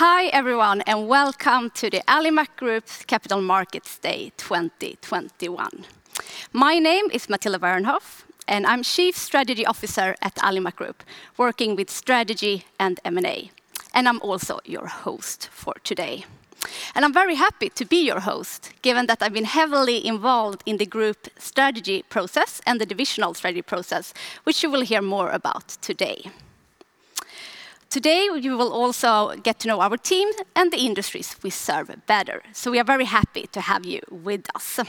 Hi everyone, welcome to the Alimak Group's Capital Markets Day 2021. My name is Matilda Wernhoff, I'm Chief Strategy Officer at Alimak Group working with strategy and M&A. I'm also your host for today. I'm very happy to be your host, given that I've been heavily involved in the group strategy process and the divisional strategy process, which you will hear more about today. Today you will also get to know our team and the industries we serve better. We are very happy to have you with us.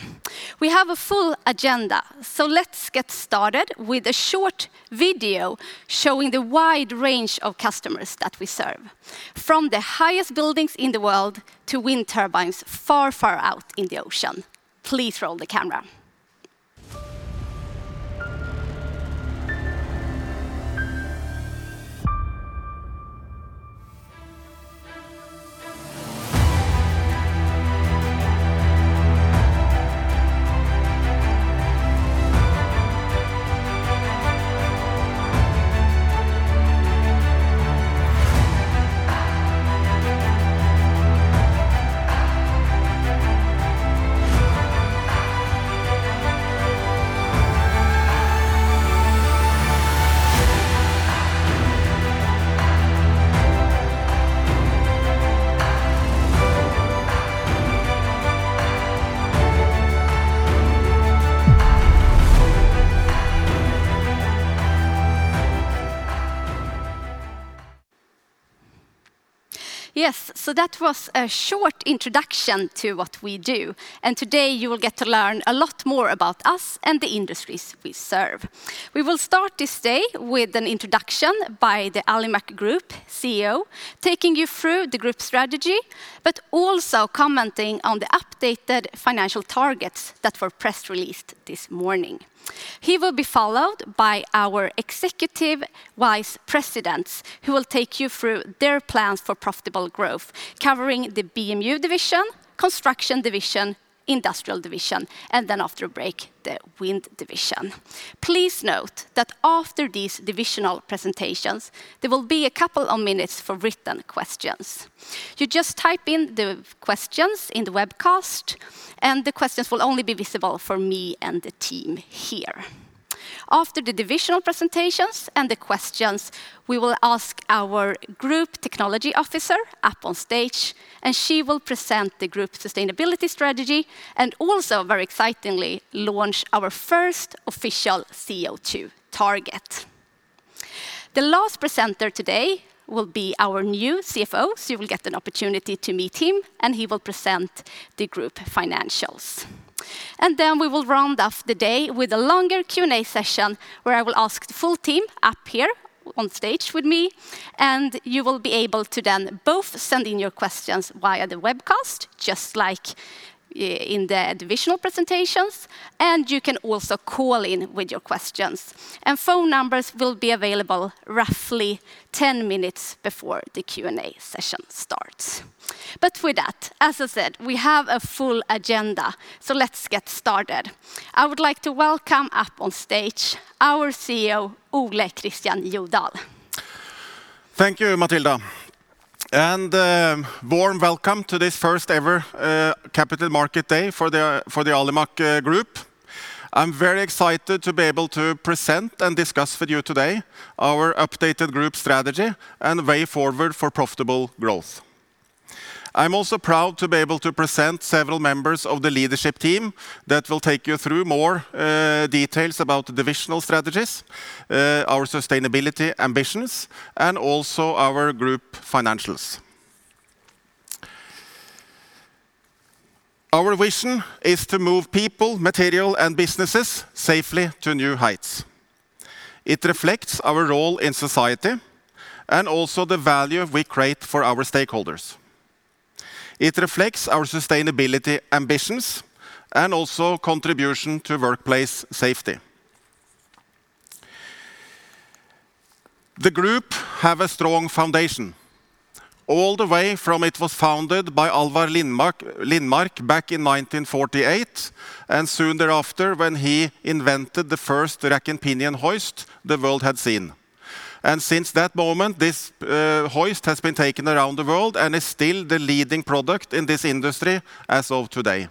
We have a full agenda, so let's get started with a short video showing the wide range of customers that we serve. From the highest buildings in the world, to wind turbines far out in the ocean. Please roll the camera. Yes. That was a short introduction to what we do, and today you will get to learn a lot more about us and the industries we serve. We will start this day with an introduction by the Alimak Group CEO, taking you through the group strategy, but also commenting on the updated financial targets that were press released this morning. He will be followed by our Executive Vice Presidents, who will take you through their plans for profitable growth, covering the BMU Division, Construction Division, Industrial Division, and then after a break, the Wind Division. Please note that after these divisional presentations, there will be a couple of minutes for written questions. You just type in the questions in the webcast, and the questions will only be visible for me and the team here. After the divisional presentations and the questions, we will ask our Chief Technology Officer up on stage. She will present the group sustainability strategy, and also very excitingly, launch our first official CO2 target. The last presenter today will be our new CFO. You will get an opportunity to meet him. He will present the group financials. We will round off the day with a longer Q&A session where I will ask the full team up here on stage with me. You will be able to then both send in your questions via the webcast, just like in the divisional presentations. You can also call in with your questions. Phone numbers will be available roughly 10 minutes before the Q&A session starts. With that, as I said, we have a full agenda. Let's get started. I would like to welcome up on stage our CEO, Ole Kristian Jødahl. Thank you, Matilda, and warm welcome to this first ever Capital Markets Day for the Alimak Group. I'm very excited to be able to present and discuss with you today our updated group strategy and the way forward for profitable growth. I'm also proud to be able to present several members of the leadership team that will take you through more details about the divisional strategies, our sustainability ambitions, and also our group financials. Our vision is to move people, material, and businesses safely to New Heights. It reflects our role in society and also the value we create for our stakeholders. It reflects our sustainability ambitions, and also contribution to workplace safety. The group have a strong foundation all the way from it was founded by Alvar Lindmark back in 1948, and soon thereafter when he invented the first rack and pinion hoist the world had seen. Since that moment, this hoist has been taken around the world and is still the leading product in this industry as of today.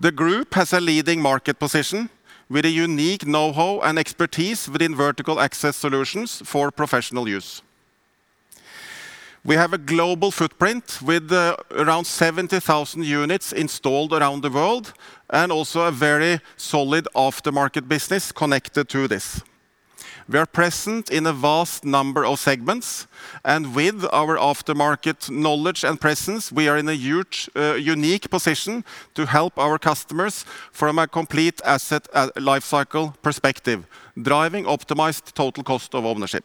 The group has a leading market position with a unique knowhow and expertise within vertical access solutions for professional use. We have a global footprint with around 70,000 units installed around the world, and also a very solid aftermarket business connected to this. We are present in a vast number of segments. With our aftermarket knowledge and presence, we are in a unique position to help our customers from a complete asset lifecycle perspective, driving optimized total cost of ownership.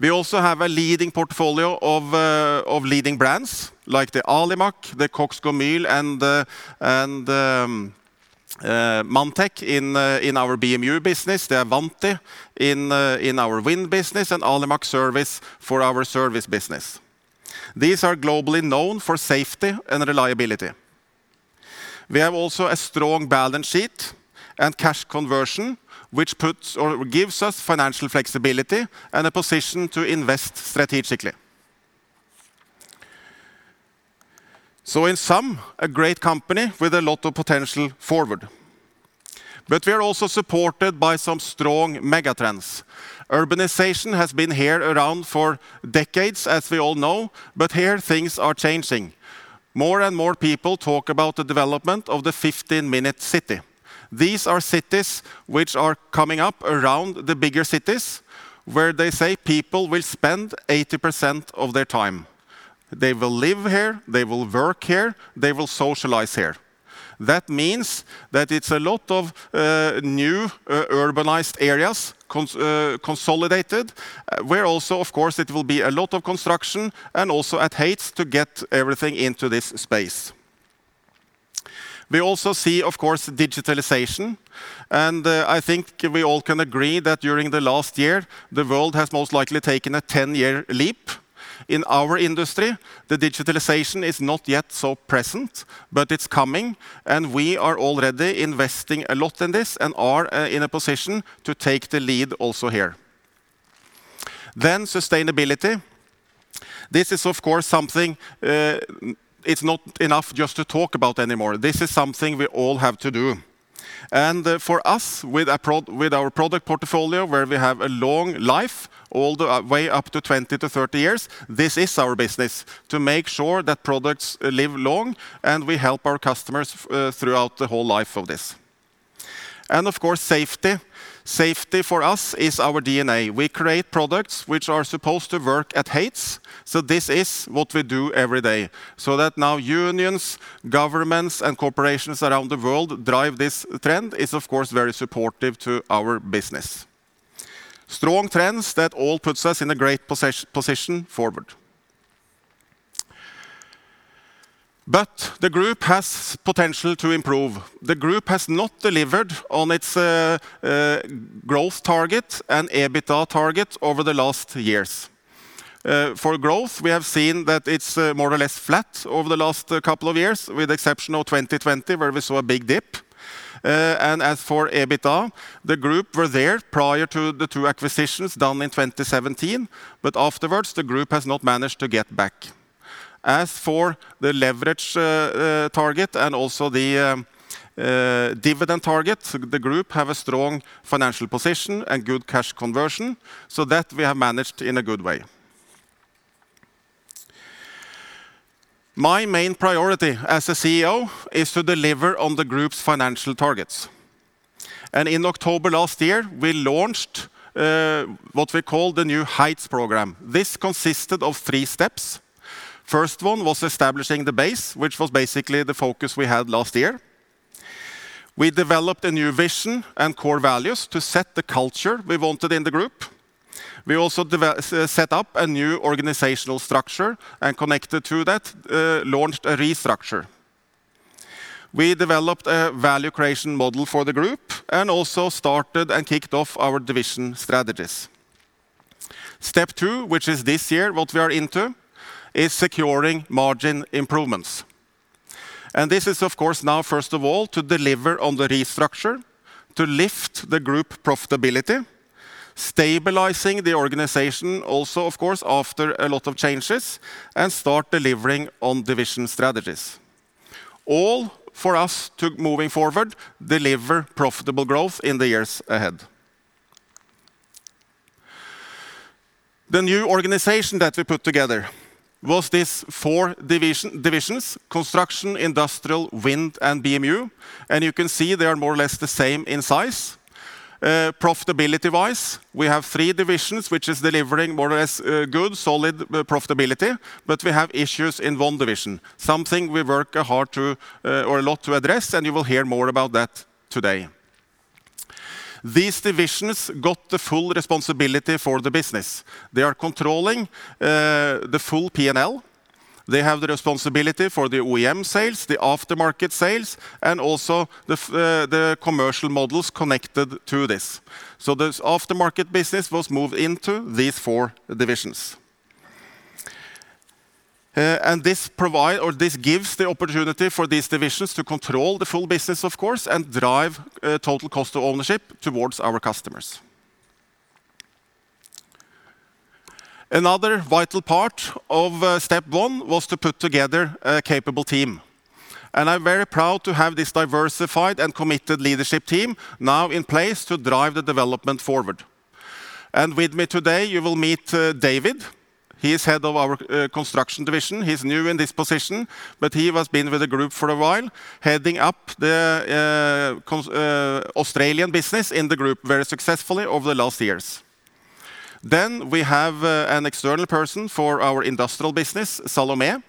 We also have a leading portfolio of leading brands like the Alimak, the CoxGomyl, and the Manntech in our BMU business, the Avanti in our wind business, and Alimak Service for our service business. These are globally known for safety and reliability. We have also a strong balance sheet and cash conversion, which gives us financial flexibility and a position to invest strategically. In sum, a great company with a lot of potential forward. We are also supported by some strong mega trends. Urbanization has been here around for decades, as we all know, but here things are changing. More and more people talk about the development of the 15-minute city. These are cities which are coming up around the bigger cities, where they say people will spend 80% of their time. They will live here, they will work here, they will socialize here. That means that it's a lot of new urbanized areas consolidated, where also, of course, it will be a lot of construction and also at Heights to get everything into this space. We also see, of course, digitalization. I think we all can agree that during the last year, the world has most likely taken a 10-year leap. In our industry, the digitalization is not yet so present, but it's coming, and we are already investing a lot in this and are in a position to take the lead also here. Sustainability. This is, of course, something it's not enough just to talk about anymore. This is something we all have to do. For us, with our product portfolio where we have a long life, all the way up to 20-30 years, this is our business, to make sure that products live long, and we help our customers throughout the whole life of this. Of course, safety. Safety for us is our DNA. We create products which are supposed to work at Heights. This is what we do every day. That now unions, governments, and corporations around the world drive this trend is, of course, very supportive to our business. Strong trends that all puts us in a great position forward. The group has potential to improve. The group has not delivered on its growth target and EBITDA targets over the last years. For growth, we have seen that it's more or less flat over the last couple of years, with the exception of 2020, where we saw a big dip. As for EBITDA, the group were there prior to the two acquisitions done in 2017, but afterwards, the group has not managed to get back. As for the leverage target and also the dividend target, the group have a strong financial position and good cash conversion, so that we have managed in a good way. My main priority as a CEO is to deliver on the group's financial targets. In October last year, we launched what we call the New Heights program. This consisted of three steps. First one was establishing the base, which was basically the focus we had last year. We developed a new vision and core values to set the culture we wanted in the group. We also set up a new organizational structure, and connected to that, launched a restructure. We developed a value creation model for the group and also started and kicked off our division strategies. Step two, which is this year, what we are into, is securing margin improvements. This is, of course, now, first of all, to deliver on the restructure, to lift the group profitability, stabilizing the organization also, of course, after a lot of changes, and start delivering on division strategies. All for us to, moving forward, deliver profitable growth in the years ahead. The new organization that we put together was these four divisions, construction, industrial, wind, and BMU, and you can see they are more or less the same in size. Profitability-wise, we have three divisions, which is delivering more or less good, solid profitability, but we have issues in one division, something we work a lot to address, and you will hear more about that today. These divisions got the full responsibility for the business. They are controlling the full P&L. They have the responsibility for the OEM sales, the aftermarket sales, and also the commercial models connected to this. This aftermarket business was moved into these four divisions. This gives the opportunity for these divisions to control the full business, of course, and drive total cost of ownership towards our customers. Another vital part of step one was to put together a capable team. I'm very proud to have this diversified and committed leadership team now in place to drive the development forward. With me today, you will meet David. He's head of our construction division. He's new in this position, but he has been with the group for a while, heading up the Australian business in the group very successfully over the last years. Then we have an external person for our industrial business, Salomeh.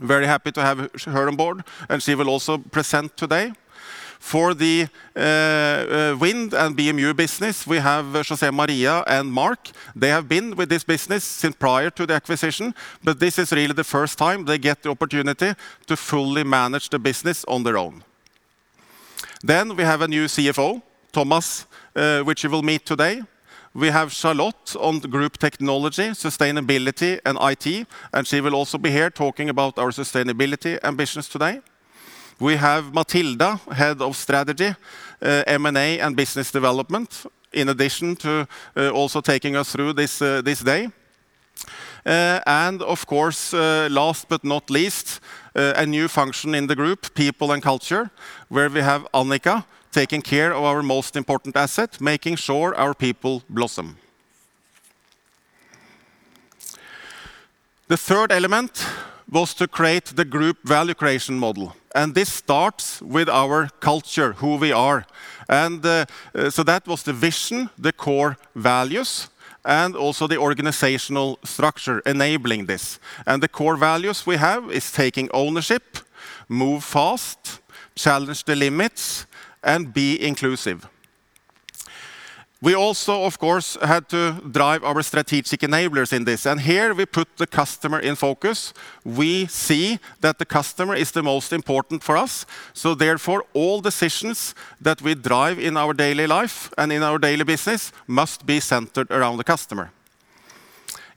Very happy to have her on board, and she will also present today. For the wind and BMU business, we have José María and Mark. They have been with this business since prior to the acquisition, but this is really the first time they get the opportunity to fully manage the business on their own. We have a new CFO, Thomas, which you will meet today. We have Charlotte on the Group Technology, Sustainability, and IT, she will also be here talking about our sustainability ambitions today. We have Matilda, head of strategy, M&A, and business development, in addition to also taking us through this day. Of course, last but not least, a new function in the group, People and Culture, where we have Annika taking care of our most important asset, making sure our people blossom. The third element was to create the group value creation model, this starts with our culture, who we are. So that was the vision, the core values, and also the organizational structure enabling this. The core values we have is taking ownership, move fast, challenge the limits, and be inclusive. We also, of course, had to drive our strategic enablers in this, and here we put the customer in focus. We see that the customer is the most important for us, so therefore, all decisions that we drive in our daily life and in our daily business must be centered around the customer.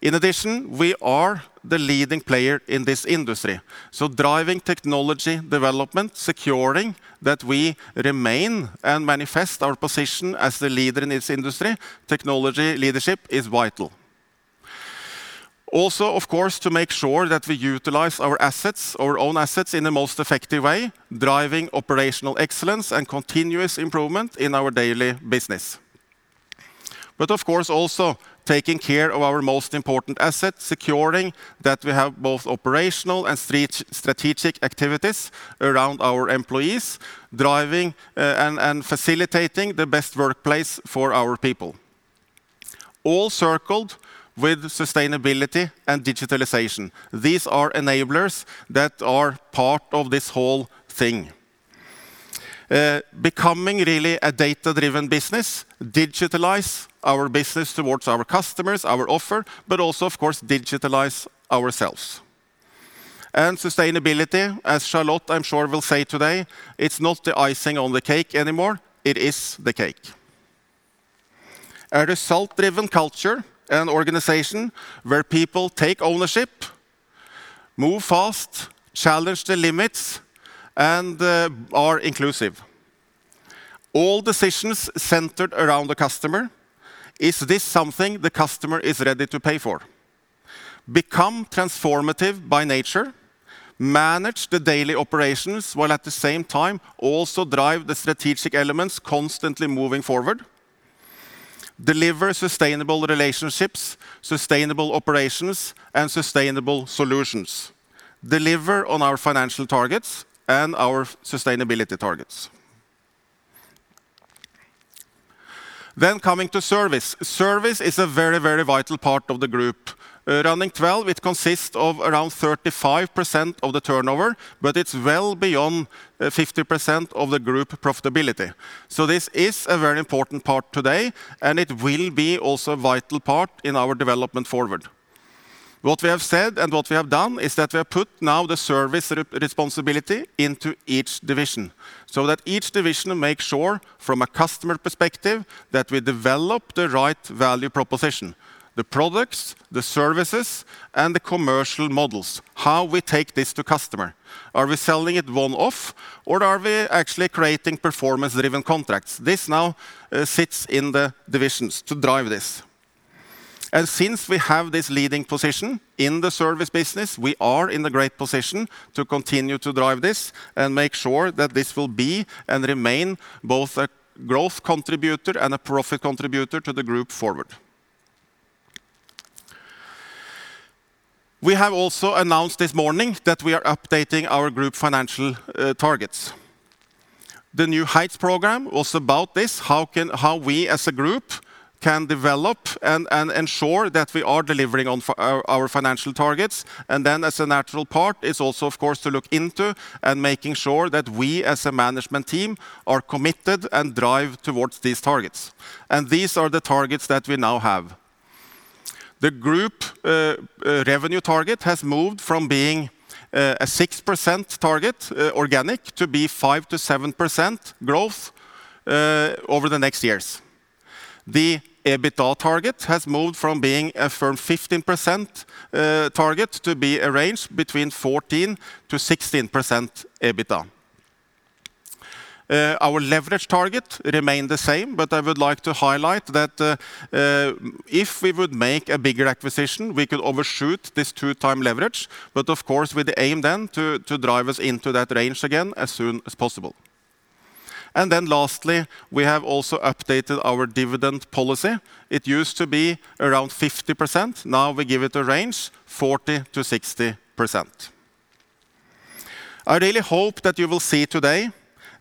In addition, we are the leading player in this industry, so driving technology development, securing that we remain and manifest our position as the leader in this industry. Technology leadership is vital. Also, of course, to make sure that we utilize our own assets in the most effective way, driving operational excellence and continuous improvement in our daily business. Of course, also taking care of our most important asset, securing that we have both operational and strategic activities around our employees, driving and facilitating the best workplace for our people. All circled with sustainability and digitalization. These are enablers that are part of this whole thing. Becoming really a data-driven business, digitalize our business towards our customers, our offer, but also, of course, digitalize ourselves. Sustainability, as Charlotte, I'm sure, will say today, it's not the icing on the cake anymore. It is the cake. A result-driven culture and organization where people take ownership, move fast, challenge the limits, and are inclusive. All decisions centered around the customer. Is this something the customer is ready to pay for? Become transformative by nature, manage the daily operations, while at the same time also drive the strategic elements constantly moving forward. Deliver sustainable relationships, sustainable operations, and sustainable solutions. Deliver on our financial targets and our sustainability targets. Then coming to service. Service is a very, very vital part of the group. Running 12, it consists of around 35% of the turnover, but it's well beyond 50% of the group profitability. This is a very important part today, and it will be also a vital part in our development forward. What we have said and what we have done is that we have put now the service responsibility into each division, so that each division will make sure from a customer perspective that we develop the right value proposition, the products, the services, and the commercial models, how we take this to customer. Are we selling it one-off, or are we actually creating performance-driven contracts? This now sits in the divisions to drive this. Since we have this leading position in the service business, we are in a great position to continue to drive this and make sure that this will be and remain both a growth contributor and a profit contributor to the group forward. We have also announced this morning that we are updating our group financial targets. The New Heights program was about this, how we as a group can develop and ensure that we are delivering on our financial targets, and then as a natural part is also, of course, to look into and making sure that we as a management team are committed and drive towards these targets. These are the targets that we now have. The group revenue target has moved from being a 6% target organic to be 5%-7% growth over the next years. The EBITDA target has moved from being a firm 15% target to be a range between 14%-16% EBITDA. Our leverage target remain the same. I would like to highlight that if we would make a bigger acquisition, we could overshoot this two-time leverage, but of course, with the aim then to drive us into that range again as soon as possible. Lastly, we have also updated our dividend policy. It used to be around 50%. Now we give it a range, 40%-60%. I really hope that you will see today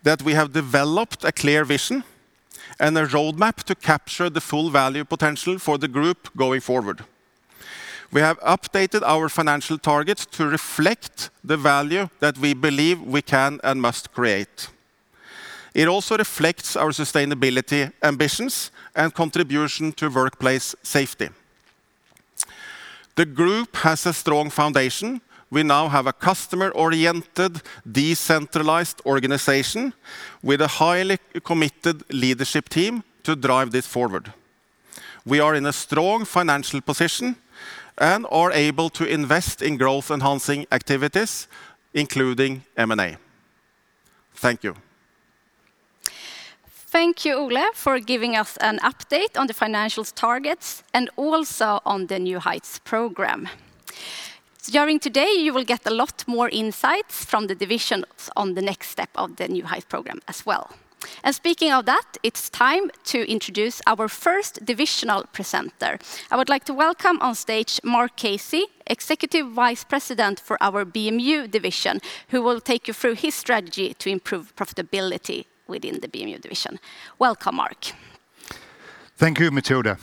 that we have developed a clear vision and a roadmap to capture the full value potential for the group going forward. We have updated our financial targets to reflect the value that we believe we can and must create. It also reflects our sustainability ambitions and contribution to workplace safety. The group has a strong foundation. We now have a customer-oriented, decentralized organization with a highly committed leadership team to drive this forward. We are in a strong financial position and are able to invest in growth-enhancing activities, including M&A. Thank you. Thank you, Ole, for giving us an update on the financial targets and also on the New Heights program. During today, you will get a lot more insights from the divisions on the next step of the New Heights program as well. Speaking of that, it's time to introduce our first divisional presenter. I would like to welcome on stage Mark Casey, Executive Vice President for our BMU division, who will take you through his strategy to improve profitability within the BMU division. Welcome, Mark. Thank you, Matilda.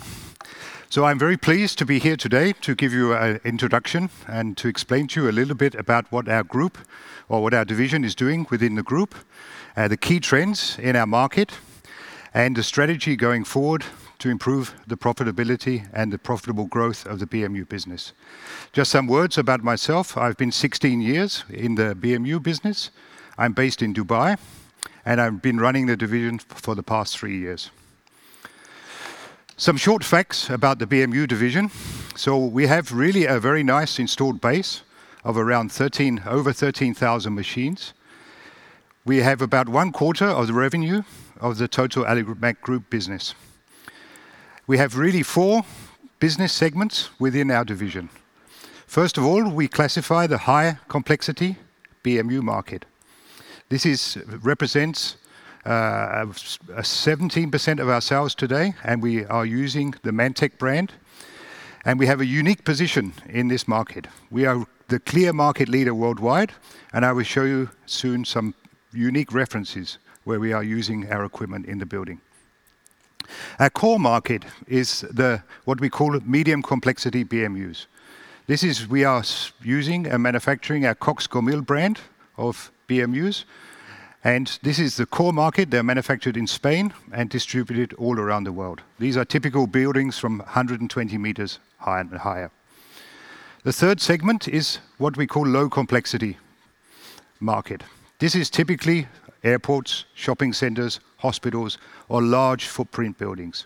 I'm very pleased to be here today to give you an introduction and to explain to you a little bit about what our division is doing within the group, the key trends in our market, and the strategy going forward to improve the profitability and the profitable growth of the BMU business. Just some words about myself. I've been 16 years in the BMU business. I'm based in Dubai, and I've been running the division for the past three years. Some short facts about the BMU division. We have really a very nice installed base of around over 13,000 machines. We have about 1/4 of the revenue of the total Alimak Group business. We have really four business segments within our division. First of all, we classify the high-complexity BMU market. This represents 17% of our sales today, and we are using the Manntech brand, and we have a unique position in this market. We are the clear market leader worldwide, and I will show you soon some unique references where we are using our equipment in the building. Our core market is what we call the medium-complexity BMUs. We are using and manufacturing our CoxGomyl brand of BMUs, and this is the core market. They're manufactured in Spain and distributed all around the world. These are typical buildings from 120 m and higher. The third segment is what we call low-complexity market. This is typically airports, shopping centers, hospitals, or large footprint buildings.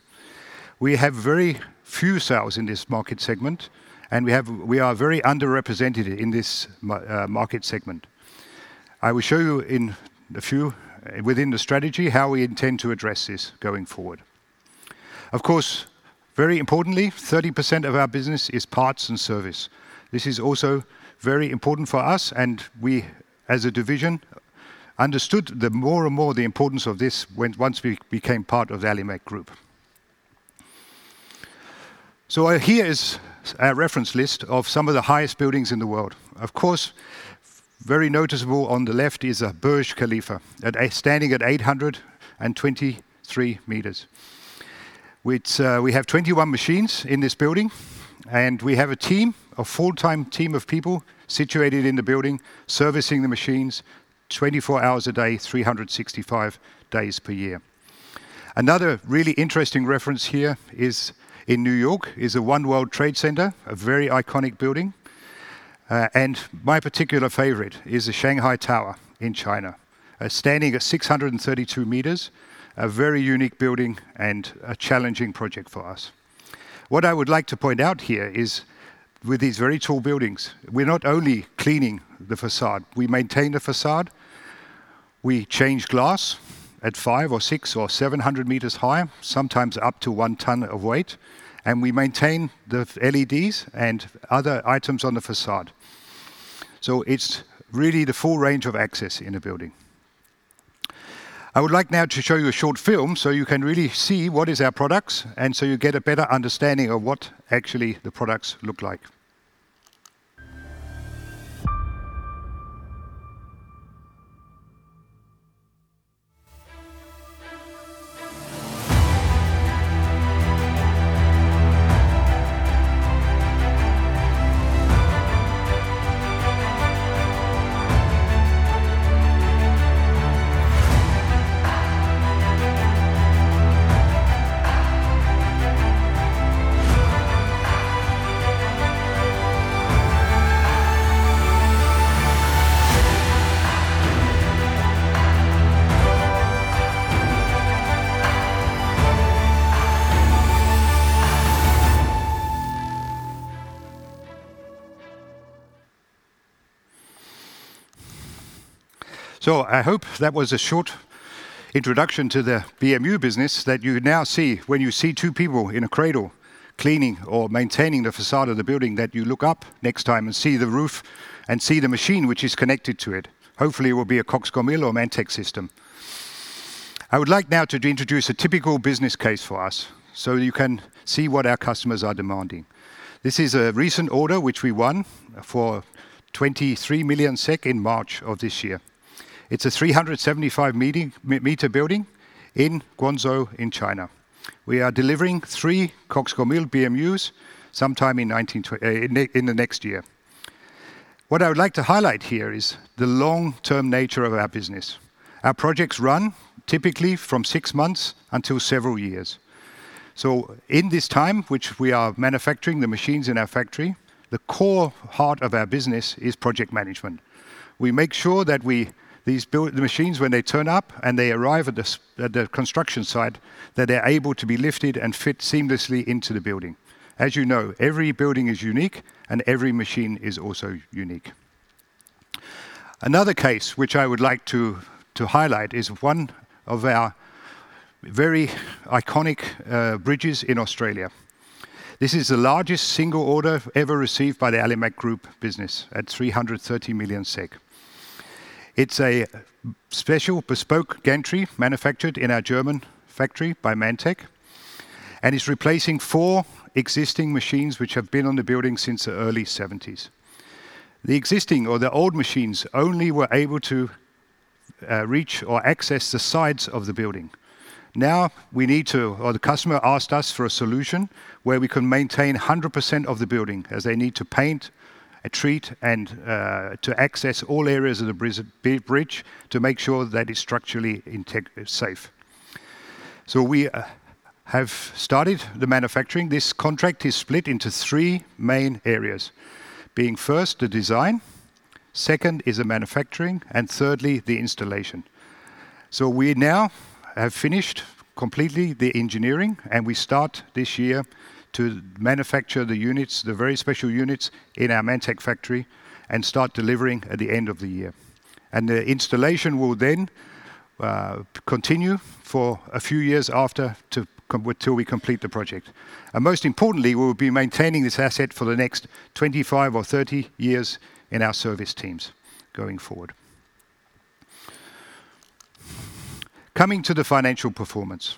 We have very few sales in this market segment, and we are very underrepresented in this market segment. I will show you within the strategy how we intend to address this going forward. Of course, very importantly, 30% of our business is parts and service. This is also very important for us, and we, as a division, understood more and more the importance of this once we became part of the Alimak Group. Here is a reference list of some of the highest buildings in the world. Of course, very noticeable on the left is Burj Khalifa, standing at 823 m. We have 21 machines in this building, and we have a full-time team of people situated in the building, servicing the machines 24 hours a day, 365 days per year. Another really interesting reference here is in New York, is the One World Trade Center, a very iconic building. My particular favorite is the Shanghai Tower in China, standing at 632 m, a very unique building and a challenging project for us. What I would like to point out here is, with these very tall buildings, we're not only cleaning the façade, we maintain the façade, we change glass at 500 m or 600 m or 700 m high, sometimes up to 1 ton of weight, and we maintain the LEDs and other items on the façade. So it's really the full range of excess in the building. I would like now to show you a short film so you can really see what is our products, and you get a better understanding of what actually the products look like. I hope that was a short introduction to the BMU business that you now see when you see two people in a cradle cleaning or maintaining the façade of the building, that you look up next time and see the roof and see the machine which is connected to it. Hopefully, it will be a CoxGomyl or Manntech system. I would like now to introduce a typical business case for us so you can see what our customers are demanding. This is a recent order which we won for 23 million SEK in March of this year. It's a 375 m building in Guangzhou in China. We are delivering three CoxGomyl BMUs sometime in the next year. What I would like to highlight here is the long-term nature of our business. Our projects run typically from six months until several years. In this time, which we are manufacturing the machines in our factory, the core heart of our business is project management. We make sure that these machines, when they turn up and they arrive at the construction site, that they're able to be lifted and fit seamlessly into the building. As you know, every building is unique and every machine is also unique. Another case which I would like to highlight is one of our very iconic bridges in Australia. This is the largest single order ever received by the Alimak Group business at 330 million SEK. It's a special bespoke gantry manufactured in our German factory by Manntech, and it's replacing four existing machines which have been on the building since the early 1970s. The existing or the old machines only were able to reach or access the sides of the building. The customer asked us for a solution where we can maintain 100% of the building as they need to paint, treat, and to access all areas of the bridge to make sure that it's structurally safe. We have started the manufacturing. This contract is split into three main areas, being first the design, second is the manufacturing, and third, the installation. We now have finished completely the engineering, and we start this year to manufacture the very special units in our Manntech factory and start delivering at the end of the year. The installation will then continue for a few years after, until we complete the project. Most importantly, we'll be maintaining this asset for the next 25 or 30 years in our service teams going forward. Coming to the financial performance,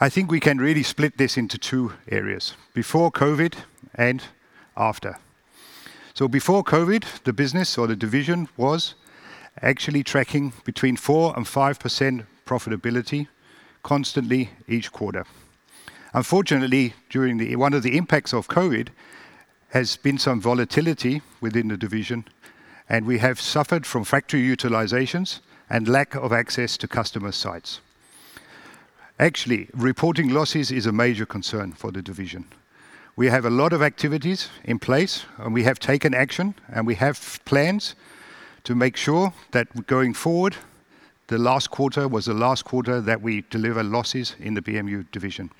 I think we can really split this into two areas, before COVID and after. Before COVID, the business or the division was actually tracking between 4% and 5% profitability constantly each quarter. Unfortunately, one of the impacts of COVID has been some volatility within the division, and we have suffered from factory utilizations and lack of access to customer sites. Actually, reporting losses is a major concern for the division. We have a lot of activities in place, and we have taken action, and we have plans to make sure that going forward, the last quarter was the last quarter that we deliver losses in the BMU division.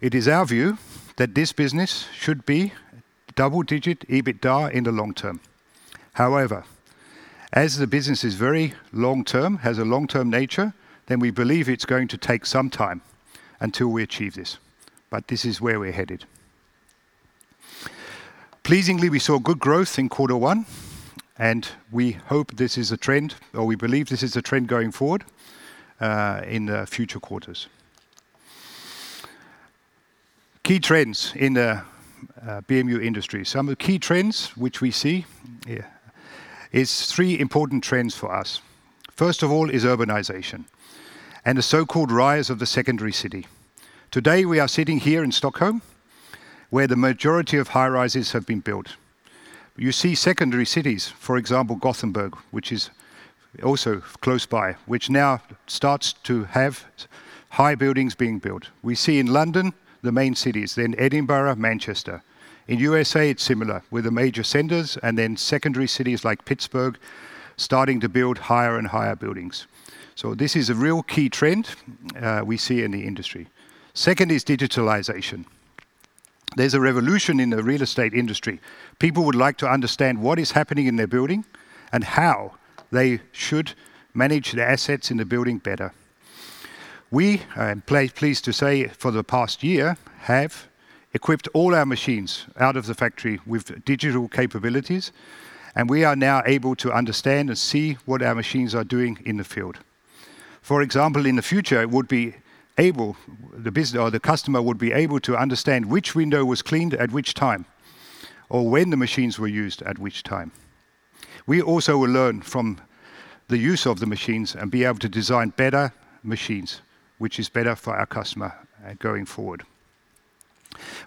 It is our view that this business should be double-digit EBITDA in the long term. However, as the business has a long-term nature, then we believe it's going to take some time until we achieve this. This is where we're headed. Pleasingly, we saw good growth in Q1, and we hope this is a trend, or we believe this is a trend going forward in future quarters. Key trends in the BMU industry. Some of the key trends which we see, it's three important trends for us. First of all is urbanization and the so-called rise of the secondary city. Today, we are sitting here in Stockholm, where the majority of high-rises have been built. You see secondary cities, for example, Gothenburg, which is also close by, which now starts to have high buildings being built. We see in London, the main cities, then Edinburgh, Manchester. In the U.S., it's similar, with the major centers and then secondary cities like Pittsburgh starting to build higher and higher buildings. This is a real key trend we see in the industry. Second is digitalization. There's a revolution in the real estate industry. People would like to understand what is happening in their building and how they should manage the assets in the building better. We, I'm pleased to say, for the past year, have equipped all our machines out of the factory with digital capabilities, and we are now able to understand and see what our machines are doing in the field. In the future, the customer would be able to understand which window was cleaned at which time or when the machines were used at which time. We also will learn from the use of the machines and be able to design better machines, which is better for our customer going forward.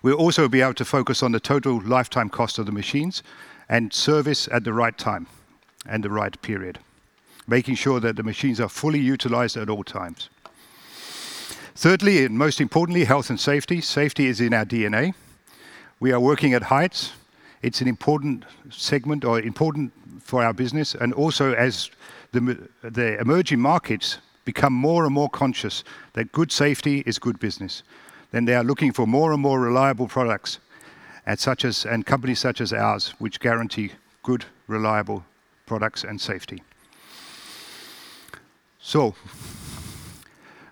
We'll also be able to focus on the total lifetime cost of the machines and service at the right time and the right period, making sure that the machines are fully utilized at all times. Most importantly, health and safety. Safety is in our DNA. We are working at heights. It's an important segment or important for our business. As the emerging markets become more and more conscious that good safety is good business, they are looking for more and more reliable products and companies such as ours, which guarantee good, reliable products and safety.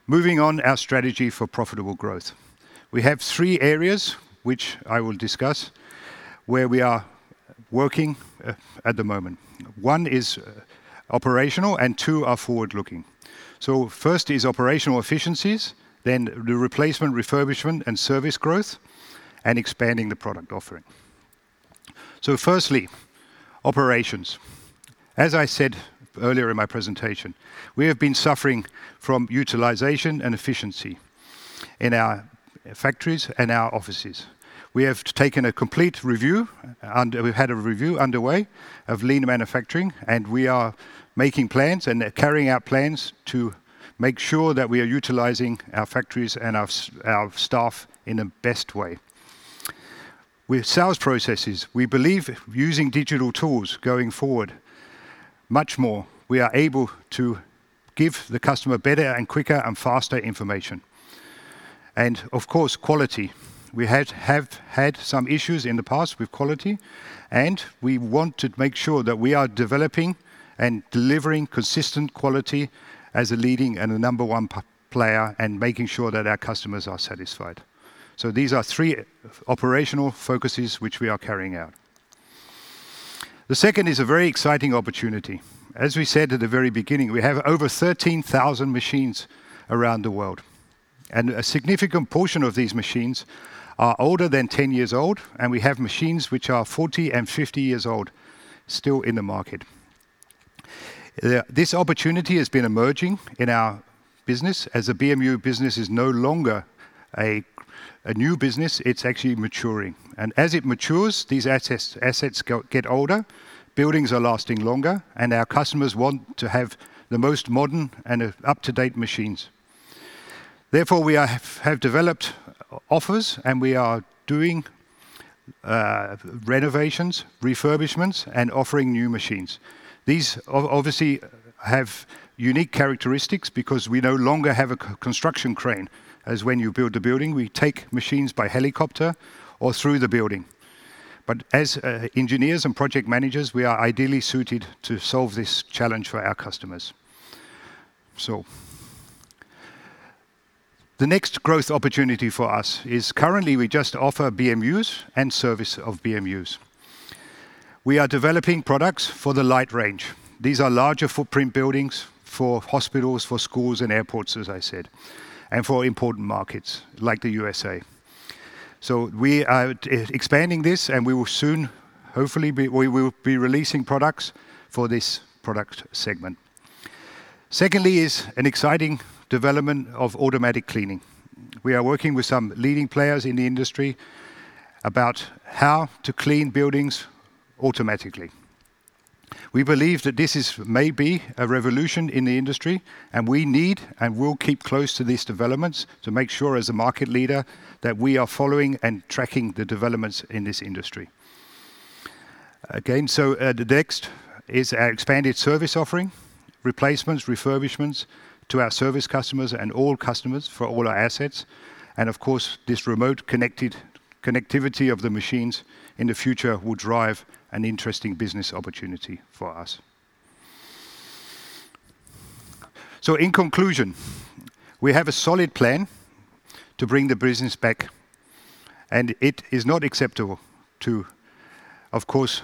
Moving on our strategy for profitable growth. We have three areas which I will discuss where we are working at the moment. One is operational and two are forward-looking. First is operational efficiencies, the replacement, refurbishment, and service growth, expanding the product offering. Firstly, Operations. As I said earlier in my presentation, we have been suffering from utilization and efficiency in our factories and our offices. We have taken a complete review. We've had a review underway of lean manufacturing, and we are making plans carrying out plans to make sure that we are utilizing our factories our staff in the best way. With sales processes, we believe using digital tools going forward much more, we are able to give the customer better and quicker and faster information. Of course, quality. We have had some issues in the past with quality. We want to make sure that we are developing delivering consistent quality as a leading a number one player making sure that our customers are satisfied. These are three operational focuses which we are carrying out. The second is a very exciting opportunity. As we said at the very beginning, we have over 13,000 machines around the world, and a significant portion of these machines are older than 10 years old, and we have machines which are 40 and 50 years old still in the market. This opportunity has been emerging in our business as a BMU business is no longer a new business. It's actually maturing. As it matures, these assets get older, buildings are lasting longer, and our customers want to have the most modern and up-to-date machines. Therefore, we have developed offers, we are doing renovations, refurbishments, and offering new machines. These obviously have unique characteristics because we no longer have a construction crane as when you build a building. We take machines by helicopter or through the building. As engineers and project managers, we are ideally suited to solve this challenge for our customers. The next growth opportunity for us is currently we just offer BMUs and service of BMUs. We are developing products for the light range. These are larger footprint buildings for hospitals, for schools, and airports, as I said, and for important markets like the USA. We are expanding this, and we will soon, hopefully, be releasing products for this product segment. Secondly is an exciting development of automatic cleaning. We are working with some leading players in the industry about how to clean buildings automatically. We believe that this is maybe a revolution in the industry, and we need and will keep close to these developments to make sure as a market leader that we are following and tracking the developments in this industry. Again, the next is our expanded service offering, replacements, refurbishments to our service customers and all customers for all our assets. Of course, this remote connectivity of the machines in the future will drive an interesting business opportunity for us. In conclusion, we have a solid plan to bring the business back, and it is not acceptable, of course,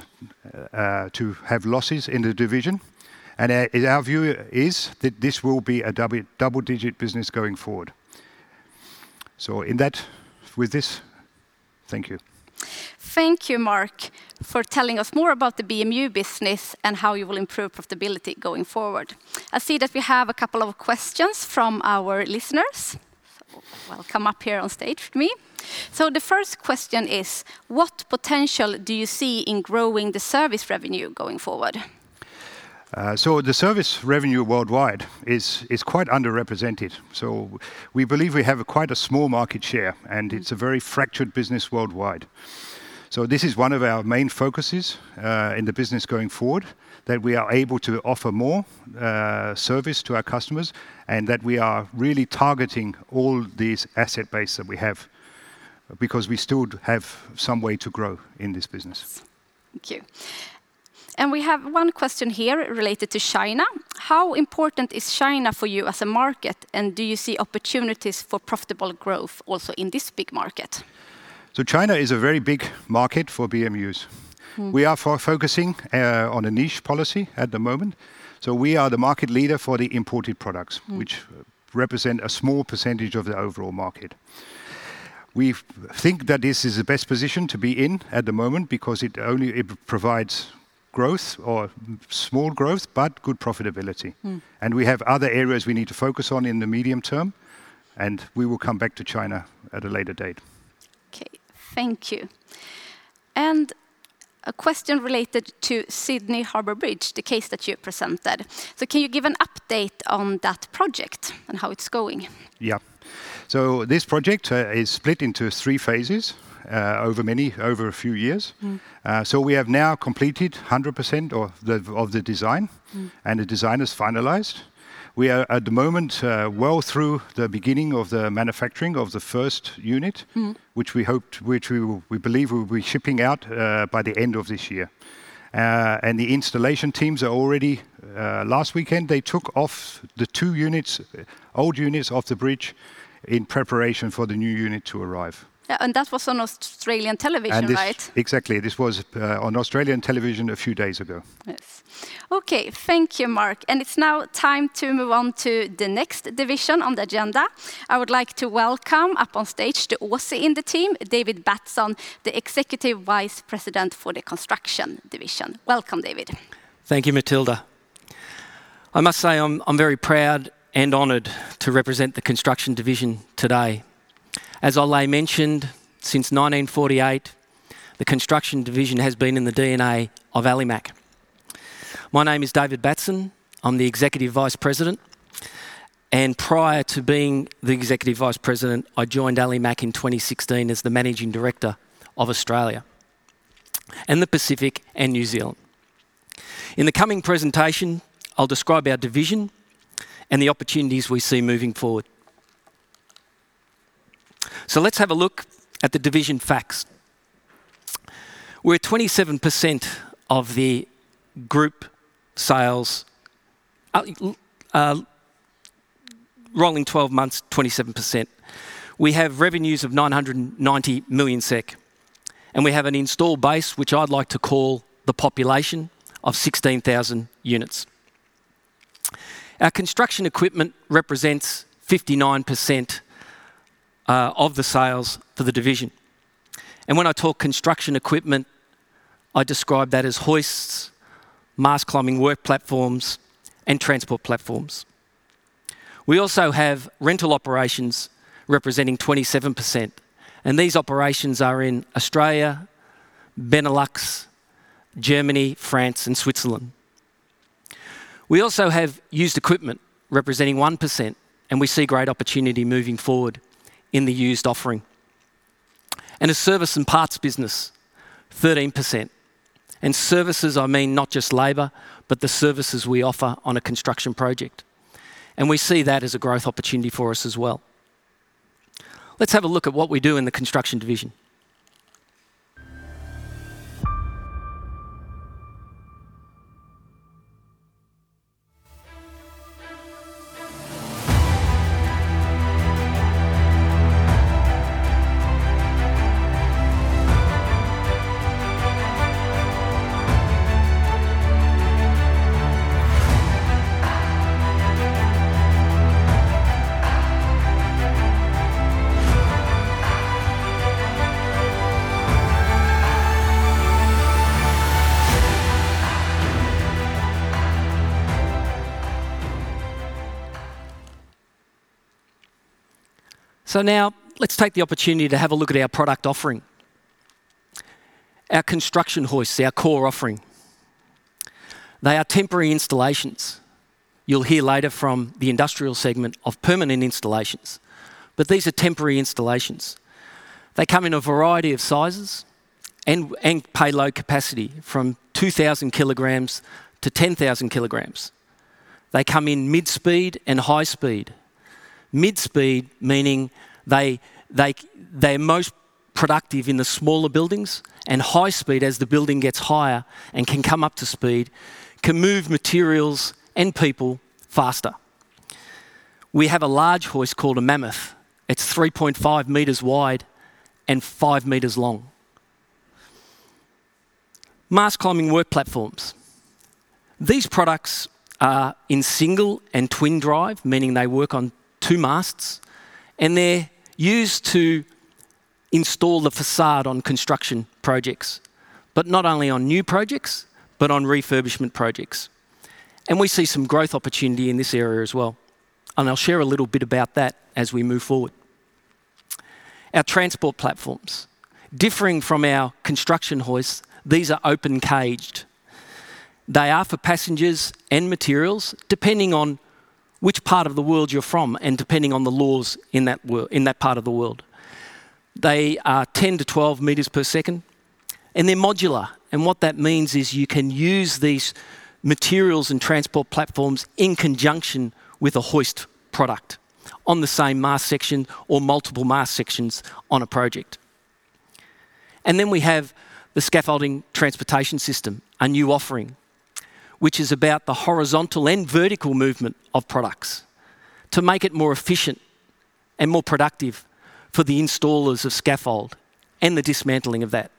to have losses in the division. Our view is that this will be a double-digit business going forward. With this, thank you. Thank you, Mark, for telling us more about the BMU business and how you will improve profitability going forward. I see that we have a couple of questions from our listeners. Come up here on stage for me. The first question is, what potential do you see in growing the service revenue going forward? The service revenue worldwide is quite underrepresented. We believe we have quite a small market share, and it's a very fractured business worldwide. This is one of our main focuses in the business going forward, that we are able to offer more service to our customers and that we are really targeting all these asset base that we have because we still have some way to grow in this business. Thank you. We have one question here related to China. How important is China for you as a market, and do you see opportunities for profitable growth also in this big market? China is a very big market for BMUs. We are focusing on a niche policy at the moment. We are the market leader for the imported products, which represent a small percentage of the overall market. We think that this is the best position to be in at the moment because it provides small growth, but good profitability. We have other areas we need to focus on in the medium term, and we will come back to China at a later date. Okay. Thank you. A question related to Sydney Harbour Bridge, the case that you presented. Can you give an update on that project and how it's going? This project is split into three phases over a few years. We have now completed 100% of the design, and the design is finalized. We are at the moment well through the beginning of the manufacturing of the first unit, which we believe we'll be shipping out by the end of this year. The installation teams are all ready. Last weekend, they took off the two old units off the bridge in preparation for the new unit to arrive. Yeah, that was on Australian television, right? Exactly. This was on Australian television a few days ago. Okay, thank you, Mark. It's now time to move on to the next division on the agenda. I would like to welcome up on stage to also in the team, David Batson, the Executive Vice President for the Construction Division. Welcome, David. Thank you, Matilda. I must say I'm very proud and honored to represent the Construction division today. As Ole mentioned, since 1948, the Construction division has been in the DNA of Alimak. My name is David Batson, I'm the Executive Vice President, and prior to being the Executive Vice President, I joined Alimak in 2016 as the managing director of Australia and the Pacific and New Zealand. In the coming presentation, I'll describe our division and the opportunities we see moving forward. Let's have a look at the division facts. We're 27% of the group sales. Rolling 12 months, 27%. We have revenues of 990 million SEK, and we have an installed base, which I'd like to call the population of 16,000 units. Our construction equipment represents 59% of the sales for the division. When I talk construction equipment, I describe that as hoists, mast climbing work platforms, and transport platforms. We also have rental operations representing 27%, and these operations are in Australia, Benelux, Germany, France and Switzerland. We also have used equipment representing 1%, we see great opportunity moving forward in the used offering. A service and parts business, 13%. Services, I mean not just labor, but the services we offer on a construction project, and we see that as a growth opportunity for us as well. Let's have a look at what we do in the Construction division. Now let's take the opportunity to have a look at our product offering. Our construction hoist, our core offering. They are temporary installations. You'll hear later from the industrial segment of permanent installations. These are temporary installations. They come in a variety of sizes and payload capacity from 2,000 kg to 10,000 kg. They come in mid-speed and high-speed. Mid-speed, meaning they're most productive in the smaller buildings, and high-speed as the building gets higher and can come up to speed, can move materials and people faster. We have a large hoist called a Mammoth. It's 3.5 m wide and 5 m long. Mast climbing work platforms. These products are in single and twin drive, meaning they work on two masts, and they're used to install the façade on construction projects, but not only on new projects, but on refurbishment projects. We see some growth opportunity in this area as well, and I'll share a little bit about that as we move forward. Our transport platforms. Differing from our construction hoists, these are open caged. They are for passengers and materials, depending on which part of the world you're from, and depending on the laws in that part of the world. They are 10 m to 12 m per second, and they're modular. What that means is you can use these materials and transport platforms in conjunction with a hoist product on the same mast section or multiple mast sections on a project. We have the scaffolding transportation system, a new offering, which is about the horizontal and vertical movement of products to make it more efficient and more productive for the installers of scaffold and the dismantling of that.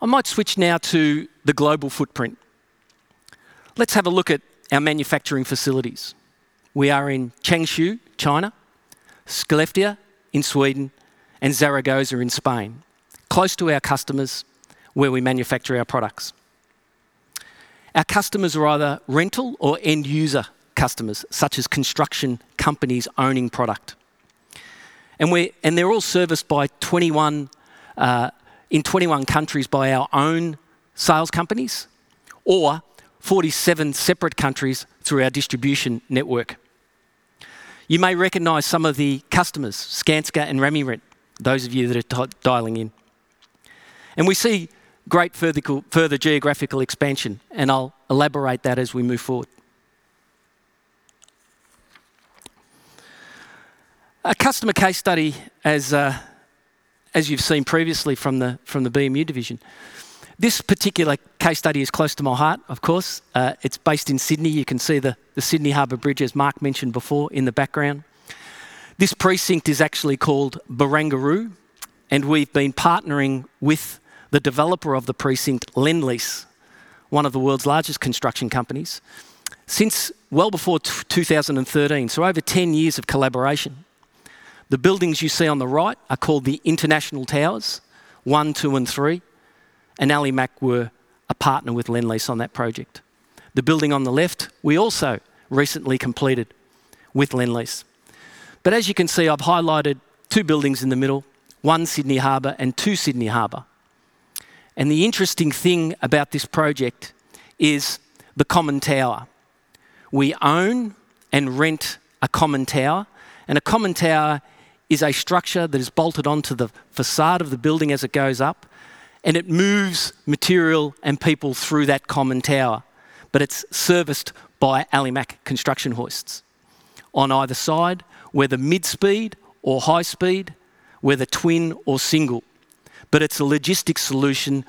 I might switch now to the global footprint. Let's have a look at our manufacturing facilities. We are in Changshu, China, Skellefteå in Sweden, and Zaragoza in Spain, close to our customers where we manufacture our products. Our customers are either rental or end-user customers, such as construction companies owning product. They're all serviced in 21 countries by our own sales companies or 47 separate countries through our distribution network. You may recognize some of the customers, Skanska and Ramirent, those of you that are dialing in. We see great further geographical expansion, and I'll elaborate that as we move forward. A customer case study, as you've seen previously from the BMU division. This particular case study is close to my heart, of course. It's based in Sydney. You can see the Sydney Harbour Bridge, as Mark mentioned before, in the background. This precinct is actually called Barangaroo, and we've been partnering with the developer of the precinct, Lendlease, one of the world's largest construction companies, since well before 2013. Over 10 years of collaboration. The buildings you see on the right are called the International Towers One, Two, and Three, and Alimak were a partner with Lendlease on that project. The building on the left we also recently completed with Lendlease. As you can see, I've highlighted two buildings in the middle, One Sydney Harbour and Two Sydney Harbour. The interesting thing about this project is the common tower. We own and rent a common tower, and a common tower is a structure that is bolted onto the façade of the building as it goes up, and it moves material and people through that common tower. It's serviced by Alimak construction hoists on either side, whether mid-speed or high-speed, whether twin or single. It's a logistics solution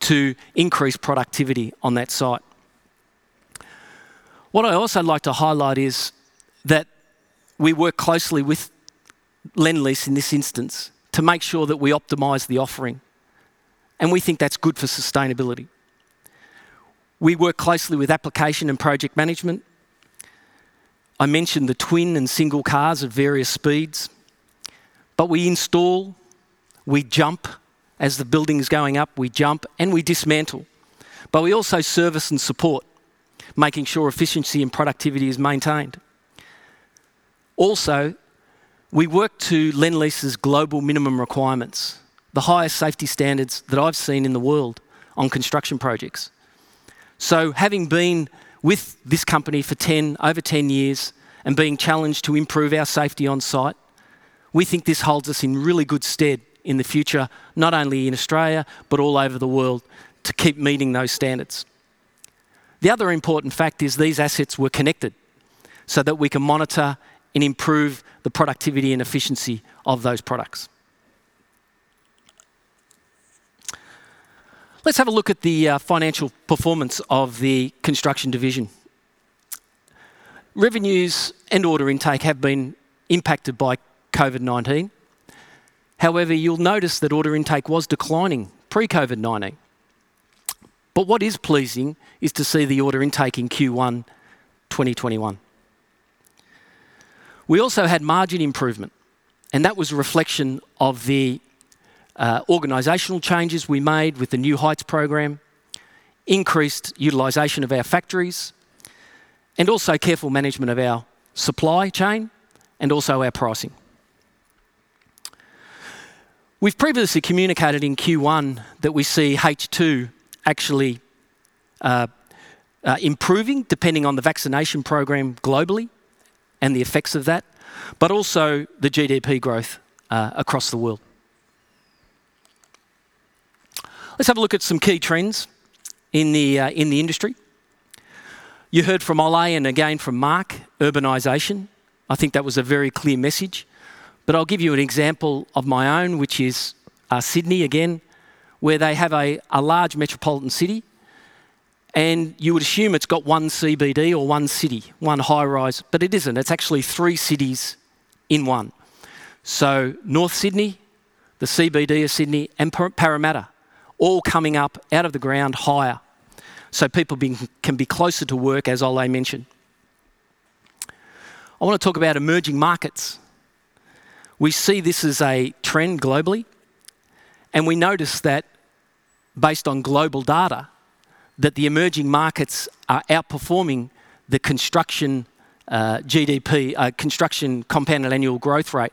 to increase productivity on that site. What I'd also like to highlight is that we work closely with Lendlease in this instance to make sure that we optimize the offering, and we think that's good for sustainability. We work closely with application and project management. I mentioned the twin and single cars of various speeds. We install, we jump, as the building is going up, we jump, and we dismantle. We also service and support, making sure efficiency and productivity is maintained. Also, we work to Lendlease's global minimum requirements, the highest safety standards that I've seen in the world on construction projects. Having been with this company for over 10 years and being challenged to improve our safety on site, we think this holds us in really good stead in the future, not only in Australia but all over the world, to keep meeting those standards. The other important fact is these assets were connected so that we can monitor and improve the productivity and efficiency of those products. Let's have a look at the financial performance of the construction division. Revenues and order intake have been impacted by COVID-19. However, you'll notice that order intake was declining pre-COVID-19. What is pleasing is to see the order intake in Q1 2021. We also had margin improvement, and that was a reflection of the organizational changes we made with the New Heights program, increased utilization of our factories, and also careful management of our supply chain, and also our pricing. We've previously communicated in Q1 that we see H2 actually improving depending on the vaccination program globally and the effects of that, but also the GDP growth across the world. Let's have a look at some key trends in the industry. You heard from Ole Kristian Jødahl and again from Mark Casey, urbanization. I think that was a very clear message. I'll give you an example of my own, which is Sydney again, where they have a large metropolitan city, and you assume it's got one CBD or one city, one high rise. It isn't. It's actually three cities in one. North Sydney, the CBD of Sydney, and Parramatta all coming up out of the ground higher so people can be closer to work, as Ole Kristian Jødahl mentioned. I want to talk about emerging markets. We see this as a trend globally, and we notice that based on global data, that the emerging markets are outperforming the construction compounded annual growth rate,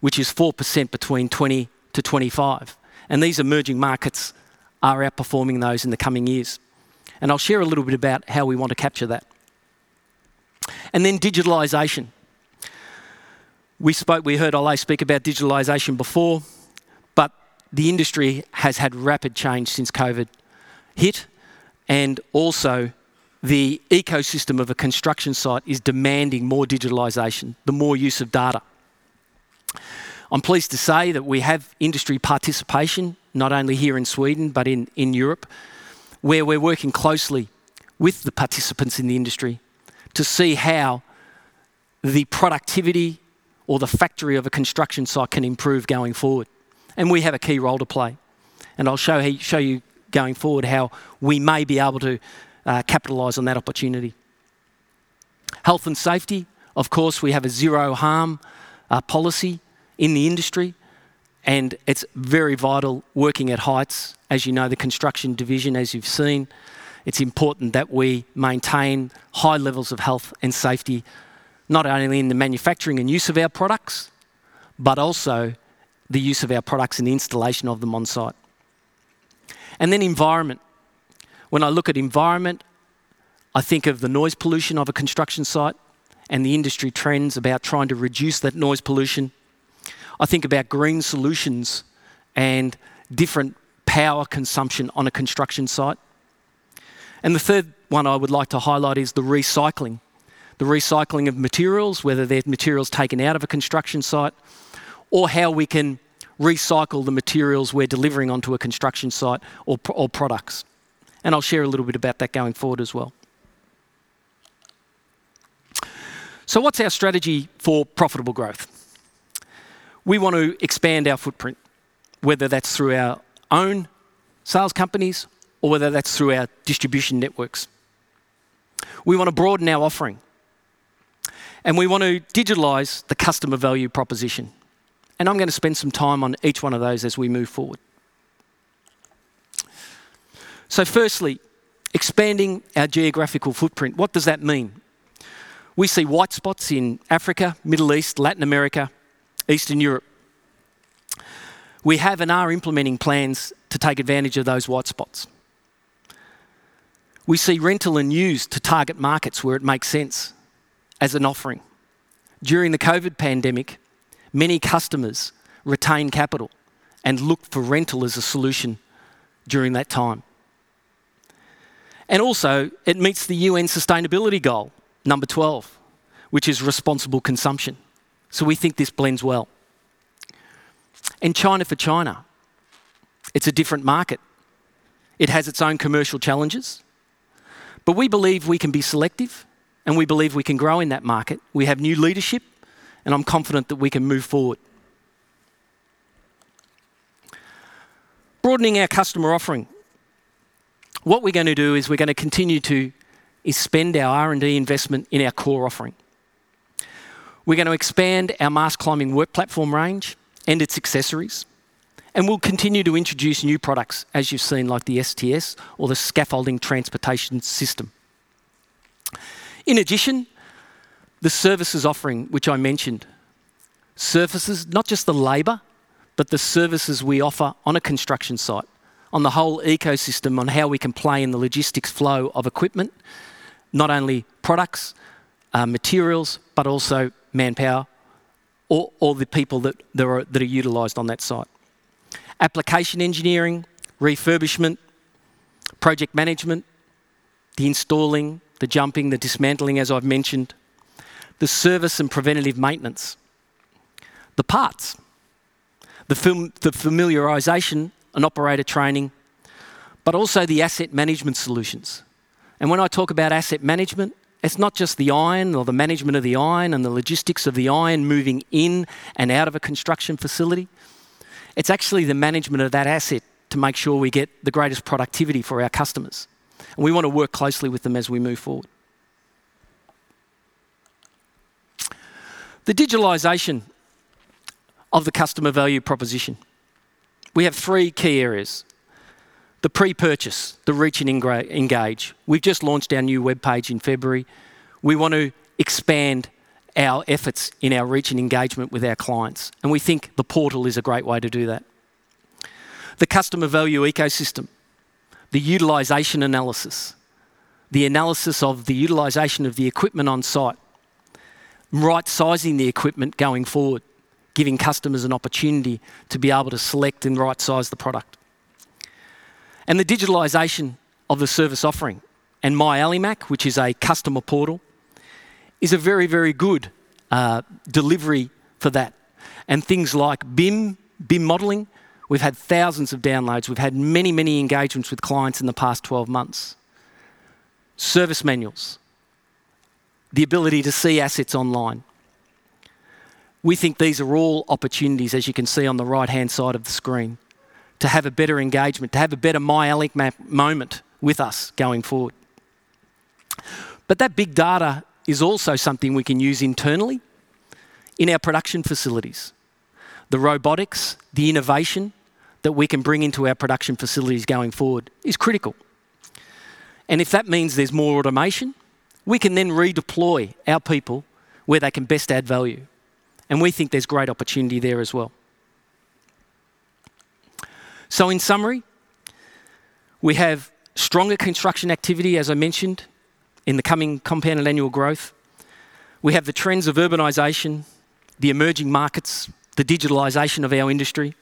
which is 4% between 2020-2025. These emerging markets are outperforming those in the coming years. I'll share a little bit about how we want to capture that. Then digitalization. We heard Ole speak about digitalization before. The industry has had rapid change since COVID hit, and also the ecosystem of a construction site is demanding more digitalization, the more use of data. I'm pleased to say that we have industry participation, not only here in Sweden but in Europe, where we're working closely with the participants in the industry to see how the productivity or the factory of a construction site can improve going forward. We have a key role to play. I'll show you going forward how we may be able to capitalize on that opportunity. Health and safety, of course, we have a zero harm policy in the industry, and it's very vital working at heights. As you know, the Construction division, as you've seen, it's important that we maintain high levels of health and safety, not only in the manufacturing and use of our products, but also the use of our products and installation of them on site. Environment. When I look at environment, I think of the noise pollution of a construction site and the industry trends about trying to reduce that noise pollution. I think about green solutions and different power consumption on a construction site. The third one I would like to highlight is the recycling. The recycling of materials, whether they're materials taken out of a construction site or how we can recycle the materials we're delivering onto a construction site or products. I'll share a little bit about that going forward as well. What's our strategy for profitable growth? We want to expand our footprint, whether that's through our own sales companies or whether that's through our distribution networks. We want to broaden our offering. We want to digitalize the customer value proposition. I'm going to spend some time on each one of those as we move forward. Firstly, expanding our geographical footprint, what does that mean? We see white spots in Africa, Middle East, Latin America, Eastern Europe. We have and are implementing plans to take advantage of those white spots. We see rental and use to target markets where it makes sense as an offering. During the COVID pandemic, many customers retained capital and looked for rental as a solution during that time. It meets the UN Sustainable Development Goal number 12, which is responsible consumption. We think this blends well. In China for China, it's a different market. It has its own commercial challenges, but we believe we can be selective, and we believe we can grow in that market. We have new leadership, and I'm confident that we can move forward. Broadening our customer offering. What we're going to do is we're going to continue to spend our R&D investment in our core offering. We're going to expand our mast climbing work platform range and its accessories, and we'll continue to introduce new products, as you've seen, like the STS or the scaffolding transportation system. In addition, the services offering, which I mentioned. Services, not just the labor, but the services we offer on a construction site, on the whole ecosystem, on how we can play in the logistics flow of equipment, not only products, materials, but also manpower, or the people that are utilized on that site. Application engineering, refurbishment, project management, the installing, the jumping, the dismantling, as I've mentioned, the service and preventative maintenance, the parts, the familiarization and operator training, but also the asset management solutions. When I talk about asset management, it's not just the iron or the management of the iron and the logistics of the iron moving in and out of a construction facility. It's actually the management of that asset to make sure we get the greatest productivity for our customers. We want to work closely with them as we move forward. The digitalization of the customer value proposition. We have three key areas. The pre-purchase, the reach and engage. We've just launched our new webpage in February. We want to expand our efforts in our reach and engagement with our clients, and we think the portal is a great way to do that. The customer value ecosystem, the utilization analysis, the analysis of the utilization of the equipment on-site, right-sizing the equipment going forward, giving customers an opportunity to be able to select and right-size the product. The digitalization of the service offering and My Alimak, which is a customer portal, is a very, very good delivery for that. Things like BIM modeling, we've had thousands of downloads. We've had many engagements with clients in the past 12 months. Service manuals, the ability to see assets online, we think these are all opportunities, as you can see on the right-hand side of the screen, to have a better engagement, to have a better My Alimak moment with us going forward. That big data is also something we can use internally in our production facilities. The robotics, the innovation that we can bring into our production facilities going forward is critical. If that means there's more automation, we can then redeploy our people where they can best add value, and we think there's great opportunity there as well. In summary, we have stronger construction activity, as I mentioned, in the coming compound annual growth. We have the trends of urbanization, the emerging markets, the digitalization of our industry,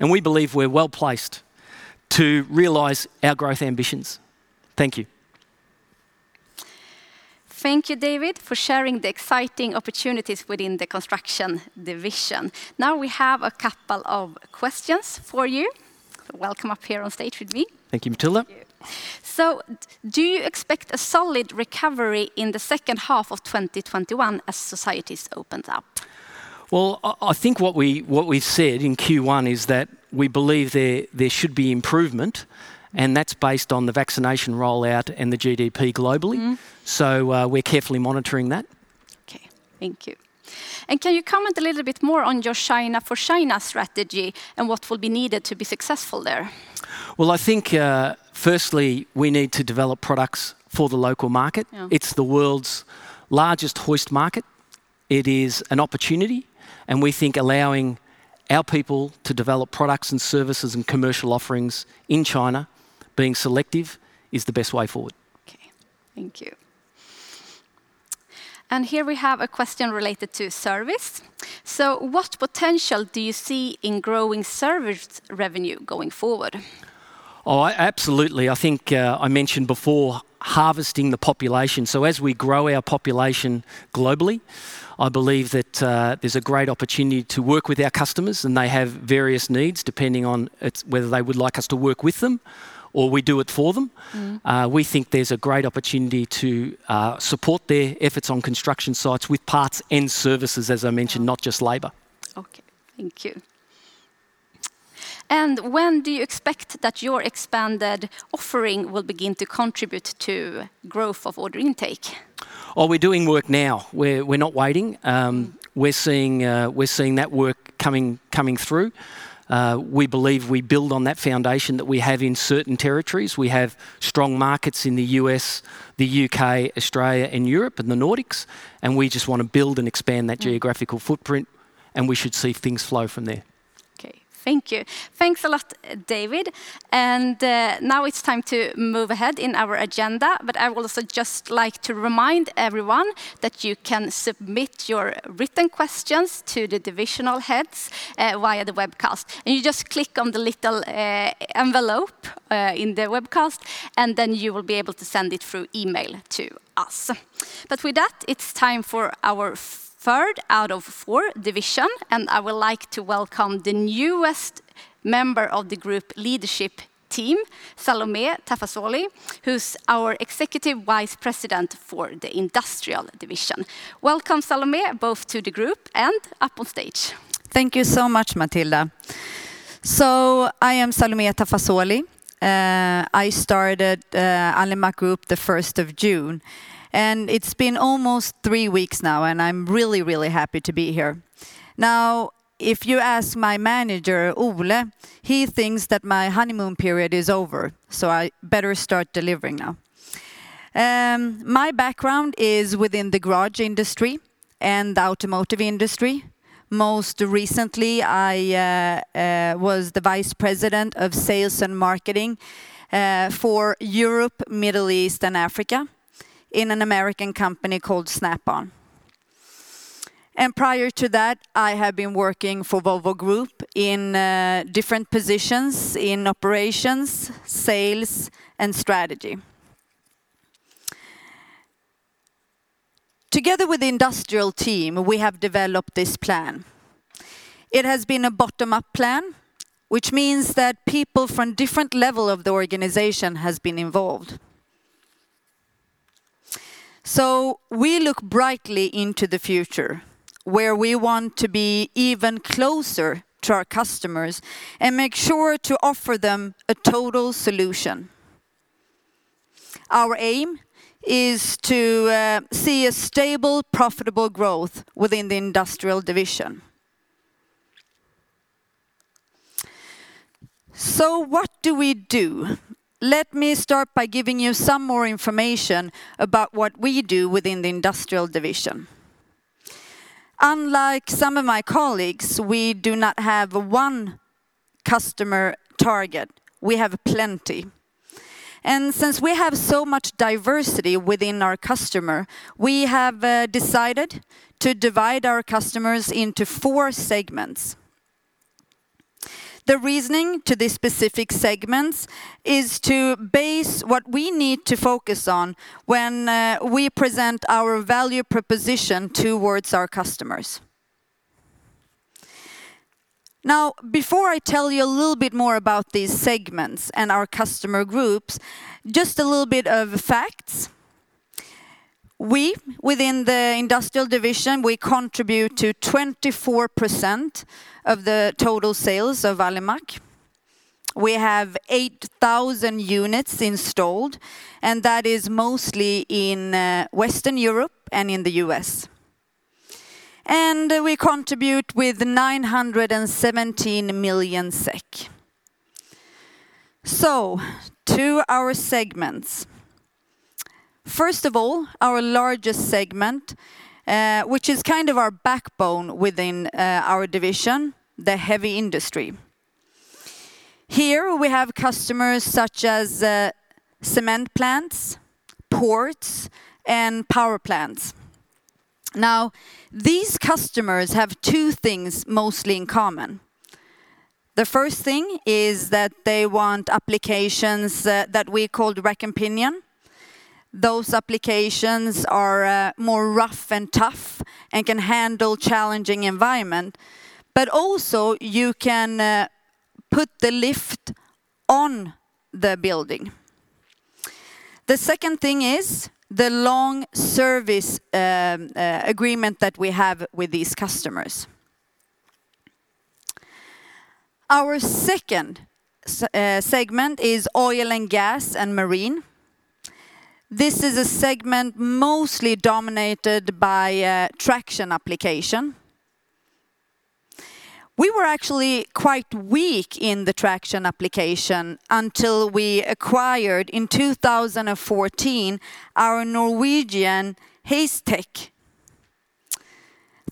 and we believe we're well-placed to realize our growth ambitions. Thank you. Thank you, David, for sharing the exciting opportunities within the construction division. We have a couple of questions for you. Welcome up here on stage with me. Thank you, Matilda. Thank you. Do you expect a solid recovery in the second half of 2021 as societies open up? Well, I think what we've said in Q1 is that we believe there should be improvement, and that's based on the vaccination rollout and the GDP globally. We're carefully monitoring that. Okay, thank you. Can you comment a little bit more on your China for China strategy and what will be needed to be successful there? Well, I think firstly, we need to develop products for the local market. Yeah. It's the world's largest hoist market. It is an opportunity, and we think allowing our people to develop products and services and commercial offerings in China, being selective is the best way forward. Okay, thank you. Here we have a question related to service. What potential do you see in growing service revenue going forward? Absolutely. I think I mentioned before harvesting the population. As we grow our population globally, I believe that there's a great opportunity to work with our customers, and they have various needs depending on whether they would like us to work with them or we do it for them. We think there's a great opportunity to support their efforts on construction sites with parts and services, as I mentioned, not just labor. Okay, thank you. When do you expect that your expanded offering will begin to contribute to growth of order intake? We're doing work now. We're not waiting. We're seeing that work coming through. We believe we build on that foundation that we have in certain territories. We have strong markets in the U.S., the U.K., Australia, and Europe, and the Nordics, and we just want to build and expand that geographical footprint, and we should see things flow from there. Okay, thank you. Thanks a lot, David. Now it's time to move ahead in our agenda, I would also just like to remind everyone that you can submit your written questions to the divisional heads via the webcast. You just click on the little envelope in the webcast, you will be able to send it through email to us. With that, it's time for our third out of four division, I would like to welcome the newest member of the Group Leadership Team, Salomeh Tafazoli, who's our Executive Vice President for the Industrial Division. Welcome, Salomeh, both to the Group and up on stage. Thank you so much, Matilda. I am Salomeh Tafazoli. I started Alimak Group the 1st of June, and it's been almost three weeks now, and I'm really, really happy to be here. If you ask my manager, Ole, he thinks that my honeymoon period is over, I better start delivering now. My background is within the garage industry and automotive industry. Most recently, I was the vice president of sales and marketing for Europe, Middle East, and Africa in an American company called Snap-on. Prior to that, I had been working for Volvo Group in different positions in operations, sales, and strategy. Together with the industrial team, we have developed this plan. It has been a bottom-up plan, which means that people from different level of the organization has been involved. We look brightly into the future, where we want to be even closer to our customers and make sure to offer them a total solution. Our aim is to see a stable, profitable growth within the Industrial Division. What do we do? Let me start by giving you some more information about what we do within the Industrial Division. Unlike some of my colleagues, we do not have one customer target. We have plenty. Since we have so much diversity within our customer, we have decided to divide our customers into four segments. The reasoning to these specific segments is to base what we need to focus on when we present our value proposition towards our customers. Before I tell you a little bit more about these segments and our customer groups, just a little bit of facts. We within the Industrial Division contribute to 24% of the total sales of Alimak. We have 8,000 units installed, that is mostly in Western Europe and in the U.S. We contribute with SEK 917 million. To our segments. First of all, our largest segment, which is kind of our backbone within our division, the heavy industry. Here we have customers such as cement plants, ports, and power plants. These customers have two things mostly in common. The first thing is that they want applications that we call rack and pinion. Those applications are more rough and tough and can handle challenging environment, but also you can put the lift on the building. The second thing is the long service agreement that we have with these customers. Our second segment is oil and gas and marine. This is a segment mostly dominated by traction application. We were actually quite weak in the traction application until we acquired, in 2014, our Norwegian Heis-Tek.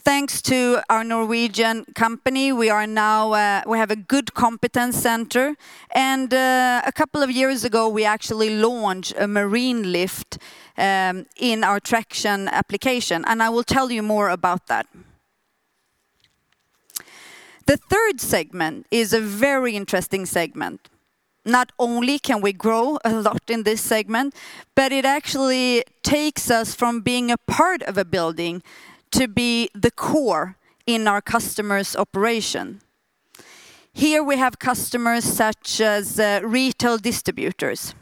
Thanks to our Norwegian company, we have a good competence center, and a couple of years ago, we actually launched a marine lift in our traction application, and I will tell you more about that. The third segment is a very interesting segment. Not only can we grow a lot in this segment, but it actually takes us from being a part of a building to be the core in our customers' operation. Here we have customers such as retail distributors.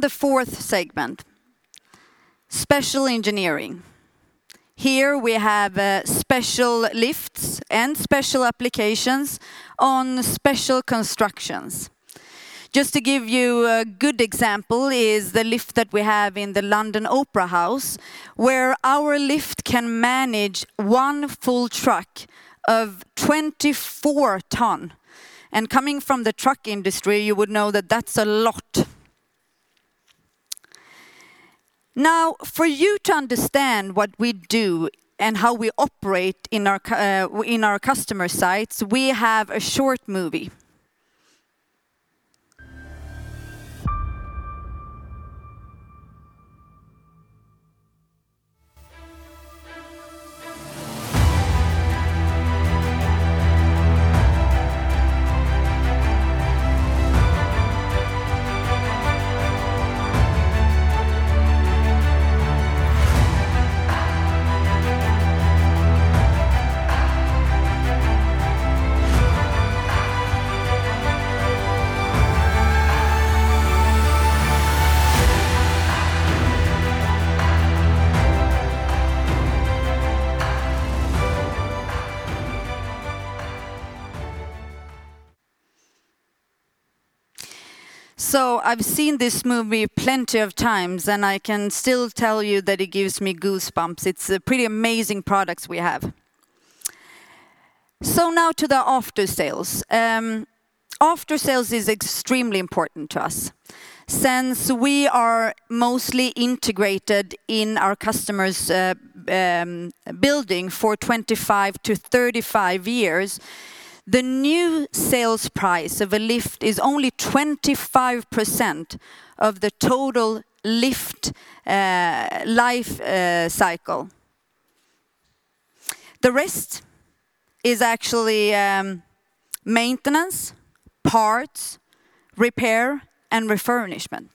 The fourth segment, special engineering. Here we have special lifts and special applications on special constructions. Just to give you a good example is the lift that we have in the Royal Opera House, where our lift can manage one full truck of 24 tons. Coming from the truck industry, you would know that that's a lot. For you to understand what we do and how we operate in our customer sites, we have a short movie. I've seen this movie plenty of times, and I can still tell you that it gives me goosebumps. It's pretty amazing products we have. Now to the after sales. After sales is extremely important to us. Since we are mostly integrated in our customers' building for 25-35 years, the new sales price of a lift is only 25% of the total lift life cycle. The rest is actually maintenance, parts, repair, and refurbishment.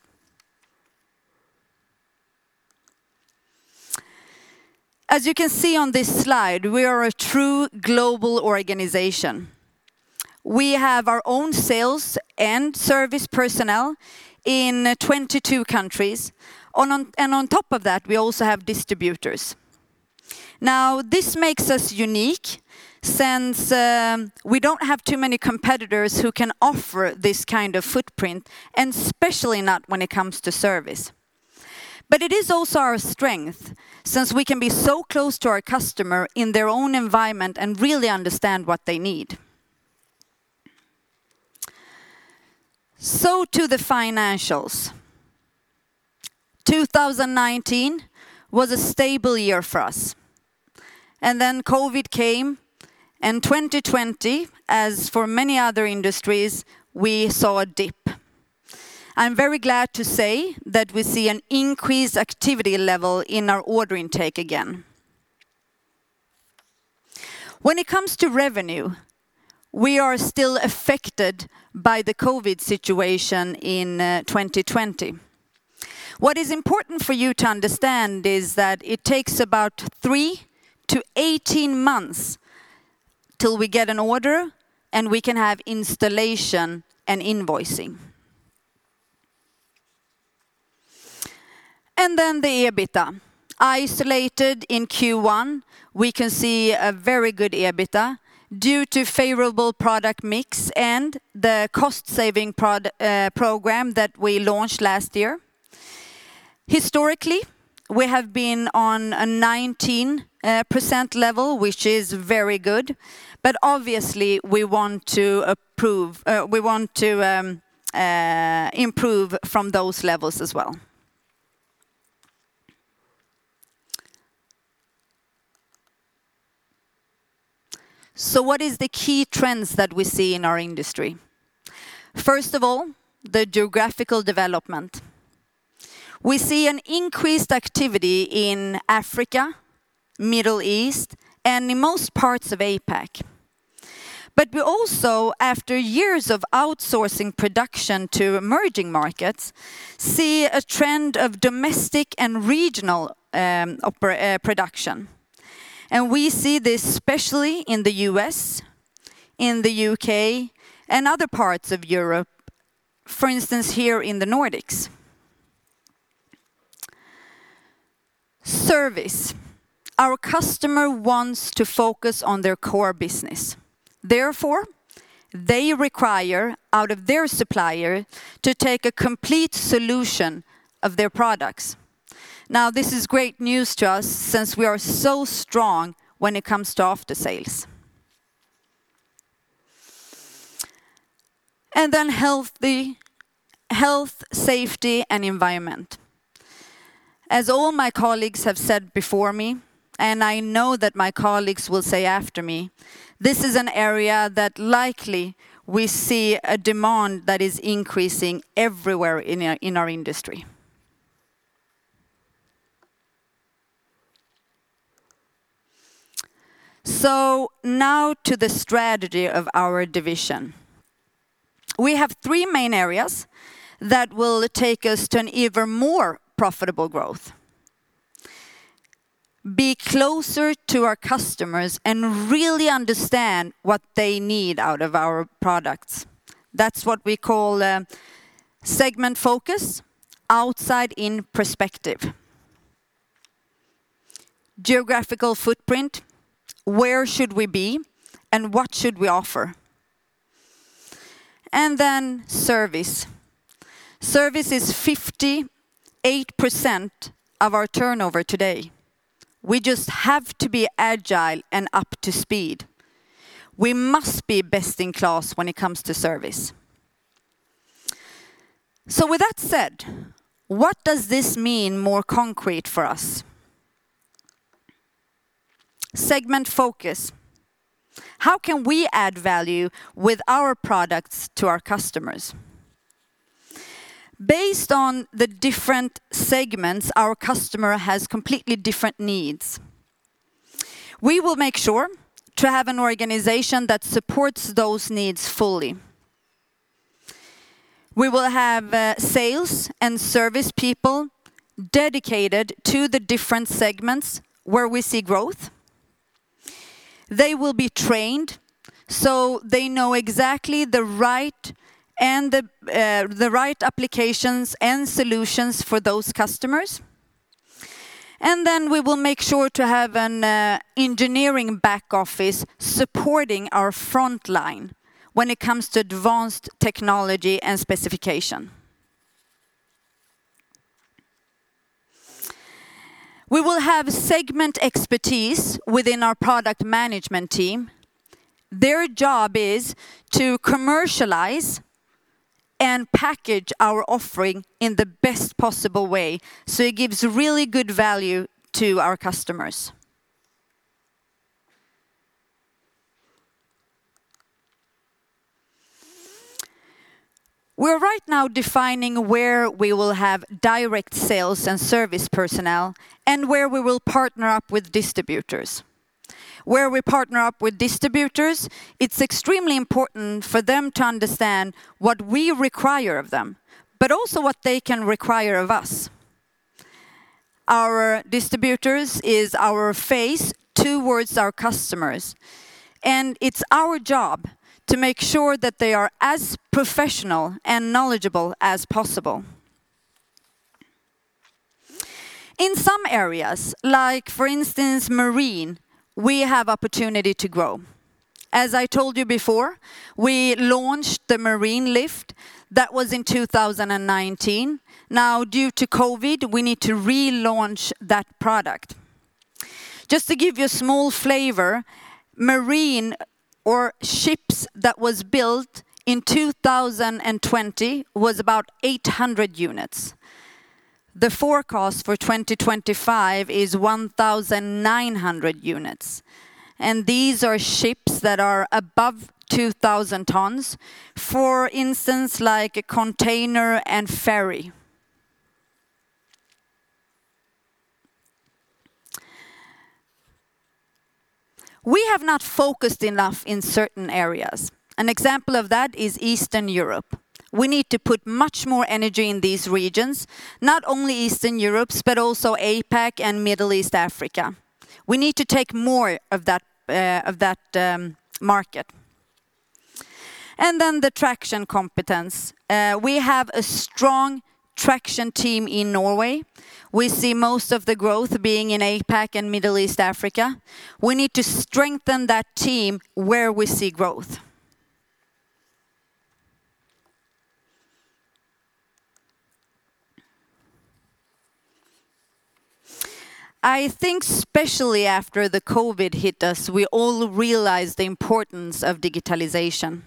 As you can see on this slide, we are a true global organization. We have our own sales and service personnel in 22 countries. On top of that, we also have distributors. This makes us unique since we don't have too many competitors who can offer this kind of footprint, and especially not when it comes to service. It is also our strength, since we can be so close to our customer in their own environment and really understand what they need. To the financials. 2019 was a stable year for us. COVID came, and 2020, as for many other industries, we saw a dip. I'm very glad to say that we see an increased activity level in our order intake again. When it comes to revenue, we are still affected by the COVID situation in 2020. What is important for you to understand is that it takes about three to 18 months till we get an order, and we can have installation and invoicing. The EBITDA. Isolated in Q1, we can see a very good EBITDA due to favorable product mix and the cost-saving program that we launched last year. Historically, we have been on a 19% level, which is very good. Obviously, we want to improve from those levels as well. What is the key trends that we see in our industry? First of all, the geographical development. We see an increased activity in Africa, Middle East, and in most parts of APAC. We also, after years of outsourcing production to emerging markets, see a trend of domestic and regional production. We see this especially in the U.S., in the U.K., and other parts of Europe, for instance, here in the Nordics. Service. Our customer wants to focus on their core business. Therefore, they require out of their supplier to take a complete solution of their products. This is great news to us since we are so strong when it comes to after sales. Health, safety, and environment. As all my colleagues have said before me, and I know that my colleagues will say after me, this is an area that likely we see a demand that is increasing everywhere in our industry. Now to the strategy of our division. We have three main areas that will take us to an even more profitable growth. Be closer to our customers and really understand what they need out of our products. That's what we call segment focus, outside in perspective. Geographical footprint, where should we be and what should we offer? Service. Service is 58% of our turnover today. We just have to be agile and up to speed. We must be best in class when it comes to service. With that said, what does this mean more concretely for us? Segment focus. How can we add value with our products to our customers? Based on the different segments, our customer has completely different needs. We will make sure to have an organization that supports those needs fully. We will have sales and service people dedicated to the different segments where we see growth. They will be trained so they know exactly the right applications and solutions for those customers. Then we will make sure to have an engineering back office supporting our front line when it comes to advanced technology and specification. We will have segment expertise within our product management team. Their job is to commercialize and package our offering in the best possible way, so it gives really good value to our customers. We are right now defining where we will have direct sales and service personnel and where we will partner up with distributors. Where we partner up with distributors, it's extremely important for them to understand what we require of them, but also what they can require of us. Our distributors is our face towards our customers, and it's our job to make sure that they are as professional and knowledgeable as possible. In some areas, like for instance marine, we have opportunity to grow. As I told you before, we launched the marine lift, that was in 2019. Due to COVID, we need to relaunch that product. Just to give you a small flavor, marine or ships that was built in 2020 was about 800 units. The forecast for 2025 is 1,900 units, and these are ships that are above 2,000 tons, for instance, like a container and ferry. We have not focused enough in certain areas. An example of that is Eastern Europe. We need to put much more energy in these regions, not only Eastern Europe, but also APAC and Middle East Africa. We need to take more of that market. Then the traction competence. We have a strong traction team in Norway. We see most of the growth being in APAC and Middle East Africa. We need to strengthen that team where we see growth. I think especially after the COVID hit us, we all realized the importance of digitalization.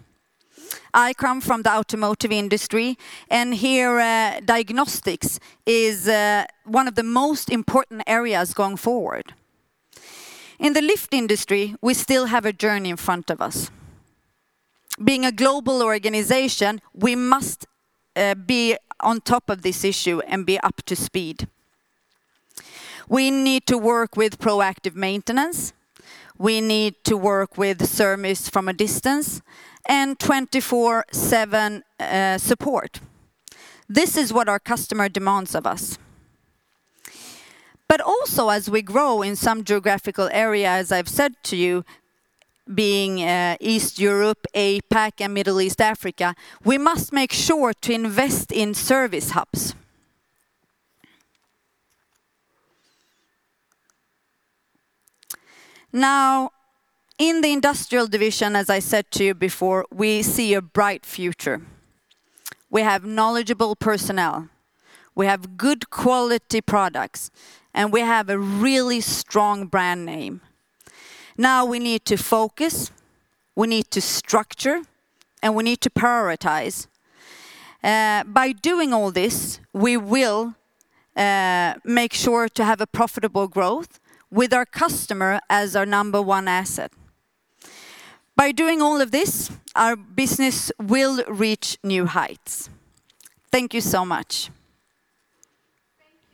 I come from the automotive industry, here, diagnostics is one of the most important areas going forward. In the lift industry, we still have a journey in front of us. Being a global organization, we must be on top of this issue and be up to speed. We need to work with proactive maintenance. We need to work with service from a distance and 24/7 support. This is what our customer demands of us. Also as we grow in some geographical areas, I've said to you, being East Europe, APAC, and Middle East Africa, we must make sure to invest in service hubs. In the industrial division, as I said to you before, we see a bright future. We have knowledgeable personnel, we have good quality products, and we have a really strong brand name. We need to focus, we need to structure, and we need to prioritize. By doing all this, we will make sure to have a profitable growth with our customer as our number one asset. By doing all of this, our business will reach New Heights. Thank you so much.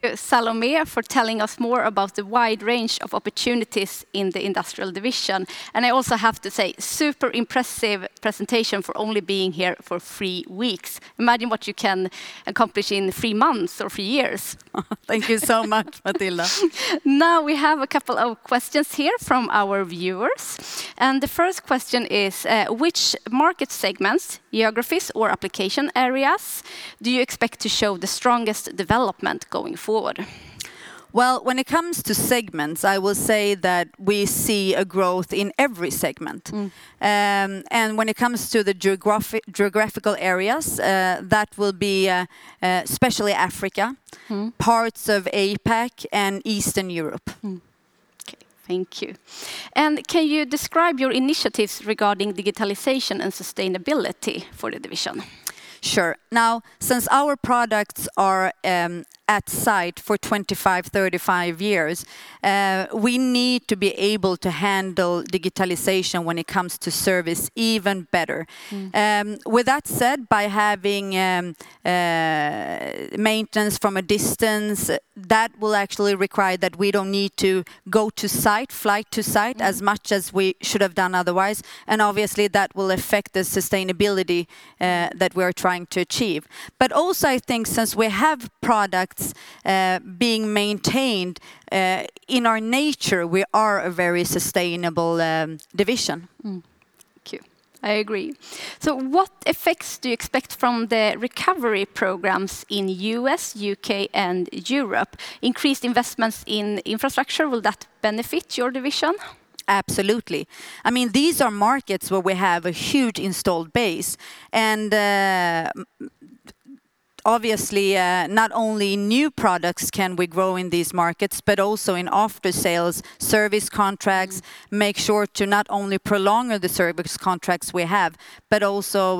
Thank you, Salomeh, for telling us more about the wide range of opportunities in the Industrial Division. I also have to say, super impressive presentation for only being here for three weeks. Imagine what you can accomplish in three months or three years. Thank you so much, Matilda. Now we have two questions here from our viewers, and the first question is, which market segments, geographies, or application areas do you expect to show the strongest development going forward? Well, when it comes to segments, I will say that we see a growth in every segment. When it comes to the geographical areas, that will be especially Africa parts of APAC and Eastern Europe. Okay. Thank you. Can you describe your initiatives regarding digitalization and sustainability for the division? Sure. Now, since our products are at site for 25, 35 years, we need to be able to handle digitalization when it comes to service even better. With that said, by having maintenance from a distance, that will actually require that we don't need to go to site, fly to site as much as we should have done otherwise. Obviously that will affect the sustainability that we're trying to achieve. Also, I think since we have products being maintained, in our nature, we are a very sustainable division. Thank you. I agree. What effects do you expect from the recovery programs in U.S., U.K., and Europe? Increased investments in infrastructure, will that benefit your division? Absolutely. These are markets where we have a huge installed base, and obviously, not only new products can we grow in these markets, but also in after sales, service contracts, make sure to not only prolong the service contracts we have, but also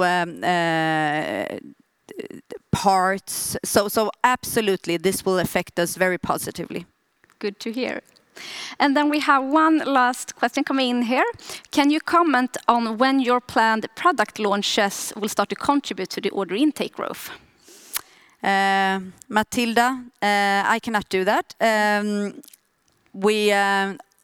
parts. Absolutely, this will affect us very positively. Good to hear. We have one last question coming in here. Can you comment on when your planned product launches will start to contribute to the order intake growth? Matilda, I cannot do that.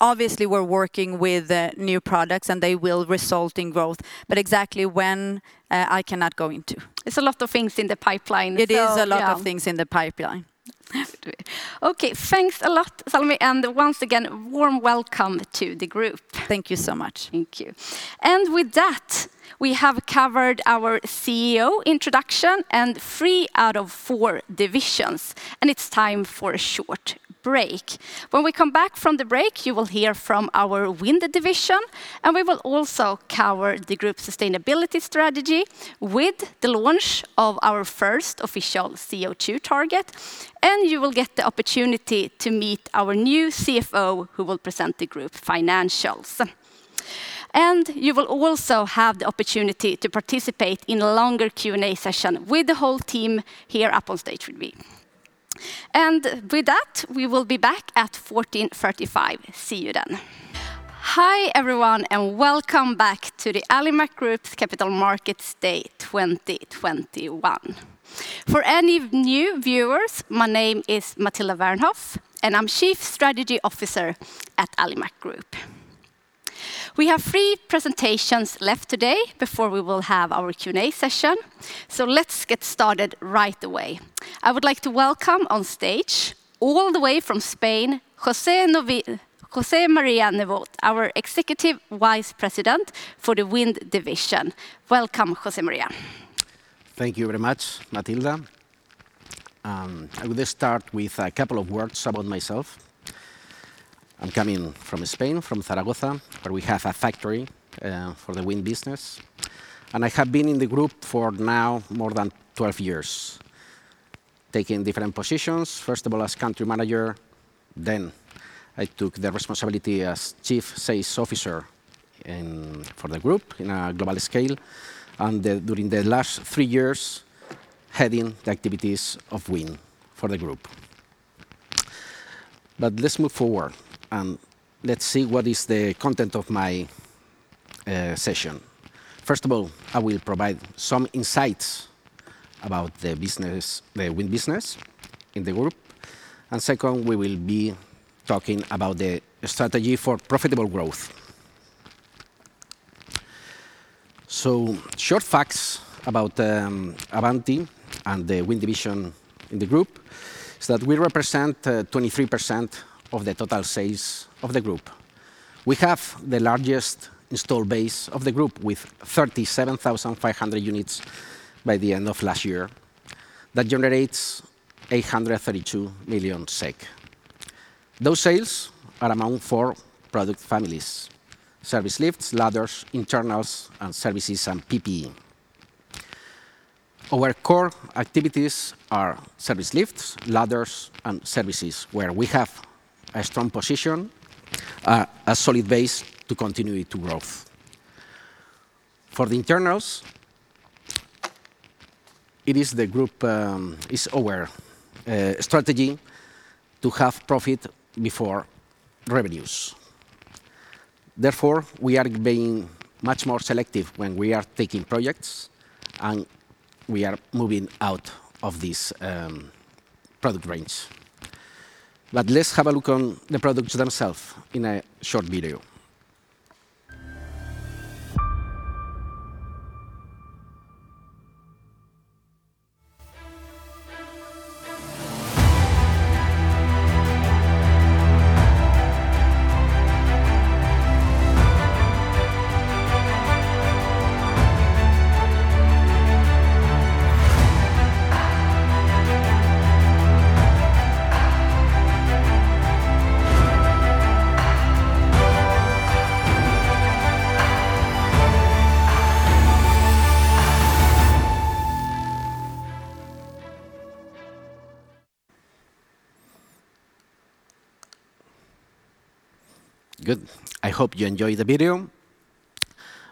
Obviously we're working with new products, they will result in growth. Exactly when, I cannot go into. It's a lot of things in the pipeline, so yeah. It is a lot of things in the pipeline. Okay. Thanks a lot, Salomeh, and once again, warm welcome to the group. Thank you so much. Thank you. With that, we have covered our CEO introduction and three out of four divisions, and it's time for a short break. When we come back from the break, you will hear from our Wind Division, and we will also cover the group sustainability strategy with the launch of our first official CO2 target, and you will get the opportunity to meet our new CFO, who will present the group financials. You will also have the opportunity to participate in a longer Q&A session with the whole team here up on stage with me. With that, we will be back at 14:35. See you then. Hi, everyone, and welcome back to the Alimak Group's Capital Markets Day 2021. For any new viewers, my name is Matilda Wernhoff, and I'm Chief Strategy Officer at Alimak Group. We have three presentations left today before we will have our Q&A session, so let's get started right away. I would like to welcome on stage, all the way from Spain, José María Nevot, our Executive Vice President for the Wind Division. Welcome, José María. Thank you very much, Matilda. I will just start with a couple of words about myself. I'm coming from Spain, from Zaragoza, where we have a factory for the wind business, and I have been in the group for now more than 12 years, taking different positions. First of all, as country manager, then I took the responsibility as Chief Sales Officer for the group in a global scale. During the last three years, heading the activities of wind for the group. Let's move forward, and let's see what is the content of my session. First of all, I will provide some insights about the wind business in the group, and second, we will be talking about the strategy for profitable growth. Short facts about Avanti and the Wind Division in the group is that we represent 23% of the total sales of the group. We have the largest install base of the group, with 37,500 units by the end of last year. That generates 832 million SEK. Those sales are among four product families: service lifts, ladders, internals, and services and PPE. Our core activities are service lifts, ladders, and services, where we have a strong position, a solid base to continue to growth. For the internals, it is our strategy to have profit before revenues. We are being much more selective when we are taking projects, and we are moving out of this product range. Let's have a look on the products themselves in a short video. Good. I hope you enjoyed the video.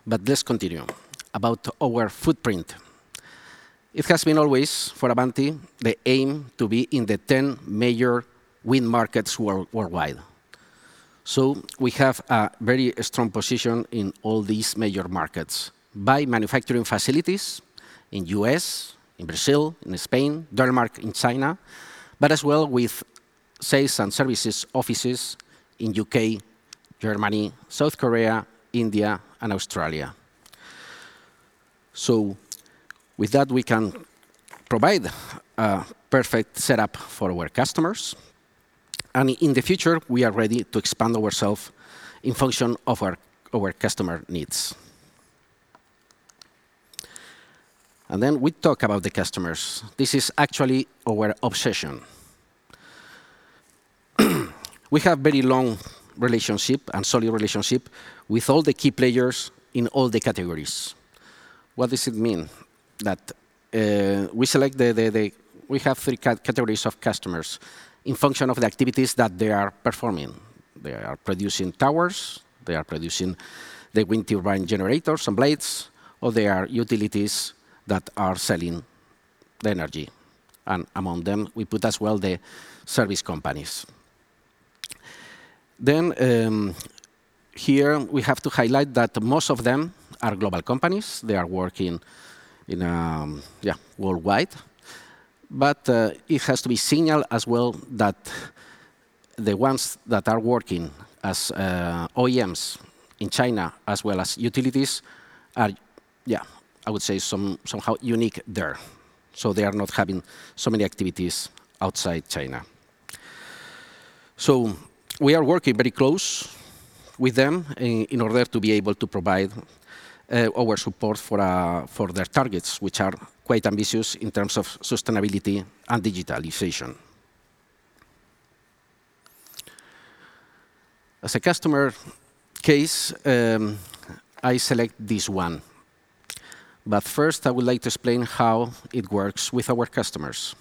Let's continue. About our footprint. It has been always, for Avanti, the aim to be in the 10 major wind markets worldwide. We have a very strong position in all these major markets by manufacturing facilities in U.S., in Brazil, in Spain, Denmark, in China, but as well with sales and services offices in U.K., Germany, South Korea, India and Australia. With that, we can provide a perfect setup for our customers. In the future, we are ready to expand ourselves in function of our customer needs. We talk about the customers. This is actually our obsession. We have very long relationship and solid relationship with all the key players in all the categories. What does it mean? We have three categories of customers in function of the activities that they are performing. They are producing towers, they are producing the wind turbine generators and blades, or they are utilities that are selling the energy. Among them, we put as well the service companies. Here we have to highlight that most of them are global companies. They are working worldwide. It has to be signaled as well that the ones that are working as OEMs in China as well as utilities, I would say somehow unique there. They are not having so many activities outside China. We are working very close with them in order to be able to provide our support for their targets, which are quite ambitious in terms of sustainability and digitalization. As a customer case, I select this one. First, I would like to explain how it works with our customers.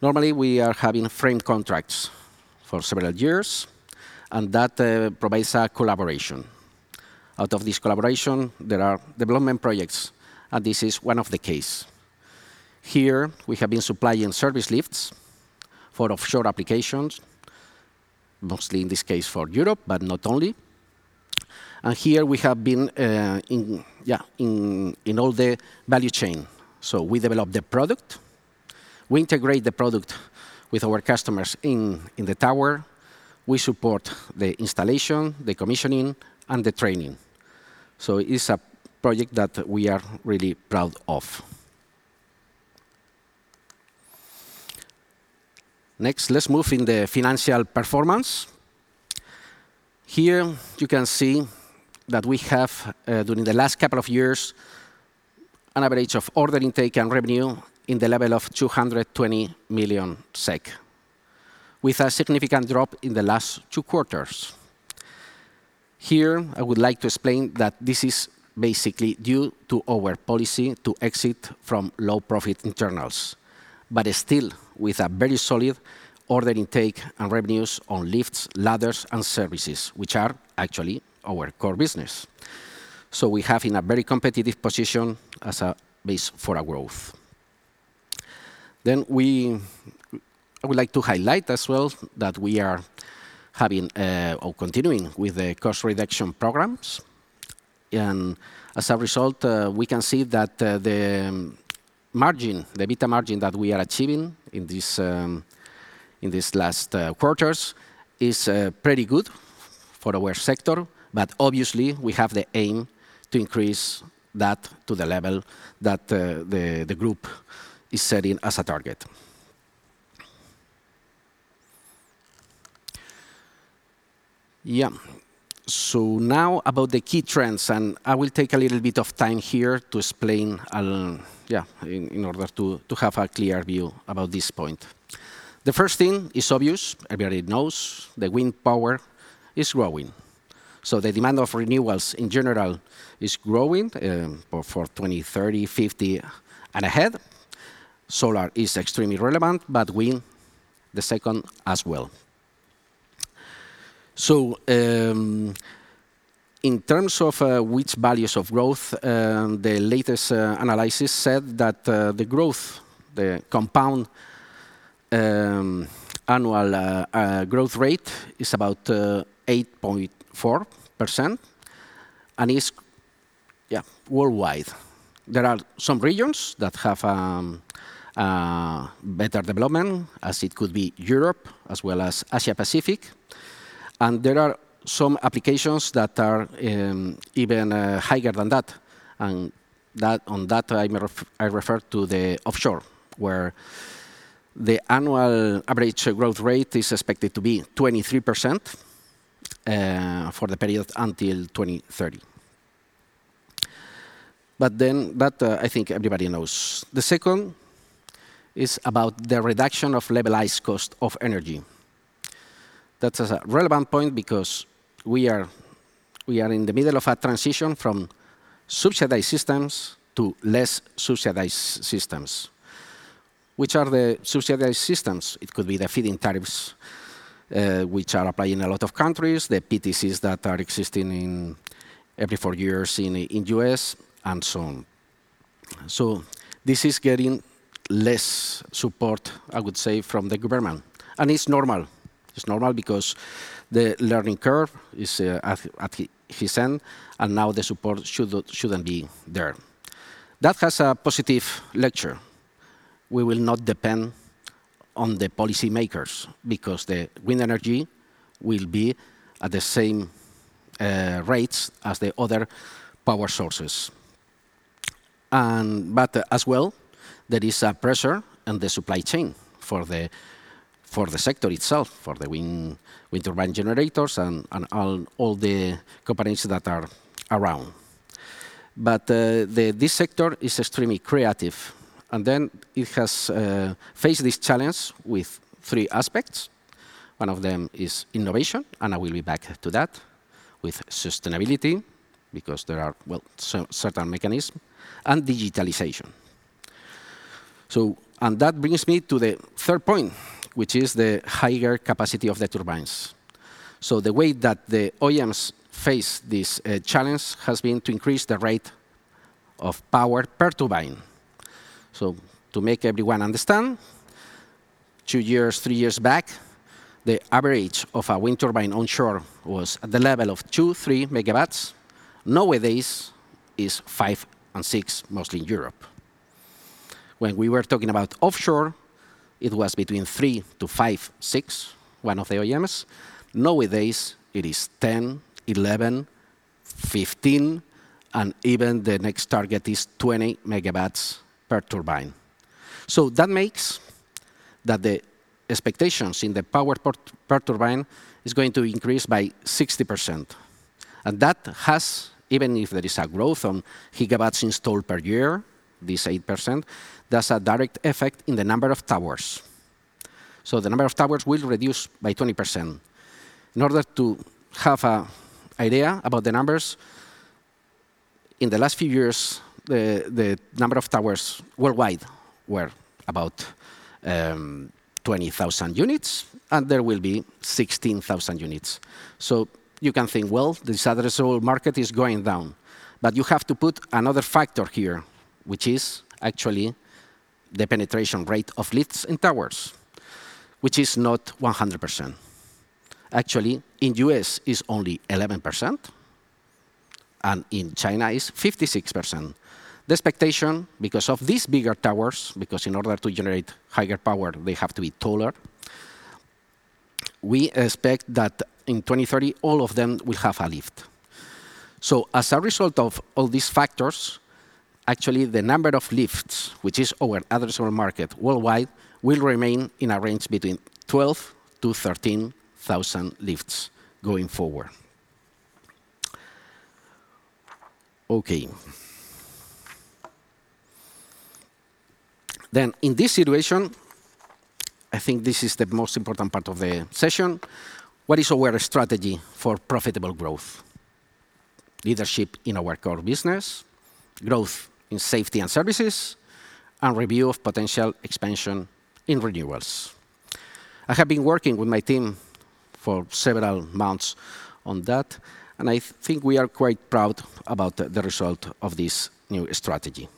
Normally, we are having frame contracts for several years, and that provides a collaboration. Out of this collaboration, there are development projects, and this is one of the case. Here we have been supplying service lifts for offshore applications, mostly in this case for Europe, but not only. Here we have been in all the value chain. We develop the product, we integrate the product with our customers in the tower. We support the installation, the commissioning, and the training. It's a project that we are really proud of. Next, let's move in the financial performance. Here you can see that we have, during the last couple of years, an average of order intake and revenue in the level of 220 million SEK, with a significant drop in the last two quarters. Here I would like to explain that this is basically due to our policy to exit from low-profit internals, but still with a very solid order intake and revenues on lifts, ladders, and services, which are actually our core business. We have a very competitive position as a base for our growth. I would like to highlight as well that we are continuing with the cost reduction programs. As a result, we can see that the EBITDA margin that we are achieving in these last quarters is pretty good for our sector. Obviously we have the aim to increase that to the level that the group is setting as a target. Now about the key trends, I will take a little bit of time here to explain in order to have a clear view about this point. The first thing is obvious. Everybody knows the wind power is growing, the demand for renewables in general is growing for 2030, 2050 and ahead. Solar is extremely relevant, but wind the second as well. In terms of which values of growth, the latest analysis said that the compound annual growth rate is about 8.4%, and it's worldwide. There are some regions that have better development, as it could be Europe as well as Asia-Pacific. There are some applications that are even higher than that. On that, I refer to the offshore, where the annual average growth rate is expected to be 23% for the period until 2030. That I think everybody knows. The second is about the reduction of levelized cost of energy. That's a relevant point because we are in the middle of a transition from subsidized systems to less subsidized systems. Which are the subsidized systems? It could be the feed-in tariffs, which are applied in a lot of countries, the PTCs that are existing every four years in U.S., and so on. This is getting less support, I would say, from the government. It's normal. It's normal because the learning curve is at its end, and now the support shouldn't be there. That has a positive lecture. We will not depend on the policymakers, because the wind energy will be at the same rates as the other power sources. As well, there is a pressure on the supply chain for the sector itself, for the wind turbine generators and all the companies that are around. This sector is extremely creative. It has faced this challenge with three aspects. One of them is innovation, and I will be back to that, with sustainability, because there are certain mechanisms, and digitalization. That brings me to the third point, which is the higher capacity of the turbines. The way that the OEMs face this challenge has been to increase the rate of power per turbine. To make everyone understand, two years, three years back, the average of a wind turbine onshore was at the level of 2 MW, 3 MW. Nowadays, it's 5 MW and 6 MW, mostly in Europe. When we were talking about offshore, it was between 3 MW-5 MW, 6MW, one of the OEMs. Nowadays, it is 10 MW, 11 MW, 15 MW, and even the next target is 20 MW per turbine. That makes that the expectations in the power per turbine is going to increase by 60%. That has, even if there is a growth on gigawatts installed per year, this 8%, that's a direct effect in the number of towers. The number of towers will reduce by 20%. In order to have an idea about the numbers, in the last few years, the number of towers worldwide were about 20,000 units, and there will be 16,000 units. You can think, well, this addressable market is going down. You have to put another factor here, which is actually the penetration rate of lifts and towers, which is not 100%. Actually, in the U.S., it's only 11%, and in China, it's 56%. The expectation, because of these bigger towers, because in order to generate higher power, they have to be taller, we expect that in 2030, all of them will have a lift. As a result of all these factors, actually, the number of lifts, which is our addressable market worldwide, will remain in a range between 12,000-13,000 lifts going forward. Okay. In this situation, I think this is the most important part of the session. What is our strategy for profitable growth? Leadership in our core business, growth in safety and services, and review of potential expansion in renewables. I have been working with my team for several months on that, and I think we are quite proud about the result of this new strategy.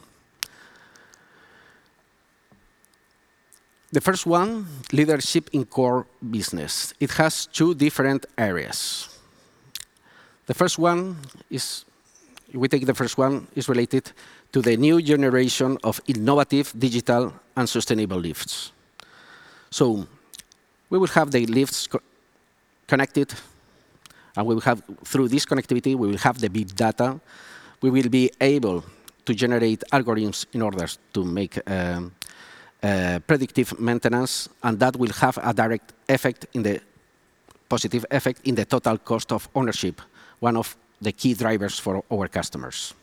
The first one, leadership in core business. It has two different areas. We take the first one is related to the new generation of innovative, digital, and sustainable lifts. We will have the lifts connected, and through this connectivity, we will have the big data. We will be able to generate algorithms in order to make predictive maintenance, and that will have a direct positive effect in the total cost of ownership, one of the key drivers for our customers.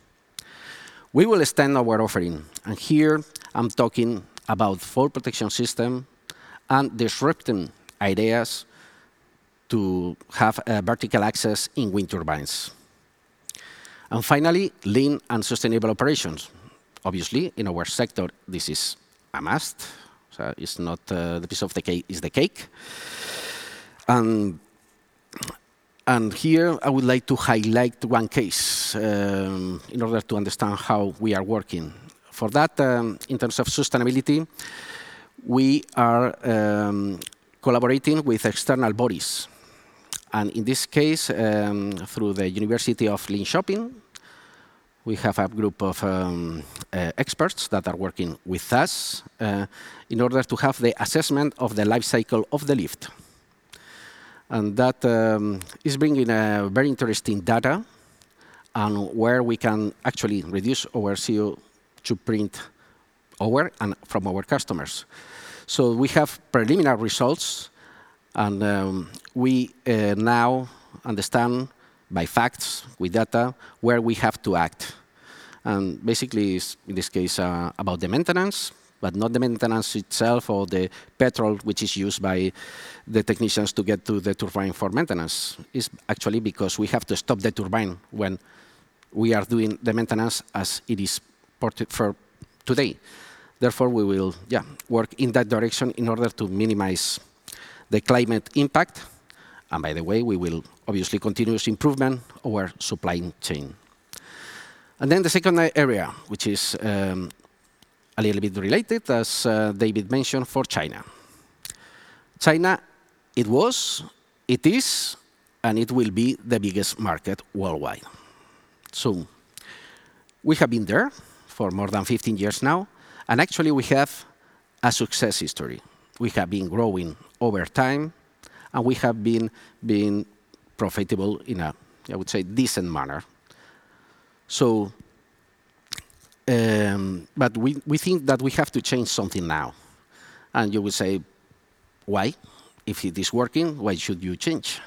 We will extend our offering, and here I'm talking about fall protection system and disrupting ideas to have vertical access in wind turbines. Finally, lean and sustainable operations. Obviously, in our sector, this is a must. It's not the piece of the cake, it's the cake. Here I would like to highlight one case in order to understand how we are working. For that, in terms of sustainability, we are collaborating with external bodies, and in this case, through Linköping University, we have a group of experts that are working with us in order to have the assessment of the life cycle of the lift. That is bringing very interesting data on where we can actually reduce our CO2 footprint, our and from our customers. We have preliminary results, and we now understand by facts, with data, where we have to act. Basically, in this case, about the maintenance, but not the maintenance itself or the petrol, which is used by the technicians to get to the turbine for maintenance. It is actually because we have to stop the turbine when we are doing the maintenance as it is supported for today. Therefore, we will, yeah, work in that direction in order to minimize the climate impact. By the way, we will obviously continuous improvement our supply chain. The second area, which is a little bit related, as David mentioned, for China. China, it was, it is, and it will be the biggest market worldwide. We have been there for more than 15 years now, and actually we have a success history. We have been growing over time, and we have been profitable in a, I would say, decent manner. We think that we have to change something now. You will say, why. If it is working, why should you change.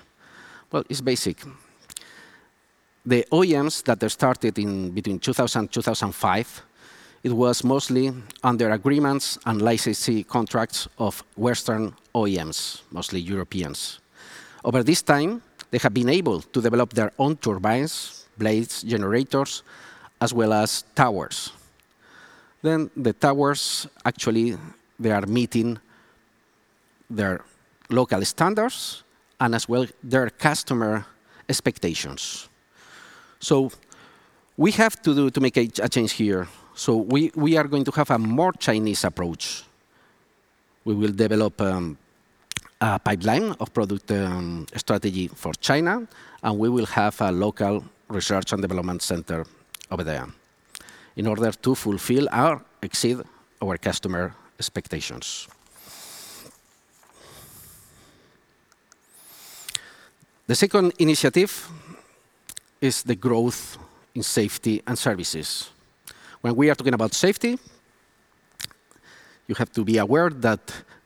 Well, it's basic. The OEMs that started between 2000 and 2005, it was mostly under agreements and licensee contracts of Western OEMs, mostly Europeans. Over this time, they have been able to develop their own turbines, blades, generators, as well as towers. The towers, actually, they are meeting their local standards and as well their customer expectations. We have to make a change here. We are going to have a more Chinese approach. We will develop a pipeline of product strategy for China, and we will have a local research and development center over there in order to fulfill or exceed our customer expectations. The second initiative is the growth in safety and services. We are talking about safety, you have to be aware that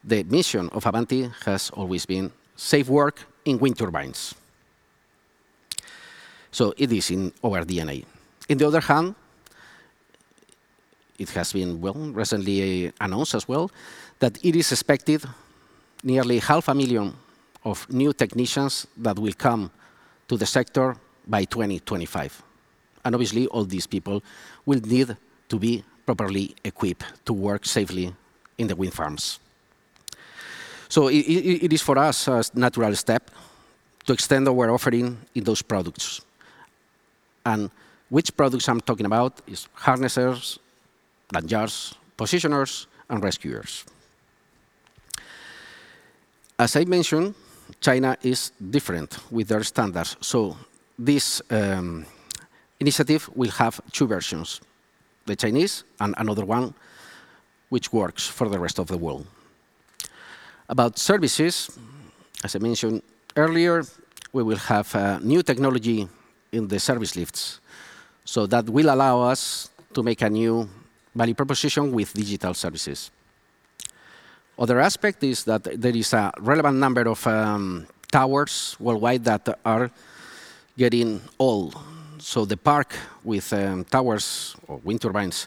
the mission of Avanti has always been safe work in wind turbines. It is in our DNA. On the other hand, it has been, well, recently announced as well, that it is expected nearly half a million of new technicians that will come to the sector by 2025. Obviously, all these people will need to be properly equipped to work safely in the wind farms. It is for us a natural step to extend our offering in those products. Which products I'm talking about is harnesses, lanyards, positioners, and rescuers. As I mentioned, China is different with their standards. This initiative will have two versions, the Chinese and another one, which works for the rest of the world. About services, as I mentioned earlier, we will have a new technology in the service lifts. That will allow us to make a new value proposition with digital services. Other aspect is that there is a relevant number of towers worldwide that are getting old. The park with towers or wind turbines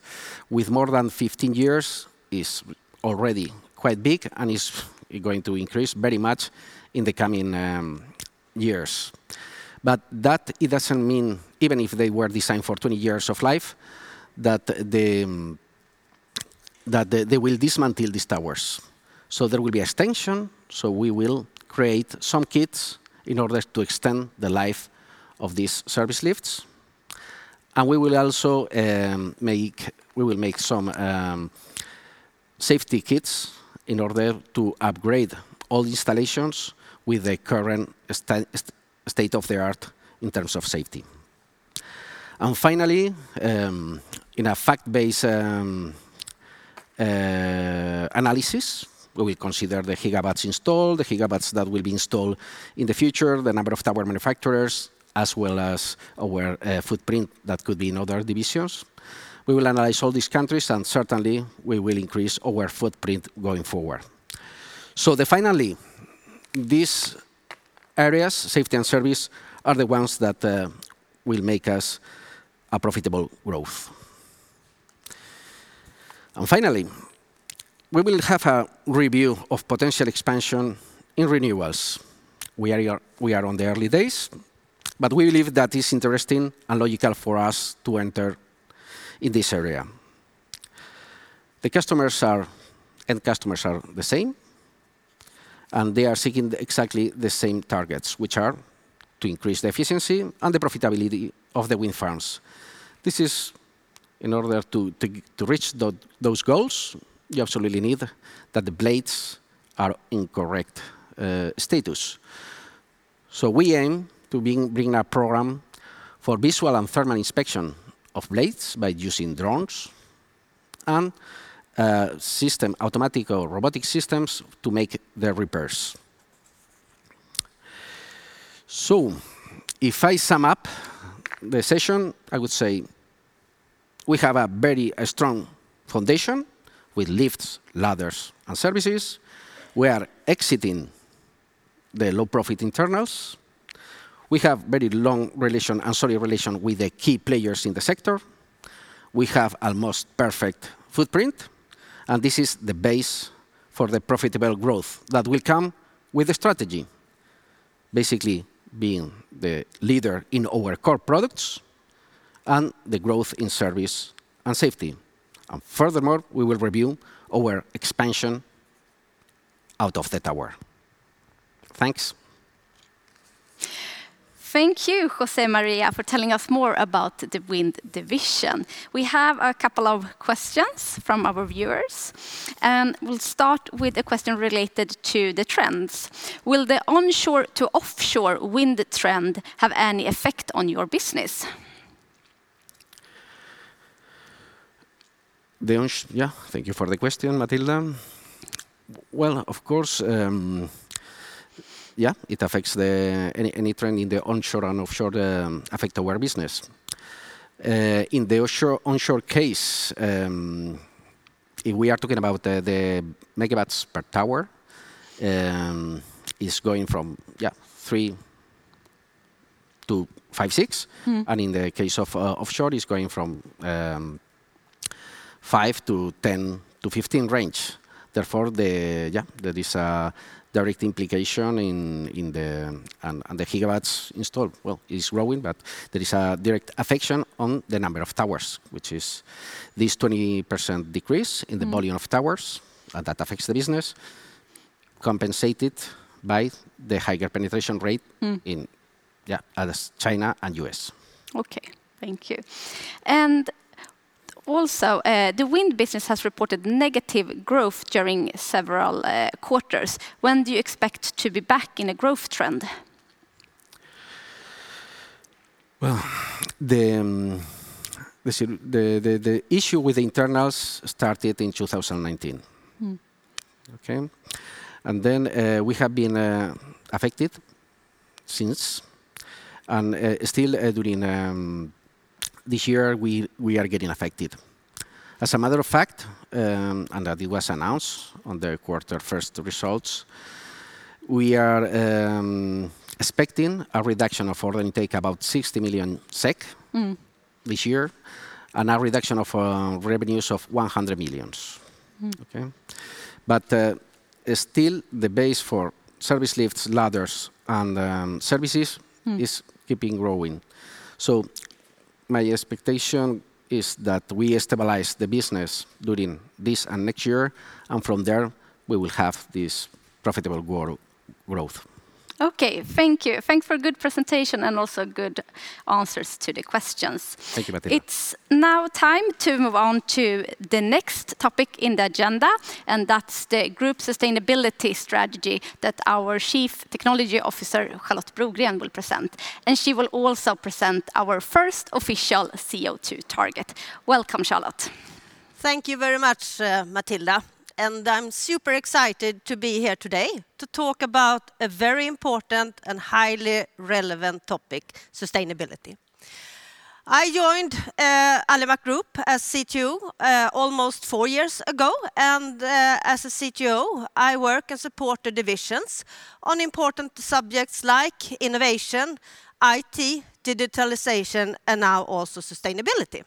with more than 15 years is already quite big and is going to increase very much in the coming years. That it doesn't mean, even if they were designed for 20 years of life, that they will dismantle these towers. There will be extension. We will create some kits in order to extend the life of these service lifts. We will also make some safety kits in order to upgrade all installations with the current state-of-the-art in terms of safety. Finally, in a fact-based analysis, we consider the gigawatts installed, the gigawatts that will be installed in the future, the number of tower manufacturers, as well as our footprint that could be in other divisions. We will analyze all these countries, and certainly, we will increase our footprint going forward. These areas, safety and service, are the ones that will make us a profitable growth. Finally, we will have a review of potential expansion in renewables. We are in the early days, but we believe that it's interesting and logical for us to enter in this area. End customers are the same, and they are seeking exactly the same targets, which are to increase the efficiency and the profitability of the wind farms. In order to reach those goals, we absolutely need that the blades are in correct status. We aim to bring a program for visual and thermal inspection of blades by using drones and automatic or robotic systems to make the repairs. If I sum up the session, I would say we have a very strong foundation with lifts, ladders, and services. We are exiting the low-profit internals. We have very long and solid relations with the key players in the sector. We have an almost perfect footprint, and this is the base for the profitable growth that will come with the strategy. Basically, being the leader in our core products and the growth in service and safety. Furthermore, we will review our expansion out of the tower. Thanks. Thank you, José María, for telling us more about the wind division. We have a couple of questions from our viewers. We'll start with a question related to the trends. Will the onshore to offshore wind trend have any effect on your business? Yeah, thank you for the question, Matilda. Well, of course. Yeah, any trend in the onshore and offshore affect our business. In the onshore case, we are talking about the megawatts per tower is going from 3 MW to 5 MW, 6 MW. In the case of offshore, it's going from 5 MW-10 MW-5 MW range. Therefore, there is a direct implication. The kilowatts installed is growing, but there is a direct effect on the number of towers, which is this 20% decrease in the volume of towers. That affects the business, compensated by the higher penetration rate in, yeah, that is China and U.S. Okay. Thank you. Also, the wind business has reported negative growth during several quarters. When do you expect to be back in a growth trend? The issue with internals started in 2019. Okay. We have been affected since, and still during this year, we are getting affected. As a matter of fact, that it was announced on the first quarter results, we are expecting a reduction of order intake about 60 million SEK this year, and a reduction of revenues of 100 million. Okay? Still, the base for service lifts, ladders, and services is keeping growing. My expectation is that we stabilize the business during this and next year, and from there, we will have this profitable growth. Okay. Thank you. Thanks for the good presentation and also good answers to the questions. Thank you, Matilda. It's now time to move on to the next topic in the agenda. That's the group sustainability strategy that our Chief Technology Officer, Charlotte Brogren, will present. She will also present our first official CO2 target. Welcome, Charlotte. Thank you very much, Matilda. I'm super excited to be here today to talk about a very important and highly relevant topic, sustainability. I joined Alimak Group as CTO almost four years ago, and as a CTO, I work and support the divisions on important subjects like innovation, IT, digitalization, and now also sustainability.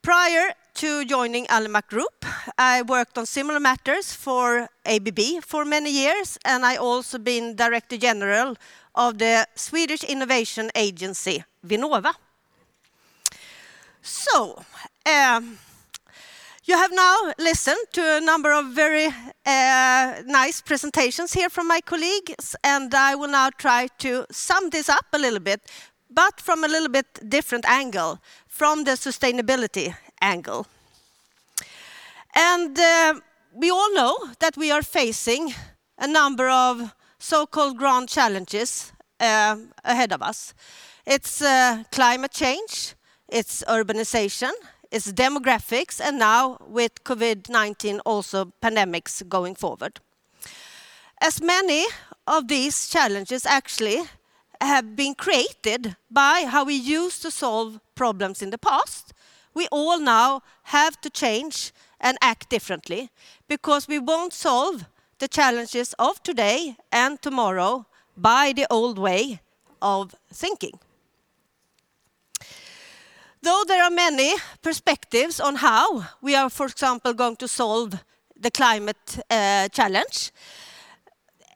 Prior to joining Alimak Group, I worked on similar matters for ABB for many years, and I've also been director general of the Swedish Innovation Agency, Vinnova. You have now listened to a number of very nice presentations here from my colleagues, and I will now try to sum this up a little bit, but from a little bit different angle, from the sustainability angle. We all know that we are facing a number of so-called grand challenges ahead of us. It's climate change, it's urbanization, it's demographics, and now with COVID-19, also pandemics going forward. As many of these challenges actually have been created by how we used to solve problems in the past, we all now have to change and act differently, because we won't solve the challenges of today and tomorrow by the old way of thinking. Though there are many perspectives on how we are, for example, going to solve the climate challenge,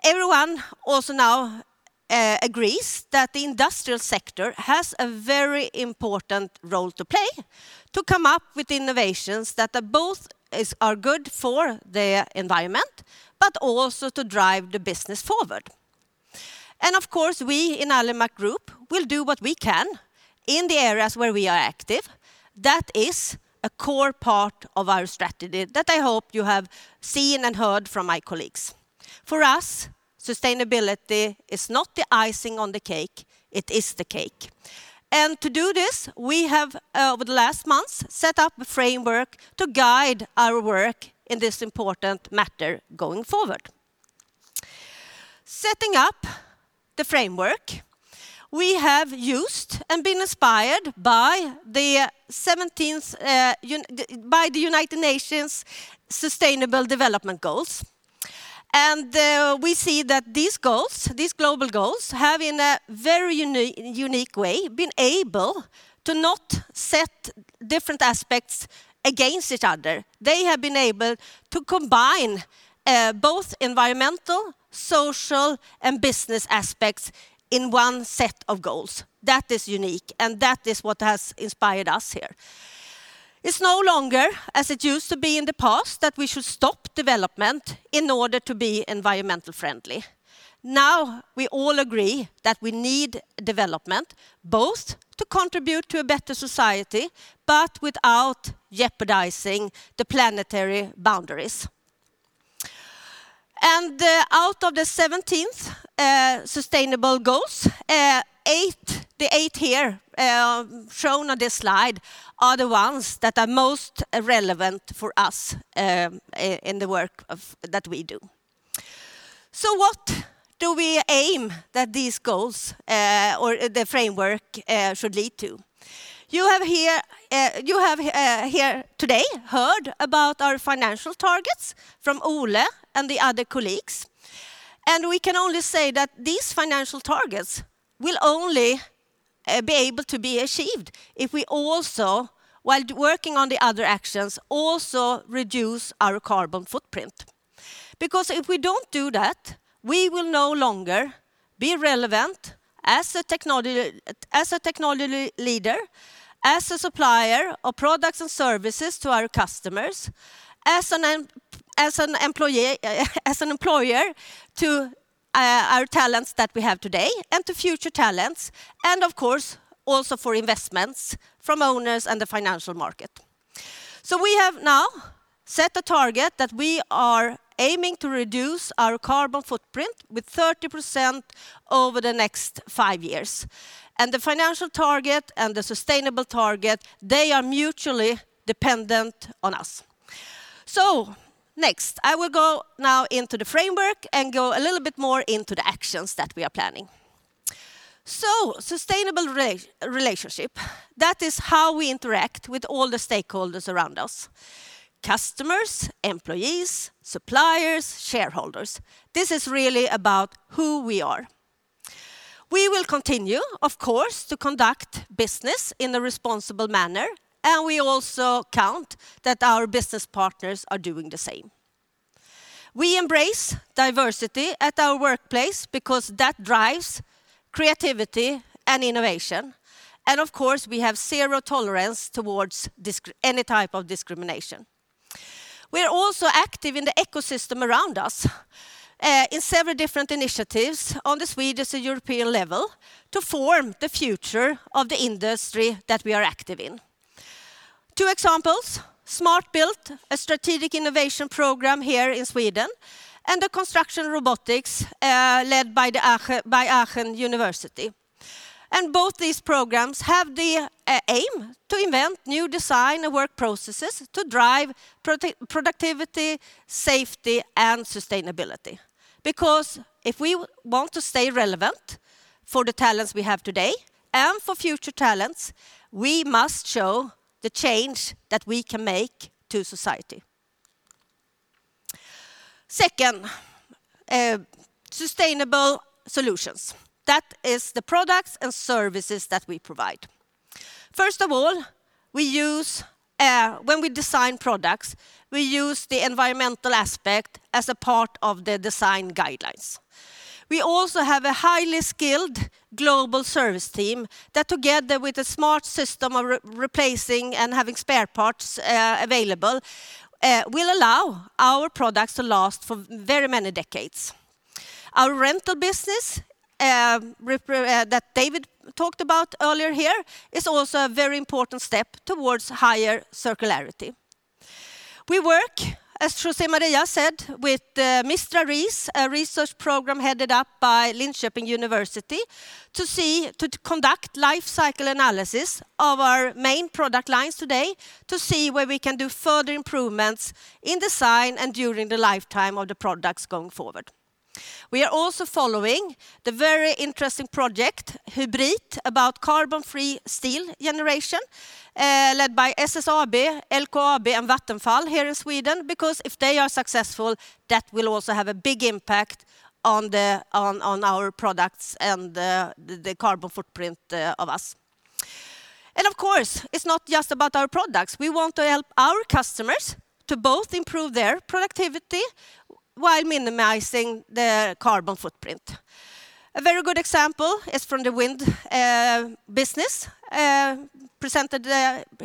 everyone also now agrees that the industrial sector has a very important role to play to come up with innovations that both are good for the environment but also to drive the business forward. Of course, we in Alimak Group will do what we can in the areas where we are active. That is a core part of our strategy that I hope you have seen and heard from my colleagues. For us, sustainability is not the icing on the cake, it is the cake. To do this, we have over the last months set up a framework to guide our work in this important matter going forward. Setting up the framework, we have used and been inspired by the United Nations Sustainable Development Goals. We see that these global goals have in a very unique way been able to not set different aspects against each other. They have been able to combine both environmental, social, and business aspects in one set of goals. That is unique and that is what has inspired us here. It's no longer, as it used to be in the past, that we should stop development in order to be environmental friendly. Now we all agree that we need development both to contribute to a better society, but without jeopardizing the planetary boundaries. Out of the 17 sustainable goals the eight here shown on this slide are the ones that are most relevant for us in the work that we do. What do we aim that the framework should lead to? You have here today heard about our financial targets from Ole and the other colleagues, and we can only say that these financial targets will only be able to be achieved if we also, while working on the other actions, also reduce our carbon footprint. If we don't do that, we will no longer be relevant as a technology leader, as a supplier of products and services to our customers, as an employer to our talents that we have today and to future talents, and of course, also for investments from owners and the financial market. We have now set a target that we are aiming to reduce our carbon footprint with 30% over the next five years. The financial target and the sustainable target, they are mutually dependent on us. Next, I will go now into the framework and go a little bit more into the actions that we are planning. Sustainable relationship. That is how we interact with all the stakeholders around us, customers, employees, suppliers, shareholders. This is really about who we are. We will continue, of course, to conduct business in a responsible manner, and we also count that our business partners are doing the same. We embrace diversity at our workplace because that drives creativity and innovation, and of course, we have zero tolerance towards any type of discrimination. We are also active in the ecosystem around us in several different initiatives on the Swedish and European level to form the future of the industry that we are active in. Two examples, Smart Built Environment, a strategic innovation program here in Sweden, the Center Construction Robotics, led by Aachen University. Both these programs have the aim to invent new design and work processes to drive productivity, safety, and sustainability because if we want to stay relevant for the talents we have today and for future talents, we must show the change that we can make to society. Second, sustainable solutions. That is the products and services that we provide. First of all, when we design products, we use the environmental aspect as a part of the design guidelines. We also have a highly skilled global service team that, together with a smart system of replacing and having spare parts available, will allow our products to last for very many decades. Our rental business, that David talked about earlier here, is also a very important step towards higher circularity. We work, as José María said, with Mistra REES, a research program headed up by Linköping University to conduct life cycle analysis of our main product lines today to see where we can do further improvements in design and during the lifetime of the products going forward. We are also following the very interesting project, HYBRIT, about carbon-free steel generation, led by SSAB, LKAB, and Vattenfall here in Sweden, because if they are successful, that will also have a big impact on our products and the carbon footprint of us. Of course, it's not just about our products. We want to help our customers to both improve their productivity while minimizing their carbon footprint. A very good example is from the wind business, presented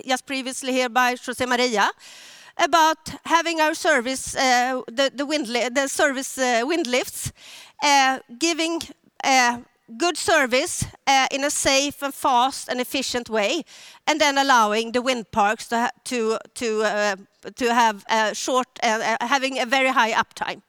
just previously here by José María, about having our service, the service wind lifts, giving good service in a safe and fast and efficient way, and then allowing the wind parks to having a very high uptime.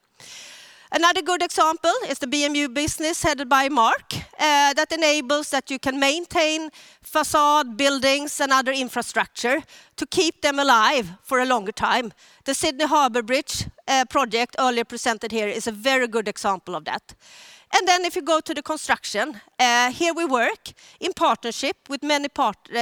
Another good example is the BMU business headed by Mark, that enables that you can maintain facade, buildings, and other infrastructure to keep them alive for a longer time. The Sydney Harbour Bridge project earlier presented here is a very good example of that. If you go to the construction, here we work in partnership with many partners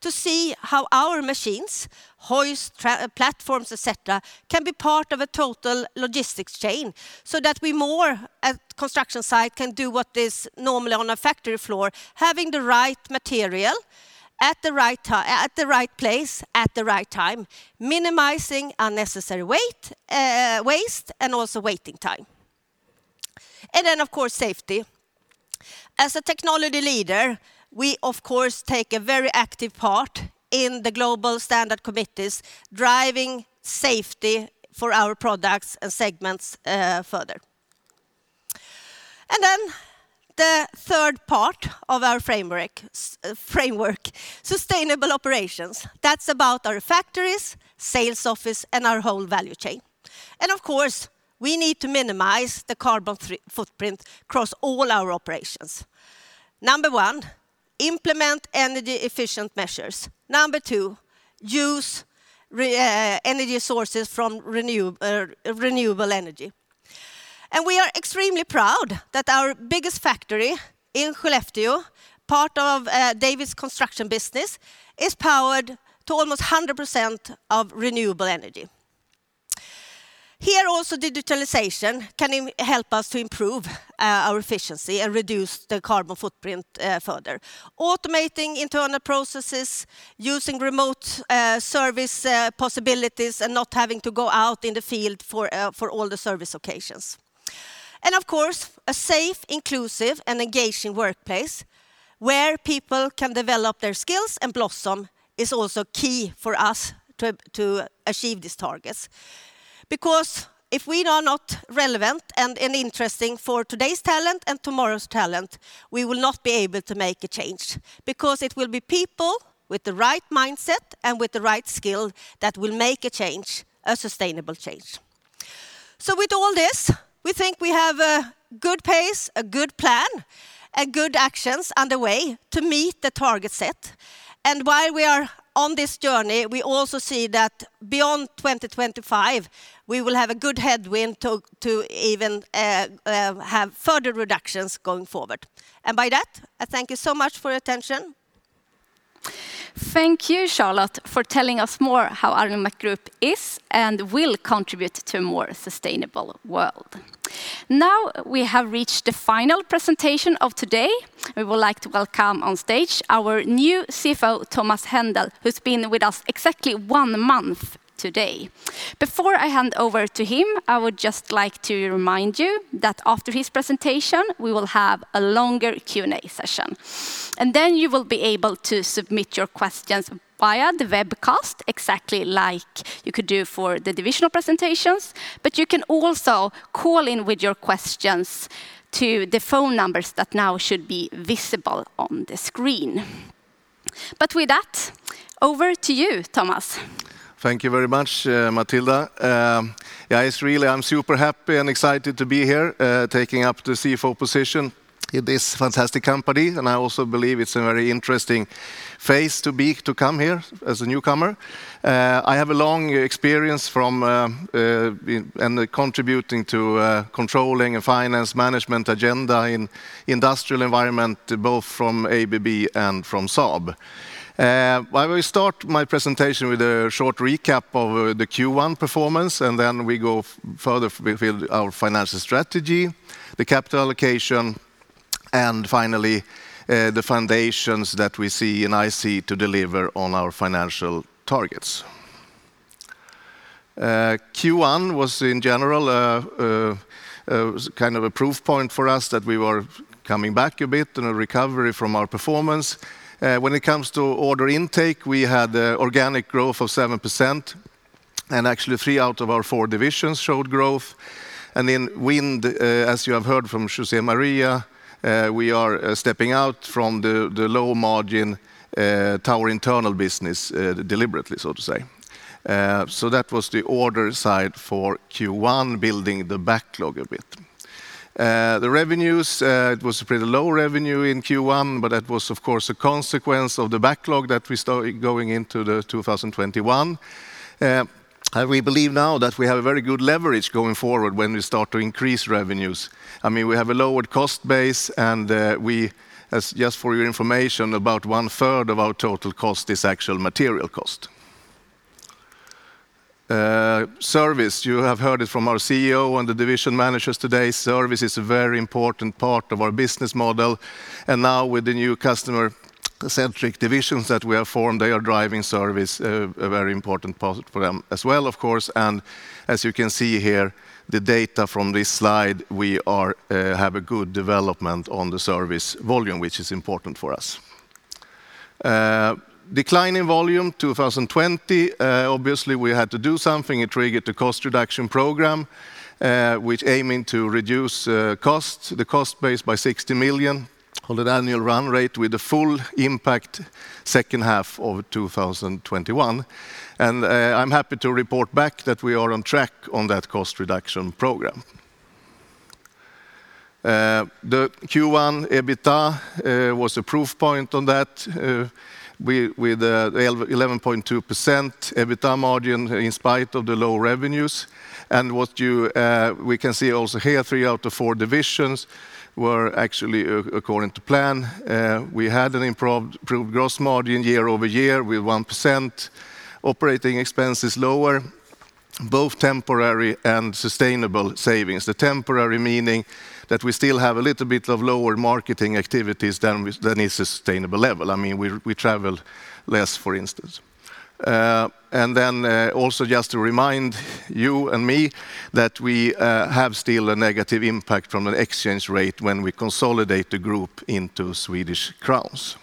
to see how our machines, hoists, platforms, et cetera, can be part of a total logistics chain so that we more at construction site can do what is normally on a factory floor, having the right material at the right place at the right time, minimizing unnecessary waste and also waiting time. Of course, safety. As a technology leader, we of course take a very active part in the global standard committees, driving safety for our products and segments further. The third part of our framework, sustainable operations. That's about our factories, sales office, and our whole value chain. Of course, we need to minimize the carbon footprint across all our operations. Number one, implement energy efficient measures. Number two, use energy sources from renewable energy. We are extremely proud that our biggest factory in Skellefteå, part of David's Construction business, is powered to almost 100% of renewable energy. Here, also, digitalization can help us to improve our efficiency and reduce the carbon footprint further, automating internal processes, using remote service possibilities and not having to go out in the field for all the service occasions. Of course, a safe, inclusive, and engaging workplace where people can develop their skills and blossom is also key for us to achieve these targets. If we are not relevant and interesting for today's talent and tomorrow's talent, we will not be able to make a change, because it will be people with the right mindset and with the right skill that will make a change, a sustainable change. With all this, we think we have a good pace, a good plan, and good actions underway to meet the target set. While we are on this journey, we also see that beyond 2025, we will have a good headwind to even have further reductions going forward. By that, I thank you so much for your attention. Thank you, Charlotte, for telling us more how Alimak Group is and will contribute to a more sustainable world. Now we have reached the final presentation of today. We would like to welcome on stage our new CFO, Thomas Hendel, who's been with us exactly one month today. Before I hand over to him, I would just like to remind you that after his presentation, we will have a longer Q&A session. Then you will be able to submit your questions via the webcast, exactly like you could do for the divisional presentations. You can also call in with your questions to the phone numbers that now should be visible on the screen. With that, over to you, Thomas. Thank you very much, Matilda. I am super happy and excited to be here, taking up the CFO position in this fantastic company. I also believe it is a very interesting phase to come here as a newcomer. I have a long experience from, and contributing to, controlling a finance management agenda in industrial environment, both from ABB and from Saab. I will start my presentation with a short recap of the Q1 performance, and then we go further with our financial strategy, the capital allocation, and finally, the foundations that we see, and I see to deliver on our financial targets. Q1 was in general, kind of a proof point for us that we were coming back a bit in a recovery from our performance. When it comes to order intake, we had organic growth of 7%, and actually three out of our four divisions showed growth. In wind, as you have heard from José María, we are stepping out from the low-margin tower internal business, deliberately, so to say. That was the order side for Q1, building the backlog a bit. The revenues, it was a pretty low revenue in Q1, but that was of course a consequence of the backlog that we started going into 2021. We believe now that we have a very good leverage going forward when we start to increase revenues. We have a lowered cost base and, just for your information, about 1/3 of our total cost is actual material cost. Service, you have heard it from our CEO and the division managers today, service is a very important part of our business model. Now with the new customer-centric divisions that we have formed, they are driving service, a very important part for them as well, of course. As you can see here, the data from this slide, we have a good development on the service volume, which is important for us. Decline in volume 2020. Obviously, we had to do something. It triggered the cost reduction program, with aiming to reduce the cost base by 60 million on an annual run rate with the full impact second half of 2021. I'm happy to report back that we are on track on that cost reduction program. The Q1 EBITDA was a proof point on that, with 11.2% EBITDA margin in spite of the low revenues. What we can see also here, three out of four divisions were actually according to plan. We had an improved gross margin year-over-year with 1% operating expenses lower, both temporary and sustainable savings. The temporary meaning that we still have a little bit of lower marketing activities than a sustainable level. We traveled less, for instance. Also just to remind you and me that we have still a negative impact from an exchange rate when we consolidate the group into Swedish kronas.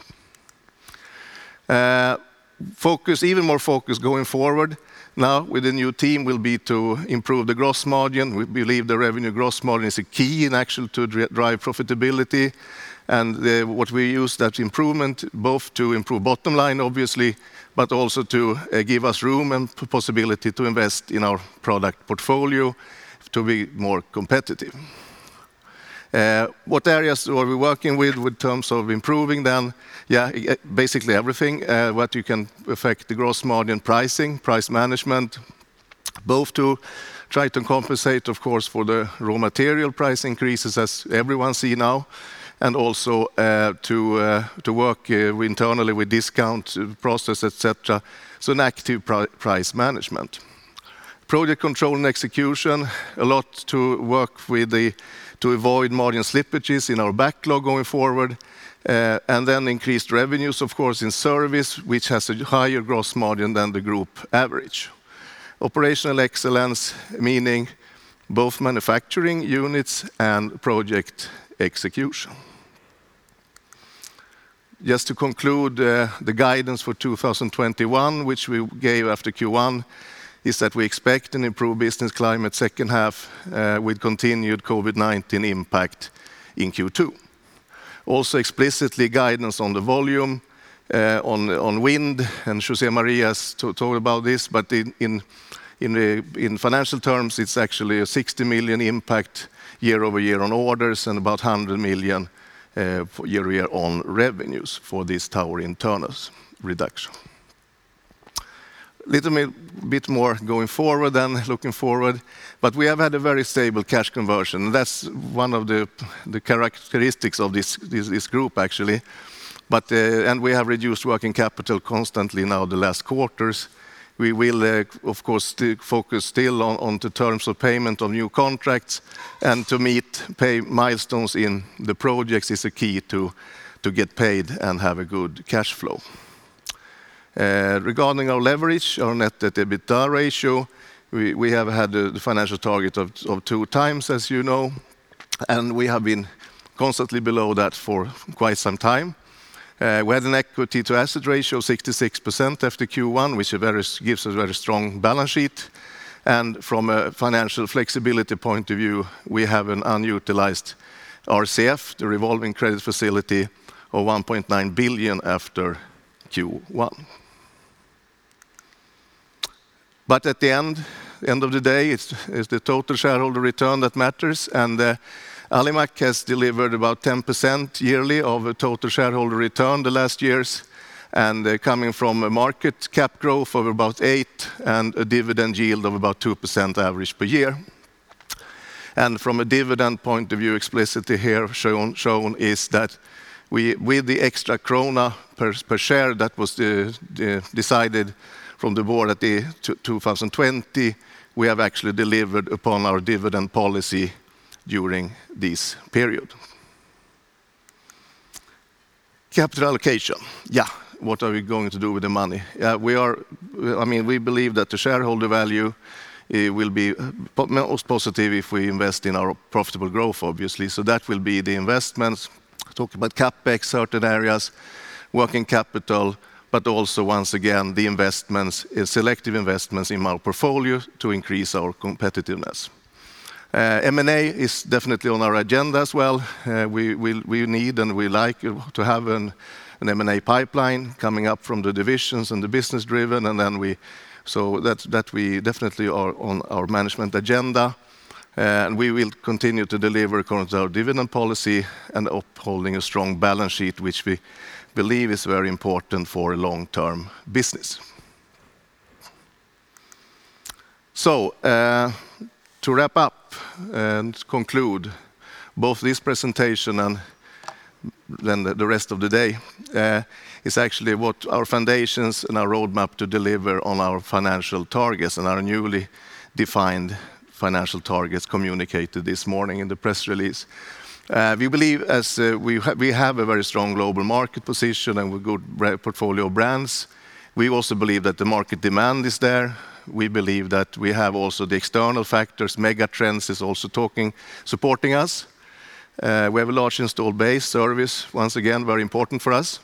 Even more focus going forward now with the new team will be to improve the gross margin. We believe the revenue gross margin is a key in actual to drive profitability. What we use that improvement both to improve bottom line, obviously, but also to give us room and possibility to invest in our product portfolio to be more competitive. What areas are we working with in terms of improving them? Yeah, basically everything. What you can affect the gross margin pricing, price management, both to try to compensate, of course, for the raw material price increases as everyone see now, and also to work internally with discount process, et cetera. An active price management. Project control and execution, a lot to work with to avoid margin slippages in our backlog going forward. Increased revenues, of course, in service, which has a higher gross margin than the group average. Operational excellence, meaning both manufacturing units and project execution. Just to conclude, the guidance for 2021, which we gave after Q1, is that we expect an improved business climate second half with continued COVID-19 impact in Q2. Explicitly guidance on the volume, on wind, and José María's talk about this, but in financial terms, it's actually a 60 million impact year-over-year on orders and about 100 million year-over-year on revenues for this tower internals reduction. Little bit more going forward than looking forward, we have had a very stable cash conversion. That's one of the characteristics of this group, actually. We have reduced working capital constantly now the last quarters. We will, of course, focus still on the terms of payment on new contracts and to meet pay milestones in the projects is a key to get paid and have a good cash flow. Regarding our leverage, our net debt to EBITDA ratio, we have had the financial target of 2x, as you know, we have been constantly below that for quite some time. We had an equity to asset ratio of 66% after Q1, which gives us a very strong balance sheet. From a financial flexibility point of view, we have an unutilized RCF, the revolving credit facility, of 1.9 billion after Q1. At the end of the day, it's the total shareholder return that matters, and Alimak has delivered about 10% yearly of a total shareholder return the last years, and coming from a market cap growth of about 8% and a dividend yield of about 2% average per year. From a dividend point of view, explicitly here shown is that with the extra SEK per share that was decided from the board at the 2020, we have actually delivered upon our dividend policy during this period. Capital allocation. What are we going to do with the money? We believe that the shareholder value will be most positive if we invest in our profitable growth, obviously. That will be the investments. Talk about CapEx, certain areas, working capital, but also, once again, the investments, selective investments in our portfolio to increase our competitiveness. M&A is definitely on our agenda as well. We need, and we like to have an M&A pipeline coming up from the divisions and the business-driven. That definitely are on our management agenda. We will continue to deliver according to our dividend policy and upholding a strong balance sheet, which we believe is very important for a long-term business. To wrap up and conclude both this presentation and then the rest of the day, is actually what our foundations and our roadmap to deliver on our financial targets and our newly defined financial targets communicated this morning in the press release. We believe we have a very strong global market position and good portfolio of brands. We believe that the market demand is there. We believe that we have the external factors, megatrends is also supporting us. We have a large installed base service, once again, very important for us.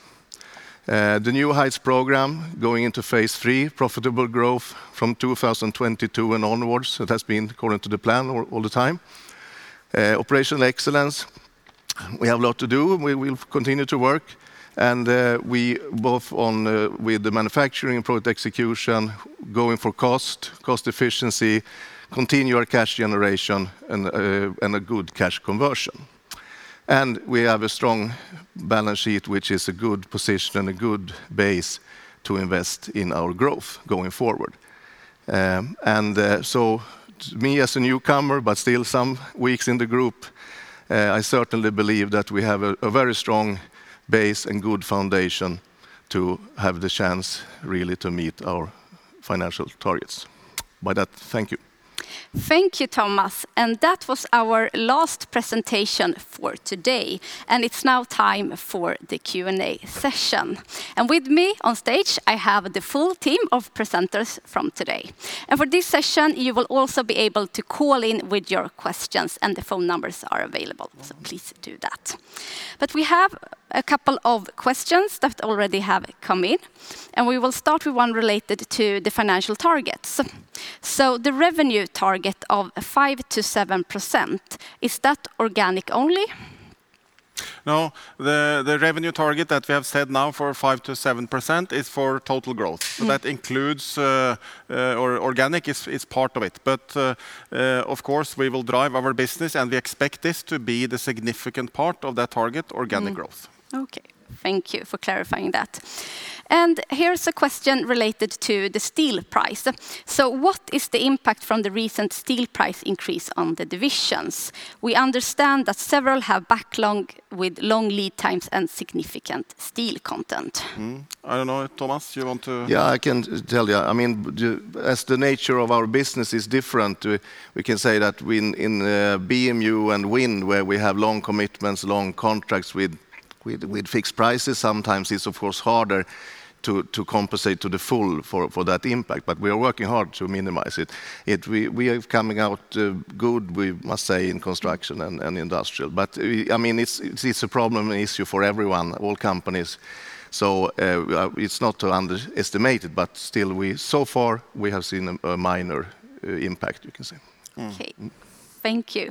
The New Heights program, going into phase III, profitable growth from 2022 and onwards. It has been according to the plan all the time. Operational excellence, we have a lot to do, we will continue to work. Both with the manufacturing product execution, going for cost efficiency, continue our cash generation, a good cash conversion. We have a strong balance sheet, which is a good position and a good base to invest in our growth going forward. Me as a newcomer, but still some weeks in the Alimak Group, I certainly believe that we have a very strong base and good foundation to have the chance really to meet our financial targets. With that, thank you. Thank you, Thomas. That was our last presentation for today. It's now time for the Q&A session. With me on stage, I have the full team of presenters from today. For this session, you will also be able to call in with your questions. The phone numbers are available, please do that. We have a couple of questions that already have come in. We will start with one related to the financial targets. The revenue target of 5%-7%, is that organic only? The revenue target that we have set now for 5%-7% is for total growth. Organic is part of it, but, of course, we will drive our business, and we expect this to be the significant part of that target, organic growth. Okay. Thank you for clarifying that. Here's a question related to the steel price. What is the impact from the recent steel price increase on the divisions? We understand that several have backlog with long lead times and significant steel content. I don't know. Thomas, you want to? Yeah, I can tell you. As the nature of our business is different, we can say that in BMU and Wind, where we have long commitments, long contracts with fixed prices, sometimes it's of course harder to compensate to the full for that impact, but we are working hard to minimize it. We are coming out good, we must say, in Construction and Industrial. It's a problem issue for everyone, all companies. It's not to underestimate it, but still so far we have seen a minor impact, you can say. Okay. Thank you.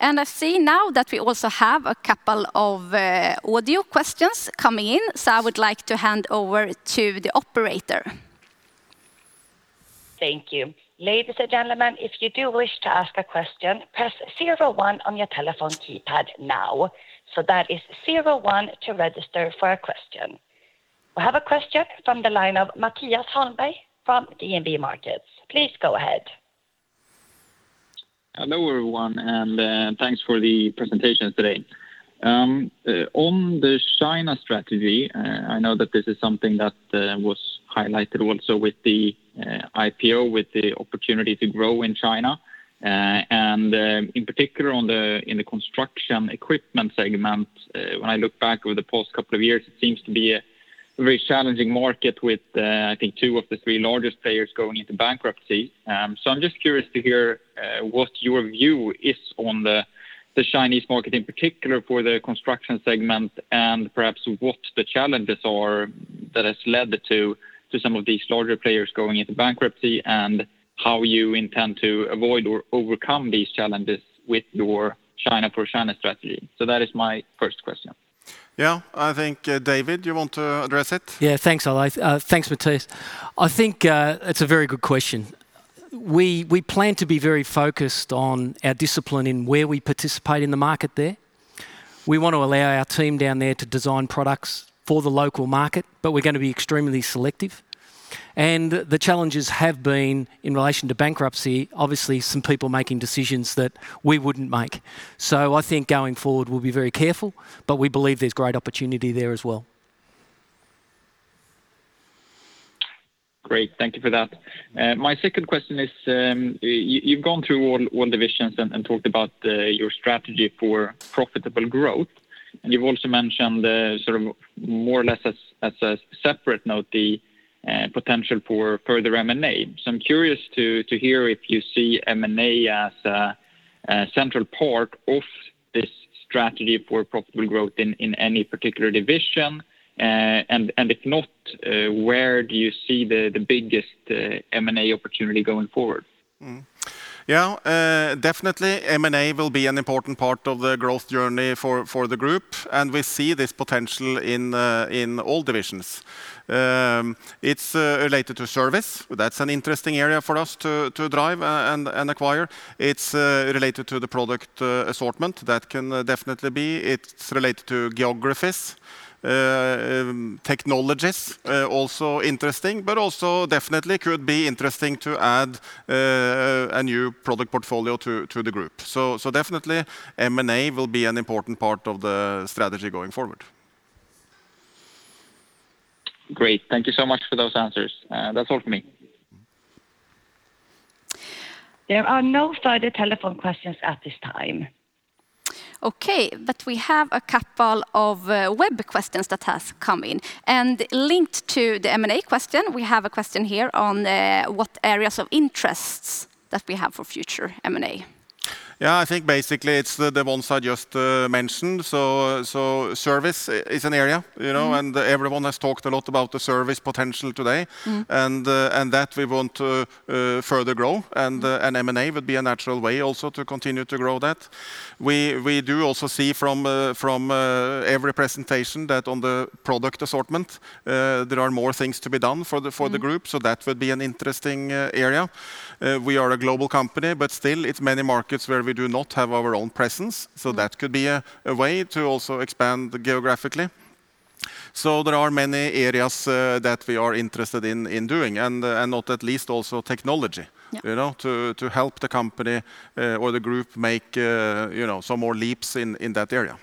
I see now that we also have a couple of audio questions coming in, so I would like to hand over to the operator. Thank you. Ladies and gentlemen, if you do wish to ask a question, press zero one on your telephone keypad now. That is zero one to register for a question. I have a question from the line of Mattias Holmberg from DNB Markets. Please go ahead. Hello, everyone, and thanks for the presentation today. On the China strategy, I know that this is something that was highlighted also with the IPO, with the opportunity to grow in China, and in particular in the construction equipment segment. When I look back over the past couple of years, it seems to be a very challenging market with, I think, two of the three largest players going into bankruptcy. I'm just curious to hear what your view is on the Chinese market, in particular for the construction segment, and perhaps what the challenges are that has led to some of these larger players going into bankruptcy, and how you intend to avoid or overcome these challenges with your China strategy. That is my first question. Yeah, I think, David, you want to address it? Yeah, thanks, Ole. Thanks, Mattias. I think it's a very good question. We plan to be very focused on our discipline in where we participate in the market there. We want to allow our team down there to design products for the local market, but we're going to be extremely selective. The challenges have been in relation to bankruptcy, obviously, some people making decisions that we wouldn't make. I think going forward, we'll be very careful, but we believe there's great opportunity there as well. Great. Thank you for that. My second question is, you've gone through all the visions and talked about your strategy for profitable growth, and you've also mentioned more or less as a separate note, the potential for further M&A. I'm curious to hear if you see M&A as a central part of this strategy for profitable growth in any particular division. If not, where do you see the biggest M&A opportunity going forward? Definitely M&A will be an important part of the growth journey for the group, and we see this potential in all divisions. It's related to service. That's an interesting area for us to drive and acquire. It's related to the product assortment. That can definitely be. It's related to geographies, technologies also interesting, but also definitely could be interesting to add a new product portfolio to the group. Definitely M&A will be an important part of the strategy going forward. Great. Thank you so much for those answers. That's all from me. There are no further telephone questions at this time. Okay, we have a couple of web questions that have come in. Linked to the M&A question, we have a question here on what areas of interests that we have for future M&A. Yeah, I think basically it's the ones I just mentioned. Service is an area and everyone has talked a lot about the service potential today and that we want to further grow, and M&A would be a natural way also to continue to grow that. We do also see from every presentation that on the product assortment, there are more things to be done for the group. That would be an interesting area. We are a global company, but still it's many markets where we do not have our own presence, so that could be a way to also expand geographically. There are many areas that we are interested in doing, and not at least also technology to help the company or the group make some more leaps in that area.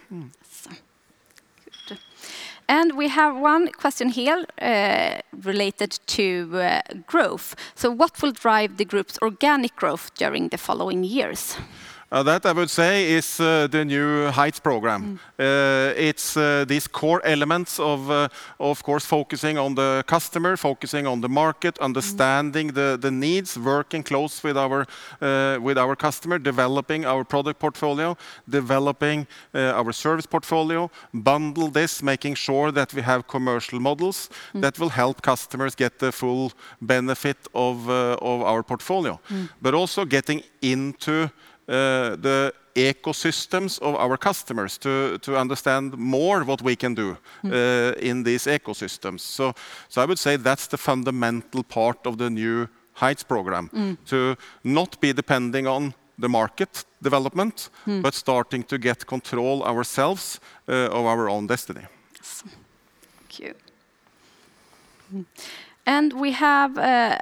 Good. We have one question here related to growth. What will drive the group's organic growth during the following years? That I would say is the New Heights program. It's these core elements, of course, focusing on the customer, focusing on the market, understanding the needs, working closely with our customer, developing our product portfolio, developing our service portfolio, bundle this, making sure that we have commercial models that will help customers get the full benefit of our portfolio. Also getting into the ecosystems of our customers to understand more what we can do in these ecosystems. I would say that's the fundamental part of the New Heights program, to not be depending on the market development but starting to get control ourselves of our own destiny. Yes. Thank you. We have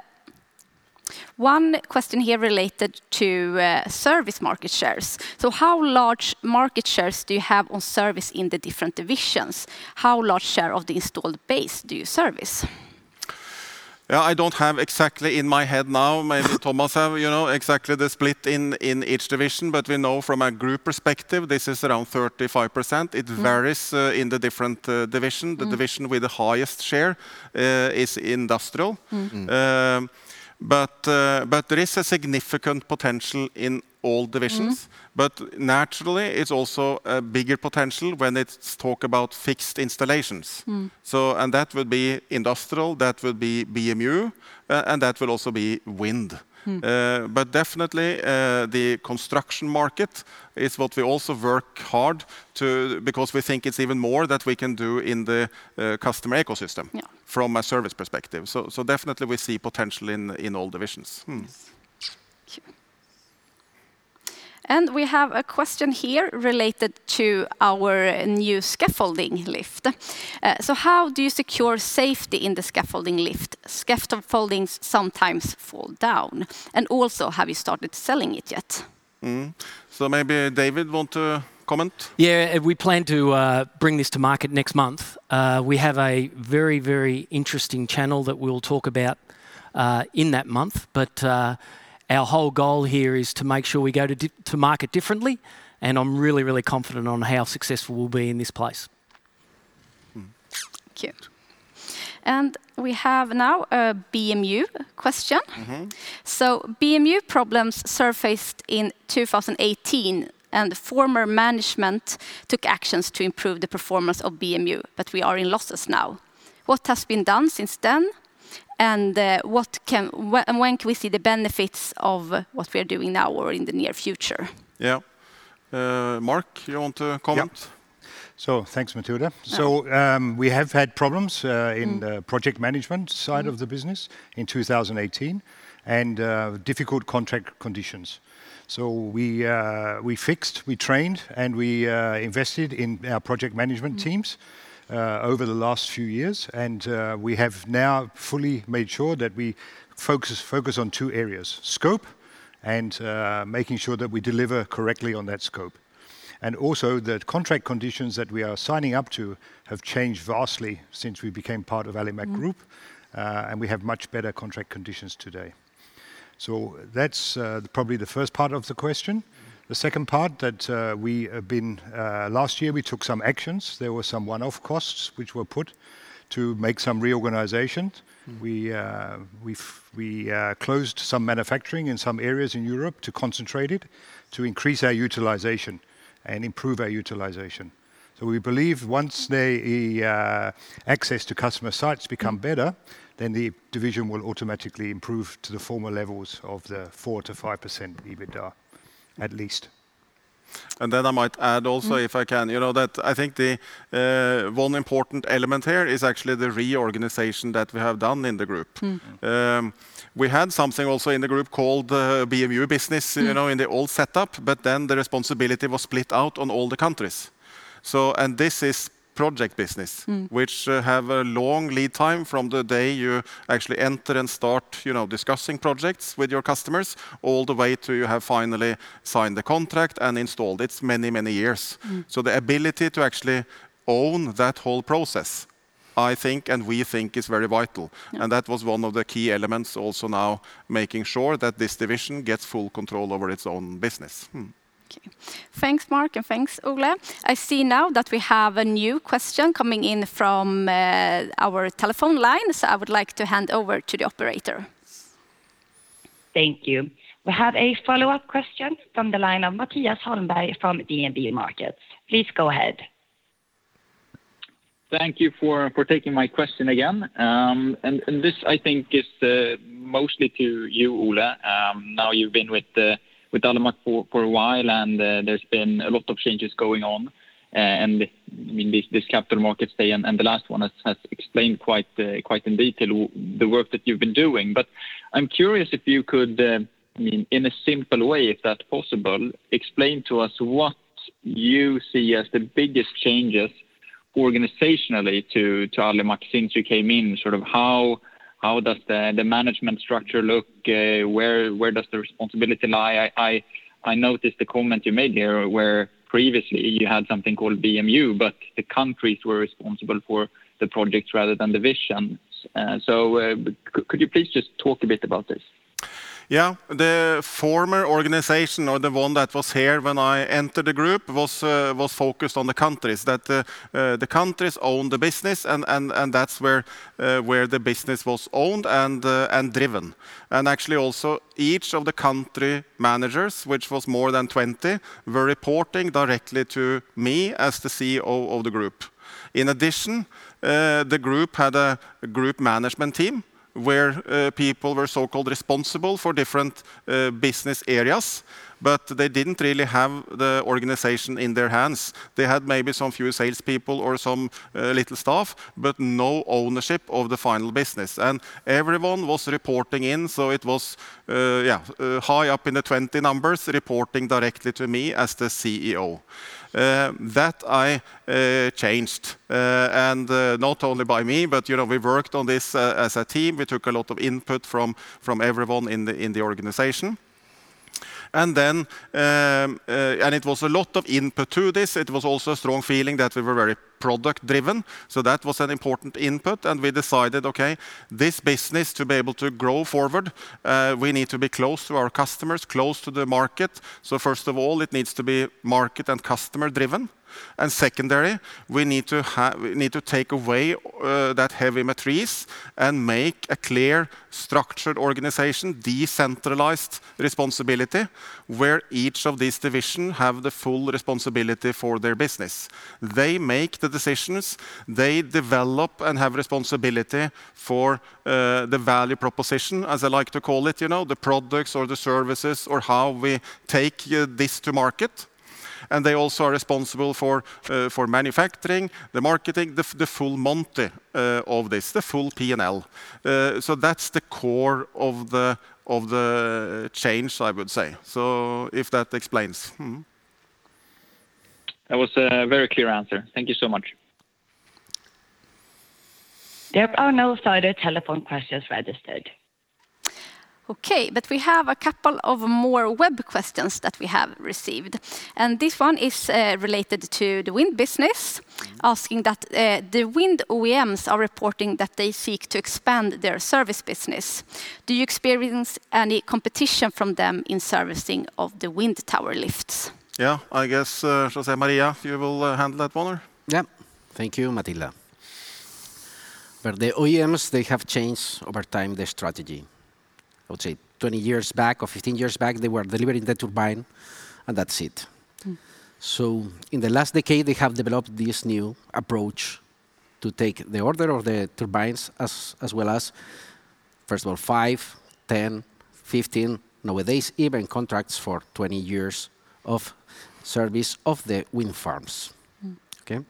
one question here related to service market shares. How large market shares do you have on service in the different divisions? How large share of the installed base do you service? Yeah, I don't have exactly in my head now, maybe Thomas have, exactly the split in each division. We know from a group perspective, this is around 35%. It varies in the different division. The division with the highest share is Industrial. There is a significant potential in all divisions. Naturally, it's also a bigger potential when it's talk about fixed installations. That would be industrial, that would be BMU, and that will also be wind. Definitely, the construction market is what we also work hard to, because we think it's even more that we can do in the customer ecosystem from a service perspective. Definitely we see potential in all divisions. Thank you. We have a question here related to our new scaffolding lift. How do you secure safety in the scaffolding lift? Scaffolding sometimes fall down. Also, have you started selling it yet? Maybe David want to comment? Yeah, we plan to bring this to market next month. We have a very, very interesting channel that we'll talk about in that month. Our whole goal here is to make sure we go to market differently, and I'm really, really confident on how successful we'll be in this place. Thank you. We have now a BMU question. BMU problems surfaced in 2018, former management took actions to improve the performance of BMU, we are in losses now. What has been done since then, and when can we see the benefits of what we are doing now or in the near future? Yeah. Mark, you want to comment? Yeah. Thanks, Matilda. Yeah. We have had problems in the project management side of the business in 2018, and difficult contract conditions. We fixed, we trained, and we invested in our project management teams over the last few years, and we have now fully made sure that we focus on two areas, scope and making sure that we deliver correctly on that scope. The contract conditions that we are signing up to have changed vastly since we became part of Alimak Group. We have much better contract conditions today. That's probably the first part of the question. The second part, that last year, we took some actions. There were some one-off costs which were put to make some reorganizations. We closed some manufacturing in some areas in Europe to concentrate it, to increase our utilization and improve our utilization. We believe once the access to customer sites become better, then the division will automatically improve to the former levels of the 4%-5% EBITA, at least. I might add also, if I can, that I think the one important element here is actually the reorganization that we have done in the group. We had something also in the group called the BMU business in the old setup, the responsibility was split out on all the countries. This is project business, which have a long lead time from the day you actually enter and start discussing projects with your customers, all the way till you have finally signed the contract and installed. It's many years. The ability to actually own that whole process, I think, and we think, is very vital. Yeah. That was one of the key elements also now making sure that this division gets full control over its own business. Okay. Thanks, Mark, and thanks, Ole. I see now that we have a new question coming in from our telephone line, so I would like to hand over to the operator. Thank you. We have a follow-up question from the line of Mattias Holmberg from DNB Markets. Please go ahead. Thank you for taking my question again. This, I think, is mostly to you, Ole. You've been with Alimak for a while, and there's been a lot of changes going on. This Capital Markets Day and the last one has explained quite in detail the work that you've been doing. I'm curious if you could, in a simple way, if that's possible, explain to us what you see as the biggest changes organizationally to Alimak since you came in. How does the management structure look? Where does the responsibility lie? I noticed the comment you made here where previously you had something called BMU, but the countries were responsible for the projects rather than divisions. Could you please just talk a bit about this? Yeah. The former organization, or the one that was here when I entered the group, was focused on the countries, that the countries own the business and that's where the business was owned and driven. Actually, also, each of the country managers, which was more than 20, were reporting directly to me as the CEO of the group. In addition, the group had a group management team where people were so-called responsible for different business areas, but they didn't really have the organization in their hands. They had maybe some few salespeople or some little staff, but no ownership of the final business. Everyone was reporting in, so it was high up in the 20 numbers, reporting directly to me as the CEO. That I changed, and not only by me, but we worked on this as a team. We took a lot of input from everyone in the organization. It was a lot of input to this. It was also a strong feeling that we were very product driven. That was an important input, and we decided, okay, this business, to be able to grow forward, we need to be close to our customers, close to the market. First of all, it needs to be market and customer driven. Secondary, we need to take away that heavy matrix and make a clear, structured organization, decentralized responsibility, where each of these division have the full responsibility for their business. They make the decisions. They develop and have responsibility for the value proposition, as I like to call it, the products or the services or how we take this to market. They also are responsible for manufacturing, the marketing, the full monte of this, the full P&L. That's the core of the change, I would say. If that explains. That was a very clear answer. Thank you so much. There are no further telephone questions registered. Okay, we have a couple of more web questions that we have received, and this one is related to the wind business, asking that, the wind OEMs are reporting that they seek to expand their service business. Do you experience any competition from them in servicing of the wind tower lifts? Yeah, I guess, José María, you will handle that one? Thank you, Matilda. For the OEMs, they have changed over time their strategy. I would say 20 years back or 15 years back, they were delivering the turbine, and that's it. In the last decade, they have developed this new approach to take the order of the turbines as well as, first of all, five, 10, 15, nowadays, even contracts for 20 years of service of the wind farms. Okay.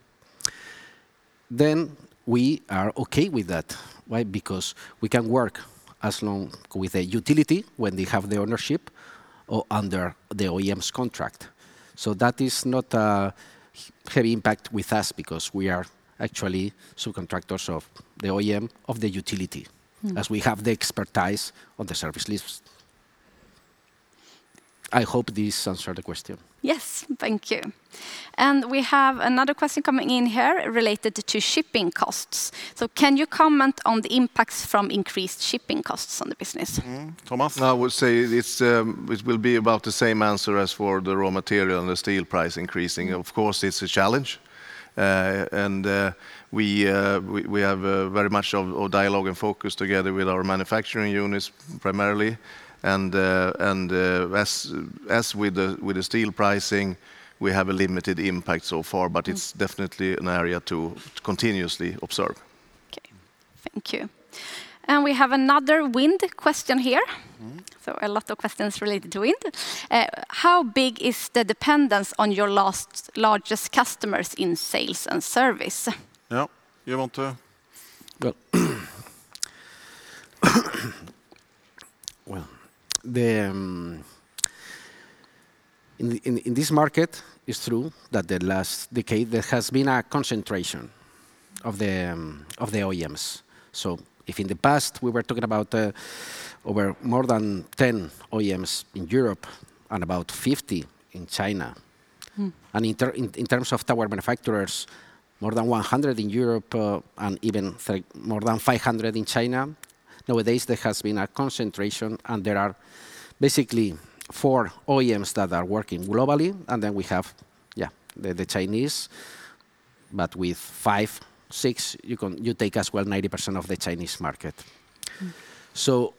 We are okay with that. Why? We can work as long with a utility when they have the ownership or under the OEM's contract. That is not a heavy impact with us because we are actually subcontractors of the OEM, of the utility. We have the expertise on the service lifts. I hope this answered the question. Yes. Thank you. We have another question coming in here related to shipping costs. Can you comment on the impacts from increased shipping costs on the business? Thomas? I would say it will be about the same answer as for the raw material and the steel price increasing. Of course, it's a challenge. We have very much of dialogue and focus together with our manufacturing units primarily. As with the steel pricing, we have a limited impact so far, but it's definitely an area to continuously observe. Thank you. We have another wind question here. A lot of questions related to wind. How big is the dependence on your largest customers in sales and service? Yeah. You want to? Well, in this market, it's true that the last decade, there has been a concentration of the OEMs. If in the past we were talking about more than 10 OEMs in Europe and about 50 OEMs in China. In terms of tower manufacturers, more than 100 OEMs in Europe, and even more than 500 OEMs in China, nowadays there has been a concentration, and there are basically 4 OEMs that are working globally. We have the Chinese. With 5, 6 OEMs, you take as well 90% of the Chinese market.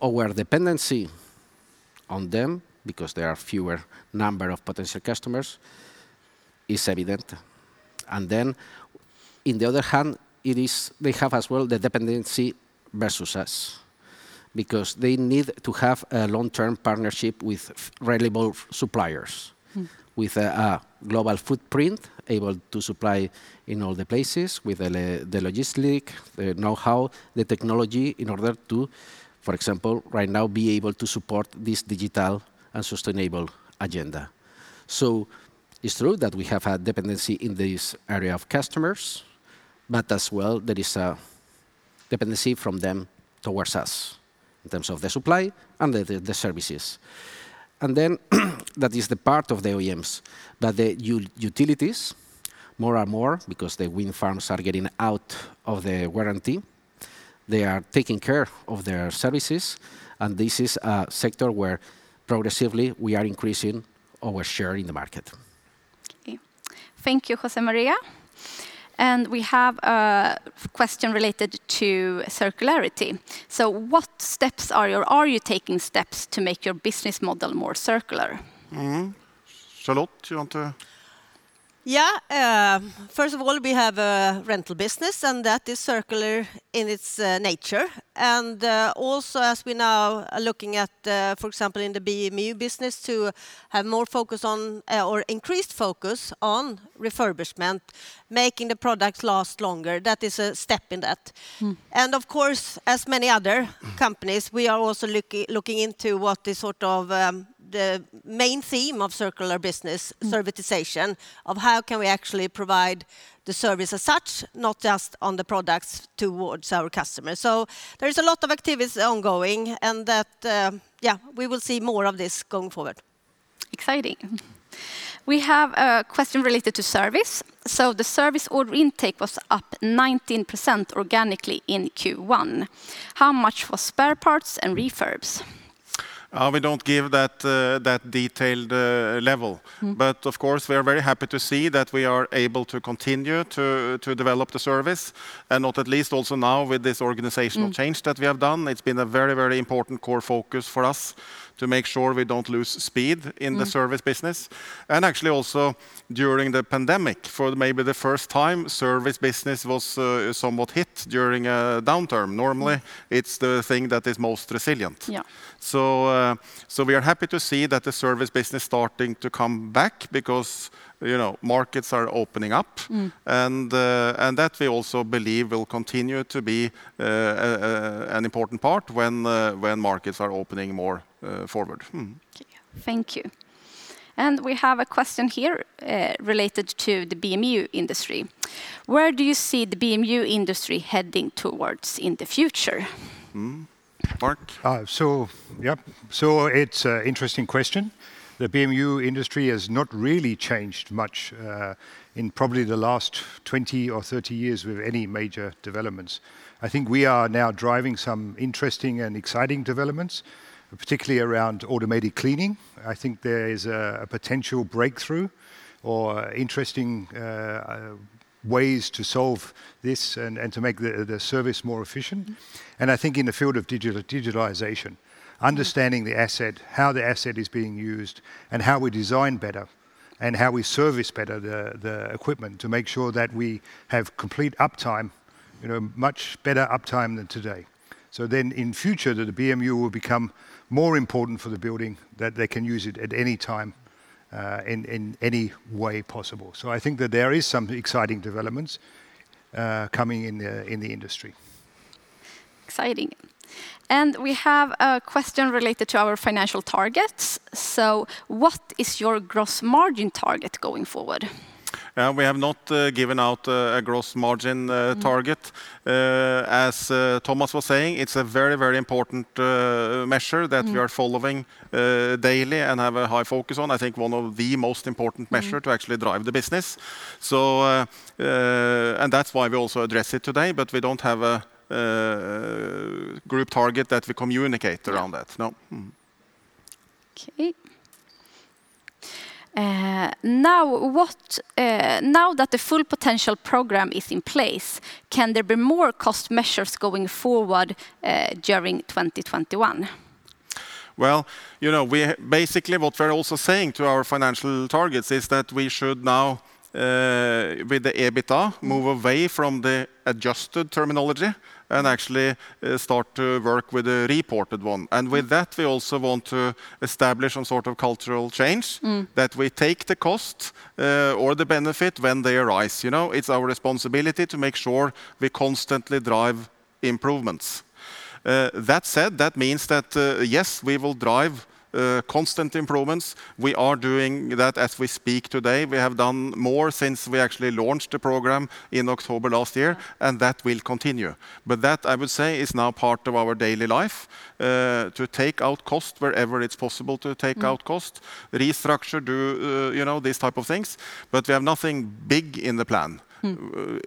Our dependency on them, because there are fewer number of potential customers, is evident. On the other hand, they have as well the dependency versus us, because they need to have a long-term partnership with reliable suppliers with a global footprint, able to supply in all the places, with the logistics, the know-how, the technology, in order to, for example, right now be able to support this digital and sustainable agenda. It's true that we have had dependency in this area of customers, but as well, there is a dependency from them towards us, in terms of the supply and the services. That is the part of the OEMs, that the utilities, more and more, because the wind farms are getting out of their warranty, they are taking care of their services, and this is a sector where progressively we are increasing our share in the market. Okay. Thank you, José María. We have a question related to circularity. Are you taking steps to make your business model more circular? Charlotte, do you want to? Yeah. First of all, we have a rental business, and that is circular in its nature. Also, as we now are looking at, for example, in the BMU business, to have increased focus on refurbishment, making the products last longer. That is a step in that. Of course, as many other companies, we are also looking into what is the main theme of circular business servitization, of how can we actually provide the service as such, not just on the products towards our customers. There is a lot of activities ongoing, and that, yeah, we will see more of this going forward. Exciting. We have a question related to service. The service order intake was up 19% organically in Q1. How much was spare parts and refurbs? We don't give that detailed level. Of course, we are very happy to see that we are able to continue to develop the service, and not at least also now with this organizational change that we have done. It's been a very important core focus for us to make sure we don't lose speed in the service business. Actually also during the pandemic, for maybe the first time, service business was somewhat hit during a downturn. Normally, it's the thing that is most resilient. Yeah. We are happy to see that the service business starting to come back, because markets are opening up. That we also believe will continue to be an important part when markets are opening more forward. Okay, thank you. We have a question here related to the BMU industry. Where do you see the BMU industry heading towards in the future? Mark? Yeah. It's an interesting question. The BMU industry has not really changed much in probably the last 20 or 30 years with any major developments. I think we are now driving some interesting and exciting developments, particularly around automated cleaning. I think there is a potential breakthrough or interesting ways to solve this and to make the service more efficient. I think in the field of digitalization understanding the asset, how the asset is being used, and how we design better, and how we service better the equipment to make sure that we have complete uptime, much better uptime than today. In future, the BMU will become more important for the building, that they can use it at any time, in any way possible. I think that there is some exciting developments coming in the industry. Exciting. We have a question related to our financial targets. What is your gross margin target going forward? We have not given out a gross margin target. As Thomas was saying, it's a very important measure that we are following daily and have a high focus on. I think one of the most important measure to actually drive the business. That's why we also address it today. We don't have a group target that we communicate around that, no. Okay. Now that the full potential program is in place, can there be more cost measures going forward during 2021? Well, basically what we're also saying to our financial targets is that we should now, with the EBITDA, move away from the adjusted terminology and actually start to work with the reported one. With that, we also want to establish some sort of cultural change, that we take the costs or the benefit when they arise. It's our responsibility to make sure we constantly drive improvements. That said, that means that, yes, we will drive constant improvements. We are doing that as we speak today. We have done more since we actually launched the program in October last year, and that will continue. That, I would say, is now part of our daily life, to take out cost wherever it's possible to take out cost, restructure, do these type of things. We have nothing big in the plan.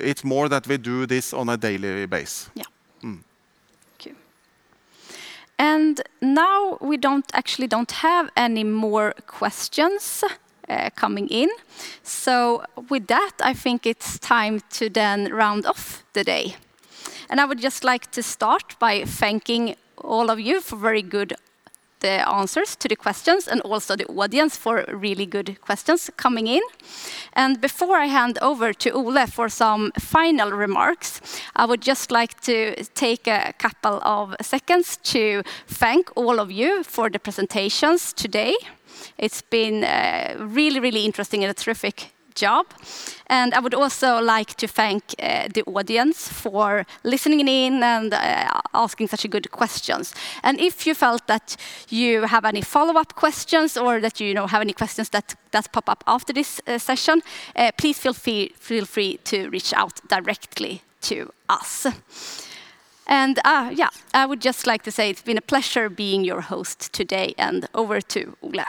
It's more that we do this on a daily basis. Yeah. Okay. Now we actually don't have any more questions coming in. With that, I think it's time to then round off the day. I would just like to start by thanking all of you for very good answers to the questions and also the audience for really good questions coming in. Before I hand over to Ole for some final remarks, I would just like to take a couple of seconds to thank all of you for the presentations today. It's been really interesting and a terrific job. I would also like to thank the audience for listening in and asking such good questions. If you felt that you have any follow-up questions or that you now have any questions that pop up after this session, please feel free to reach out directly to us. Yeah, I would just like to say it's been a pleasure being your host today, and over to Ole.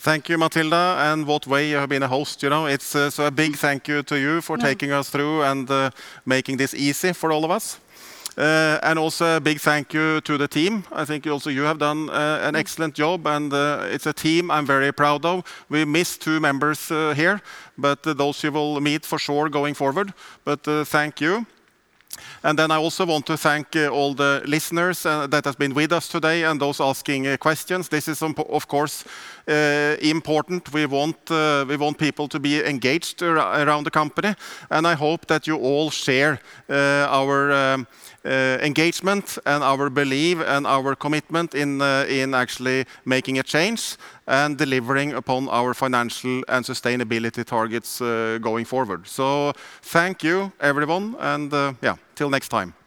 Thank you, Matilda, and what way you have been a host. It's a big thank you to you for taking us through and making this easy for all of us. Also a big thank you to the team. I think also you have done an excellent job, and it's a team I'm very proud of. We miss two members here, but those you will meet for sure going forward. Thank you. I also want to thank all the listeners that have been with us today and those asking questions. This is of course important. We want people to be engaged around the company, and I hope that you all share our engagement and our belief and our commitment in actually making a change and delivering upon our financial and sustainability targets going forward. Thank you, everyone, and yeah, till next time.